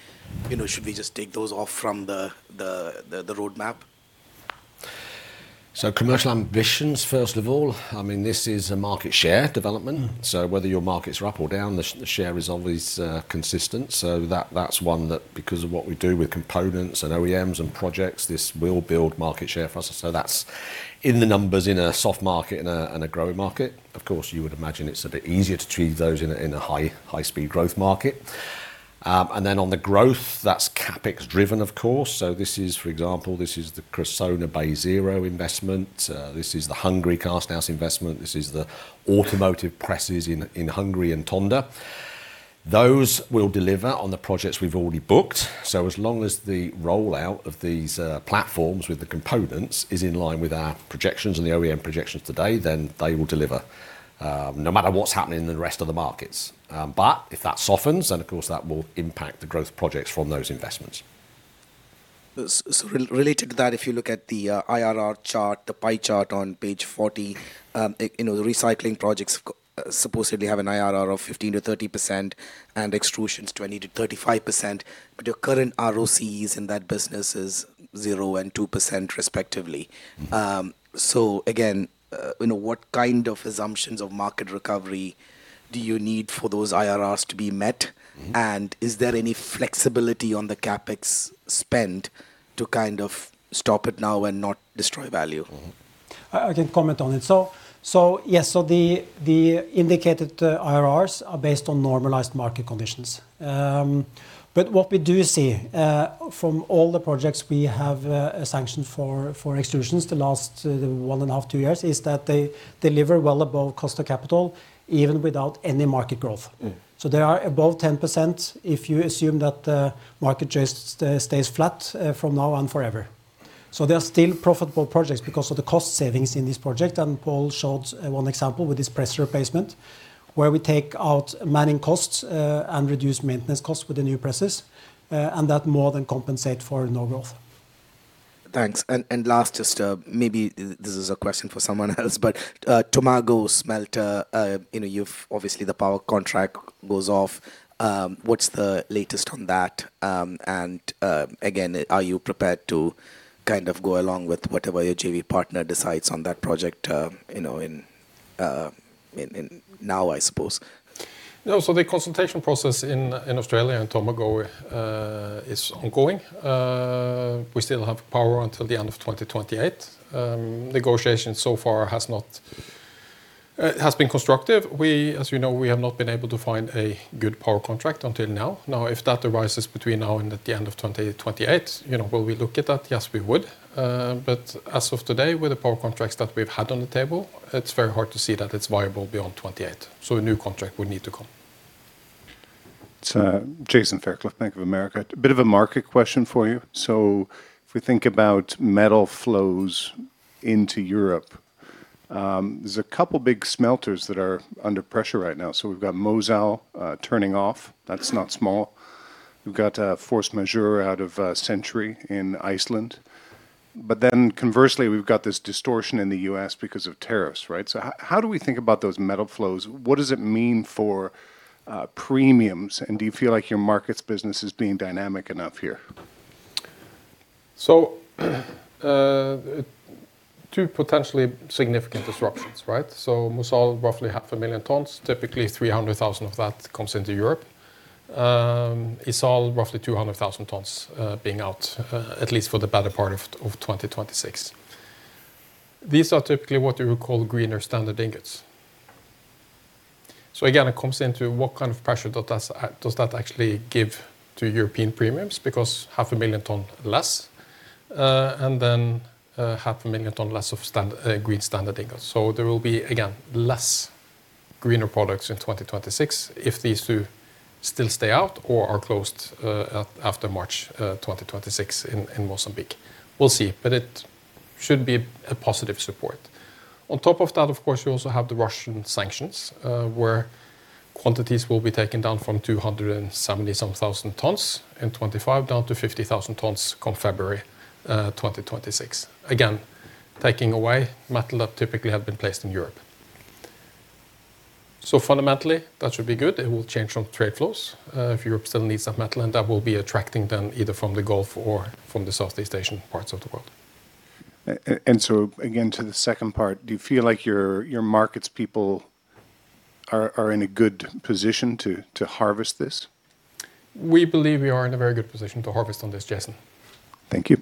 [SPEAKER 10] should we just take those off from the roadmap?
[SPEAKER 5] Commercial ambitions, first of all, I mean, this is a market share development. Whether your markets are up or down, the share is always consistent. That's one that, because of what we do with components and OEMs and projects, this will build market share for us. That's in the numbers in a soft market and a growing market. Of course, you would imagine it's a bit easier to treat those in a high-speed growth market. On the growth, that's CapEx driven, of course. This is, for example, the Karmøy Zero investment. This is the Hungary Kastenhaus investment. This is the automotive presses in Hungary and Tonda. Those will deliver on the projects we've already booked. As long as the rollout of these platforms with the components is in line with our projections and the OEM projections today, they will deliver no matter what is happening in the rest of the markets. If that softens, of course that will impact the growth projects from those investments.
[SPEAKER 10] Related to that, if you look at the IRR chart, the pie chart on page 40, the recycling projects supposedly have an IRR of 15%-30% and extrusions 20%-35%. Your current ROCs in that business is 0% and 2% respectively. Again, what kind of assumptions of market recovery do you need for those IRRs to be met? Is there any flexibility on the CapEx spend to kind of stop it now and not destroy value?
[SPEAKER 6] I can comment on it. Yes, the indicated IRRs are based on normalised market conditions. What we do see from all the projects we have sanctioned for extrusions the last one and a half, two years is that they deliver well above cost of capital even without any market growth. They are above 10% if you assume that the market just stays flat from now on forever. They are still profitable projects because of the cost savings in these projects. Paul showed one example with this press replacement where we take out mining costs and reduce maintenance costs with the new presses, and that more than compensates for no growth.
[SPEAKER 10] Thanks. Last, just maybe this is a question for someone else, but Tomago's melter, you've obviously the power contract goes off. What's the latest on that? Are you prepared to kind of go along with whatever your JV partner decides on that project now, I suppose?
[SPEAKER 6] No, the consultation process in Australia and Tomago is ongoing. We still have power until the end of 2028. Negotiations so far have been constructive. As you know, we have not been able to find a good power contract until now. If that arises between now and the end of 2028, will we look at that? Yes, we would. As of today, with the power contracts that we've had on the table, it's very hard to see that it's viable beyond 2028. A new contract would need to come.
[SPEAKER 11] It's Jason Fairclough, Bank of America. A bit of a market question for you. If we think about metal flows into Europe, there are a couple of big smelters that are under pressure right now. We have Mosell turning off. That is not small. We have Force Majeure out of Century in Iceland. Conversely, we have this distortion in the U.S. because of tariffs, right? How do we think about those metal flows? What does it mean for premiums? Do you feel like your markets business is being dynamic enough here? Two potentially significant disruptions, right?
[SPEAKER 5] Mosell, roughly 500,000 tons, typically 300,000 of that comes into Europe. Isol, roughly 200,000 tons being out, at least for the better part of 2026. These are typically what you would call greener standard ingots. Again, it comes into what kind of pressure does that actually give to European premiums? Because 500,000 tons less, and then 500,000 tons less of green standard ingots. There will be, again, less greener products in 2026 if these two still stay out or are closed after March 2026 in Mozambique. We'll see, but it should be a positive support. On top of that, of course, you also have the Russian sanctions where quantities will be taken down from 270,000 tons in 2025 down to 50,000 tons come February 2026. Again, taking away metal that typically had been placed in Europe. Fundamentally, that should be good. It will change from trade flows if Europe still needs that metal, and that will be attracting them either from the Gulf or from the Southeast Asian parts of the world.
[SPEAKER 11] Again, to the second part, do you feel like your markets people are in a good position to harvest this?
[SPEAKER 5] We believe we are in a very good position to harvest on this, Jason.
[SPEAKER 11] Thank you.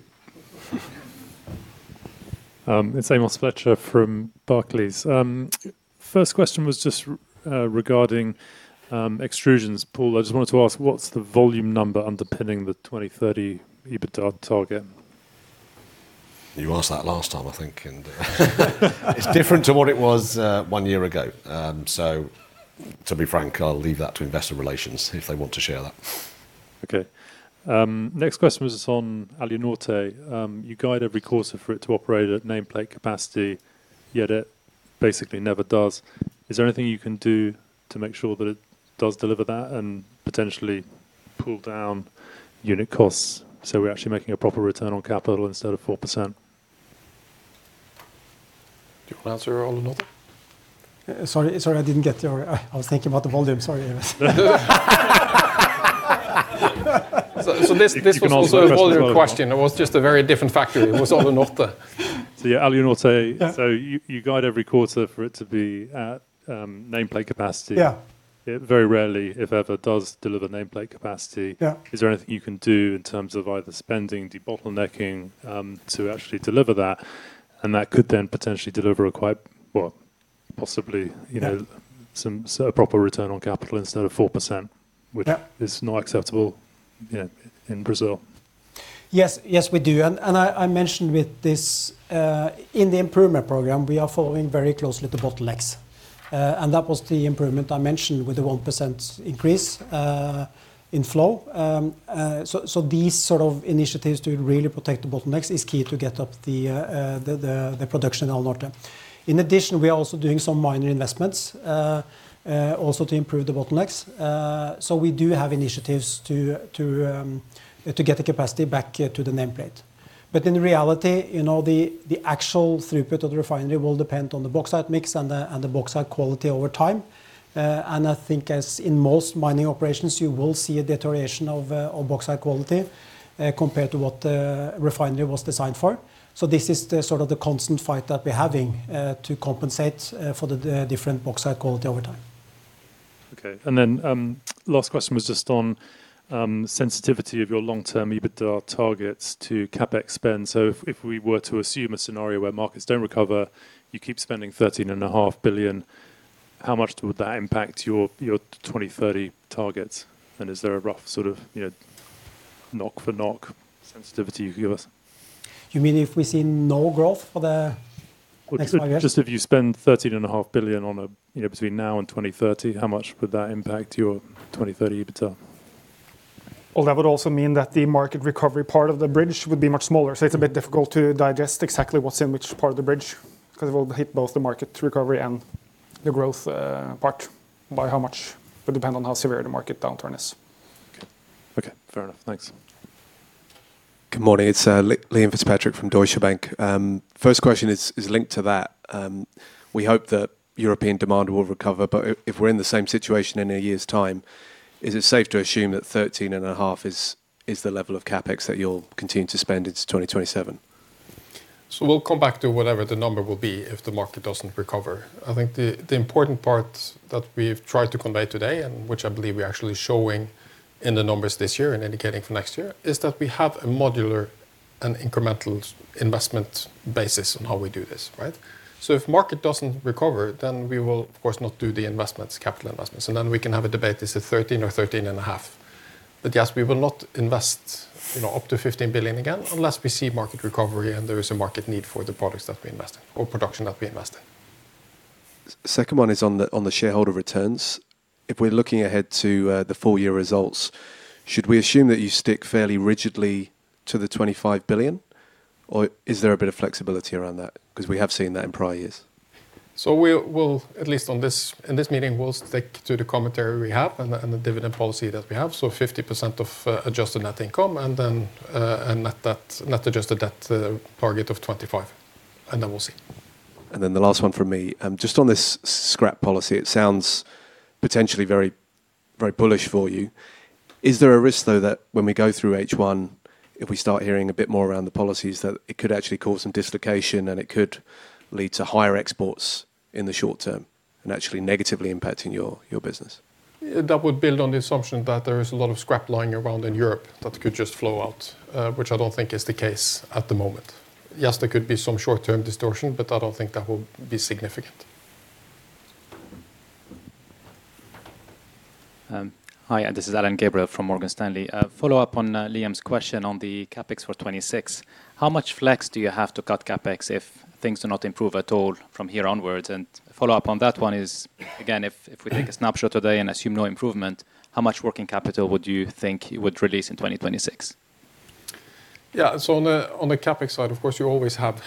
[SPEAKER 12] It's Amos Fletcher from Barclays. First question was just regarding extrusions. Paul, I just wanted to ask, what's the volume number underpinning the 2030 EBITDA target?
[SPEAKER 5] You asked that last time, I think, and it's different to what it was one year ago. To be frank, I'll leave that to investor relations if they want to share that.
[SPEAKER 12] Okay. Next question was on Alunorte. You guide every quarter for it to operate at nameplate capacity. Yet it basically never does. Is there anything you can do to make sure that it does deliver that and potentially pull down unit costs so we're actually making a proper return on capital instead of 4%? Do you want to answer Alunorte? Sorry, I didn't get your...
[SPEAKER 6] I was thinking about the volume. Sorry, Amos. This was also a volume question. It was just a very different factory. It was Alunorte.
[SPEAKER 12] You guide every quarter for it to be at nameplate capacity. Very rarely, if ever, does it deliver nameplate capacity. Is there anything you can do in terms of either spending, debottlenecking to actually deliver that? That could then potentially deliver a quite, well, possibly a proper return on capital instead of 4%, which is not acceptable in Brazil.
[SPEAKER 6] Yes, yes, we do. I mentioned with this in the improvement program, we are following very closely the bottlenecks. That was the improvement I mentioned with the 1% increase in flow. These sort of initiatives to really protect the bottlenecks is key to get up the production in Alunorte. In addition, we are also doing some minor investments also to improve the bottlenecks. We do have initiatives to get the capacity back to the nameplate. In reality, the actual throughput of the refinery will depend on the bauxite mix and the bauxite quality over time. I think as in most mining operations, you will see a deterioration of bauxite quality compared to what the refinery was designed for. This is sort of the constant fight that we're having to compensate for the different bauxite quality over time.
[SPEAKER 12] Okay. The last question was just on sensitivity of your long-term EBITDA targets to CapEx spend. If we were to assume a scenario where markets do not recover, you keep spending 13.5 billion, how much would that impact your 2030 targets? Is there a rough sort of knock-for-knock sensitivity you could give us? You mean if we see no growth for the next five years?
[SPEAKER 6] Just if you spend 13.5 billion between now and 2030, how much would that impact your 2030 EBITDA? That would also mean that the market recovery part of the bridge would be much smaller. It is a bit difficult to digest exactly what is in which part of the bridge because it will hit both the market recovery and the growth part by how much. It would depend on how severe the market downturn is.
[SPEAKER 12] Okay, fair enough. Thanks.
[SPEAKER 13] Good morning. It is Liam Fitzpatrick from Deutsche Bank. First question is linked to that. We hope that European demand will recover, but if we are in the same situation in a year's time, is it safe to assume that 13.5 billion is the level of CapEx that you will continue to spend into 2027?
[SPEAKER 5] We will come back to whatever the number will be if the market does not recover. I think the important part that we've tried to convey today, and which I believe we're actually showing in the numbers this year and indicating for next year, is that we have a modular and incremental investment basis on how we do this. If the market doesn't recover, we will, of course, not do the investments, capital investments. We can have a debate, is it 13 or 13.5? Yes, we will not invest up to 15 billion again unless we see market recovery and there is a market need for the products that we invest in or production that we invest in.
[SPEAKER 13] The second one is on the shareholder returns. If we're looking ahead to the four-year results, should we assume that you stick fairly rigidly to the 25 billion, or is there a bit of flexibility around that?
[SPEAKER 5] Because we have seen that in prior years. At least in this meeting, we'll stick to the commentary we have and the dividend policy that we have. 50% of adjusted net income and then a net adjusted debt target of 25. We'll see.
[SPEAKER 13] The last one from me. Just on this scrap policy, it sounds potentially very bullish for you. Is there a risk, though, that when we go through H1, if we start hearing a bit more around the policies, that it could actually cause some dislocation and it could lead to higher exports in the short term and actually negatively impacting your business?
[SPEAKER 6] That would build on the assumption that there is a lot of scrap lying around in Europe that could just flow out, which I do not think is the case at the moment. Yes, there could be some short-term distortion, but I don't think that will be significant.
[SPEAKER 14] Hi, this is Alain Gabriel from Morgan Stanley. Follow-up on Liam's question on the CapEx for 2026. How much flex do you have to cut CapEx if things do not improve at all from here onwards? A follow-up on that one is, again, if we take a snapshot today and assume no improvement, how much working capital would you think you would release in 2026?
[SPEAKER 6] Yeah, on the CapEx side, of course, you always have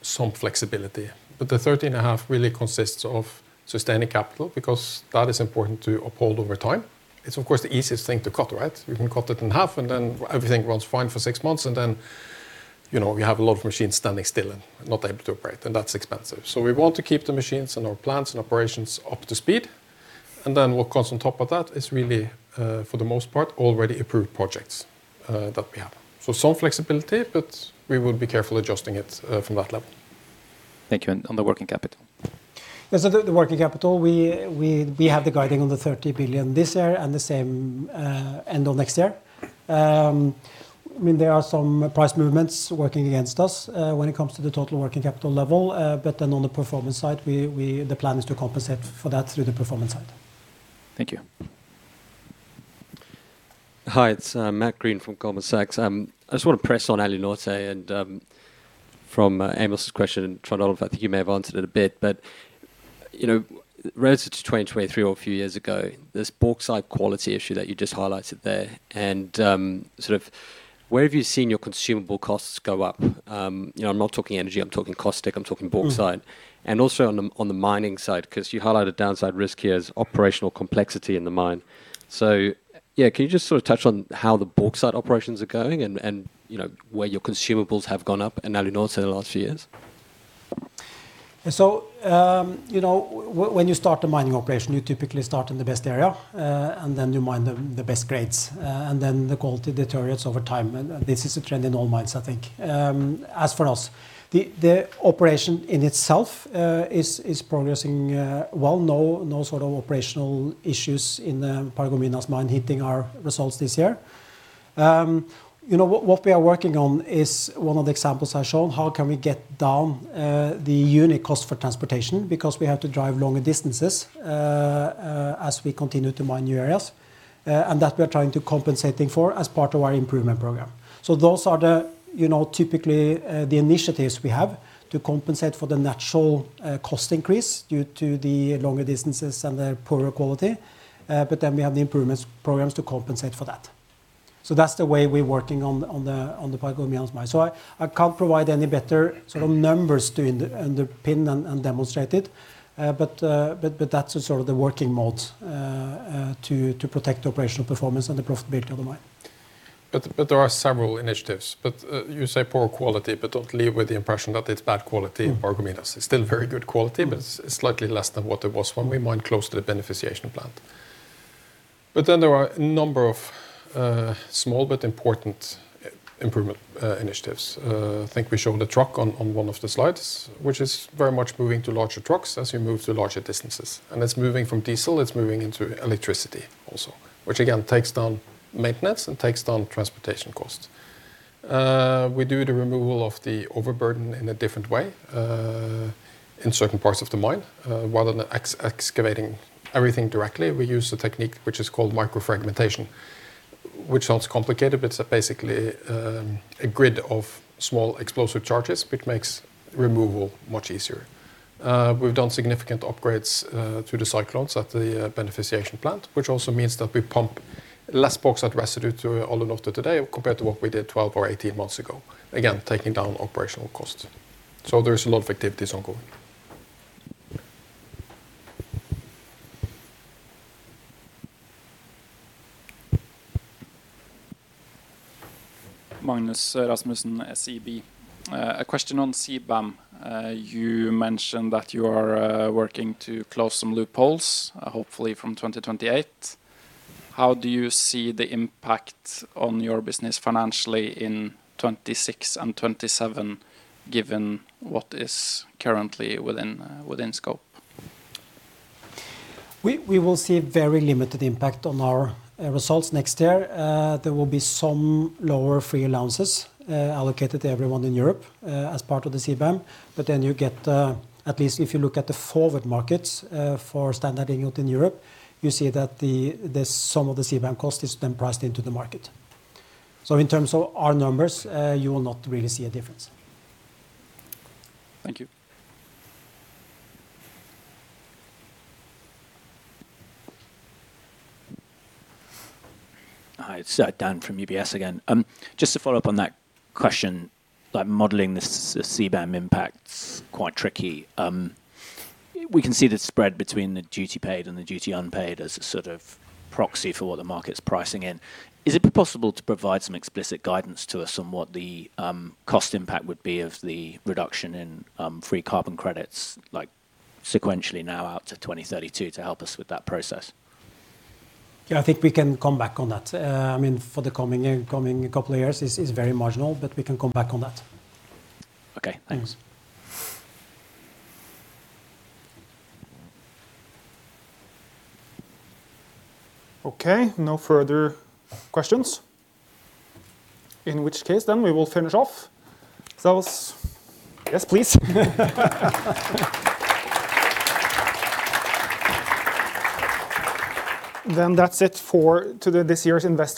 [SPEAKER 6] some flexibility. The 13.5 really consists of sustaining capital because that is important to uphold over time. It's, of course, the easiest thing to cut, right? You can cut it in half and then everything runs fine for six months, and then you have a lot of machines standing still and not able to operate, and that's expensive. We want to keep the machines and our plants and operations up to speed. What comes on top of that is really, for the most part, already approved projects that we have. Some flexibility, but we will be careful adjusting it from that level.
[SPEAKER 14] Thank you. On the working capital?
[SPEAKER 6] The working capital, we have the guiding on the 30 billion this year and the same end of next year. I mean, there are some price movements working against us when it comes to the total working capital level, but then on the performance side, the plan is to compensate for that through the performance side.
[SPEAKER 14] Thank you.
[SPEAKER 15] Hi, it's Matt Green from Goldman Sachs. I just want to press on Alunorte and from Amos's question and Trond Olav, I think you may have answered it a bit, but relative to 2023 or a few years ago, this bauxite quality issue that you just highlighted there, and sort of where have you seen your consumable costs go up? I'm not talking energy, I'm talking caustic, I'm talking bauxite. Also on the mining side, because you highlighted downside risk here as operational complexity in the mine. Yeah, can you just sort of touch on how the bauxite operations are going and where your consumables have gone up in Alunorte in the last few years?
[SPEAKER 6] When you start a mining operation, you typically start in the best area, and then you mine the best grades, and then the quality deteriorates over time. This is a trend in all mines, I think. As for us, the operation in itself is progressing well. No sort of operational issues in the Paragominas mine hitting our results this year. What we are working on is one of the examples I showed, how can we get down the unit cost for transportation because we have to drive longer distances as we continue to mine new areas, and that we are trying to compensate for as part of our improvement program. Those are typically the initiatives we have to compensate for the natural cost increase due to the longer distances and the poorer quality. We have the improvement programs to compensate for that. That is the way we're working on the Paragominas mine. I can't provide any better sort of numbers to underpin and demonstrate it, but that is sort of the working mode to protect operational performance and the profitability of the mine. There are several initiatives. You say poor quality, but do not leave with the impression that it is bad quality in Paragominas. It is still very good quality, but it is slightly less than what it was when we mined close to the beneficiation plant. There are a number of small but important improvement initiatives. I think we showed a truck on one of the slides, which is very much moving to larger trucks as you move to larger distances. It is moving from diesel, it is moving into electricity also, which again takes down maintenance and takes down transportation costs. We do the removal of the overburden in a different way in certain parts of the mine. Rather than excavating everything directly, we use a technique which is called microfragmentation, which sounds complicated, but it is basically a grid of small explosive charges, which makes removal much easier. We've done significant upgrades to the cyclones at the beneficiation plant, which also means that we pump less bauxite residue to Alunorte today compared to what we did 12 or 18 months ago, again, taking down operational costs. There is a lot of activities ongoing.
[SPEAKER 16] Magnus Rasmussen, SEB. A question on CBAM. You mentioned that you are working to close some loopholes, hopefully from 2028. How do you see the impact on your business financially in 2026 and 2027, given what is currently within scope?
[SPEAKER 6] We will see a very limited impact on our results next year. There will be some lower free allowances allocated to everyone in Europe as part of the CBAM. You get, at least if you look at the forward markets for standard ingot in Europe, you see that some of the CBAM cost is then priced into the market. In terms of our numbers, you will not really see a difference.
[SPEAKER 16] Thank you.
[SPEAKER 9] Hi, it's Dan from UBS again. Just to follow up on that question, modeling the CBAM impact is quite tricky. We can see the spread between the duty paid and the duty unpaid as a sort of proxy for what the market's pricing in. Is it possible to provide some explicit guidance to us on what the cost impact would be of the reduction in free carbon credits, like sequentially now out to 2032, to help us with that process?
[SPEAKER 6] I think we can come back on that. I mean, for the coming couple of years, it's very marginal, but we can come back on that.
[SPEAKER 2] Okay, thanks. Okay, no further questions. In which case, we will finish off.
[SPEAKER 3] Yes, please. That's it for this year's investment.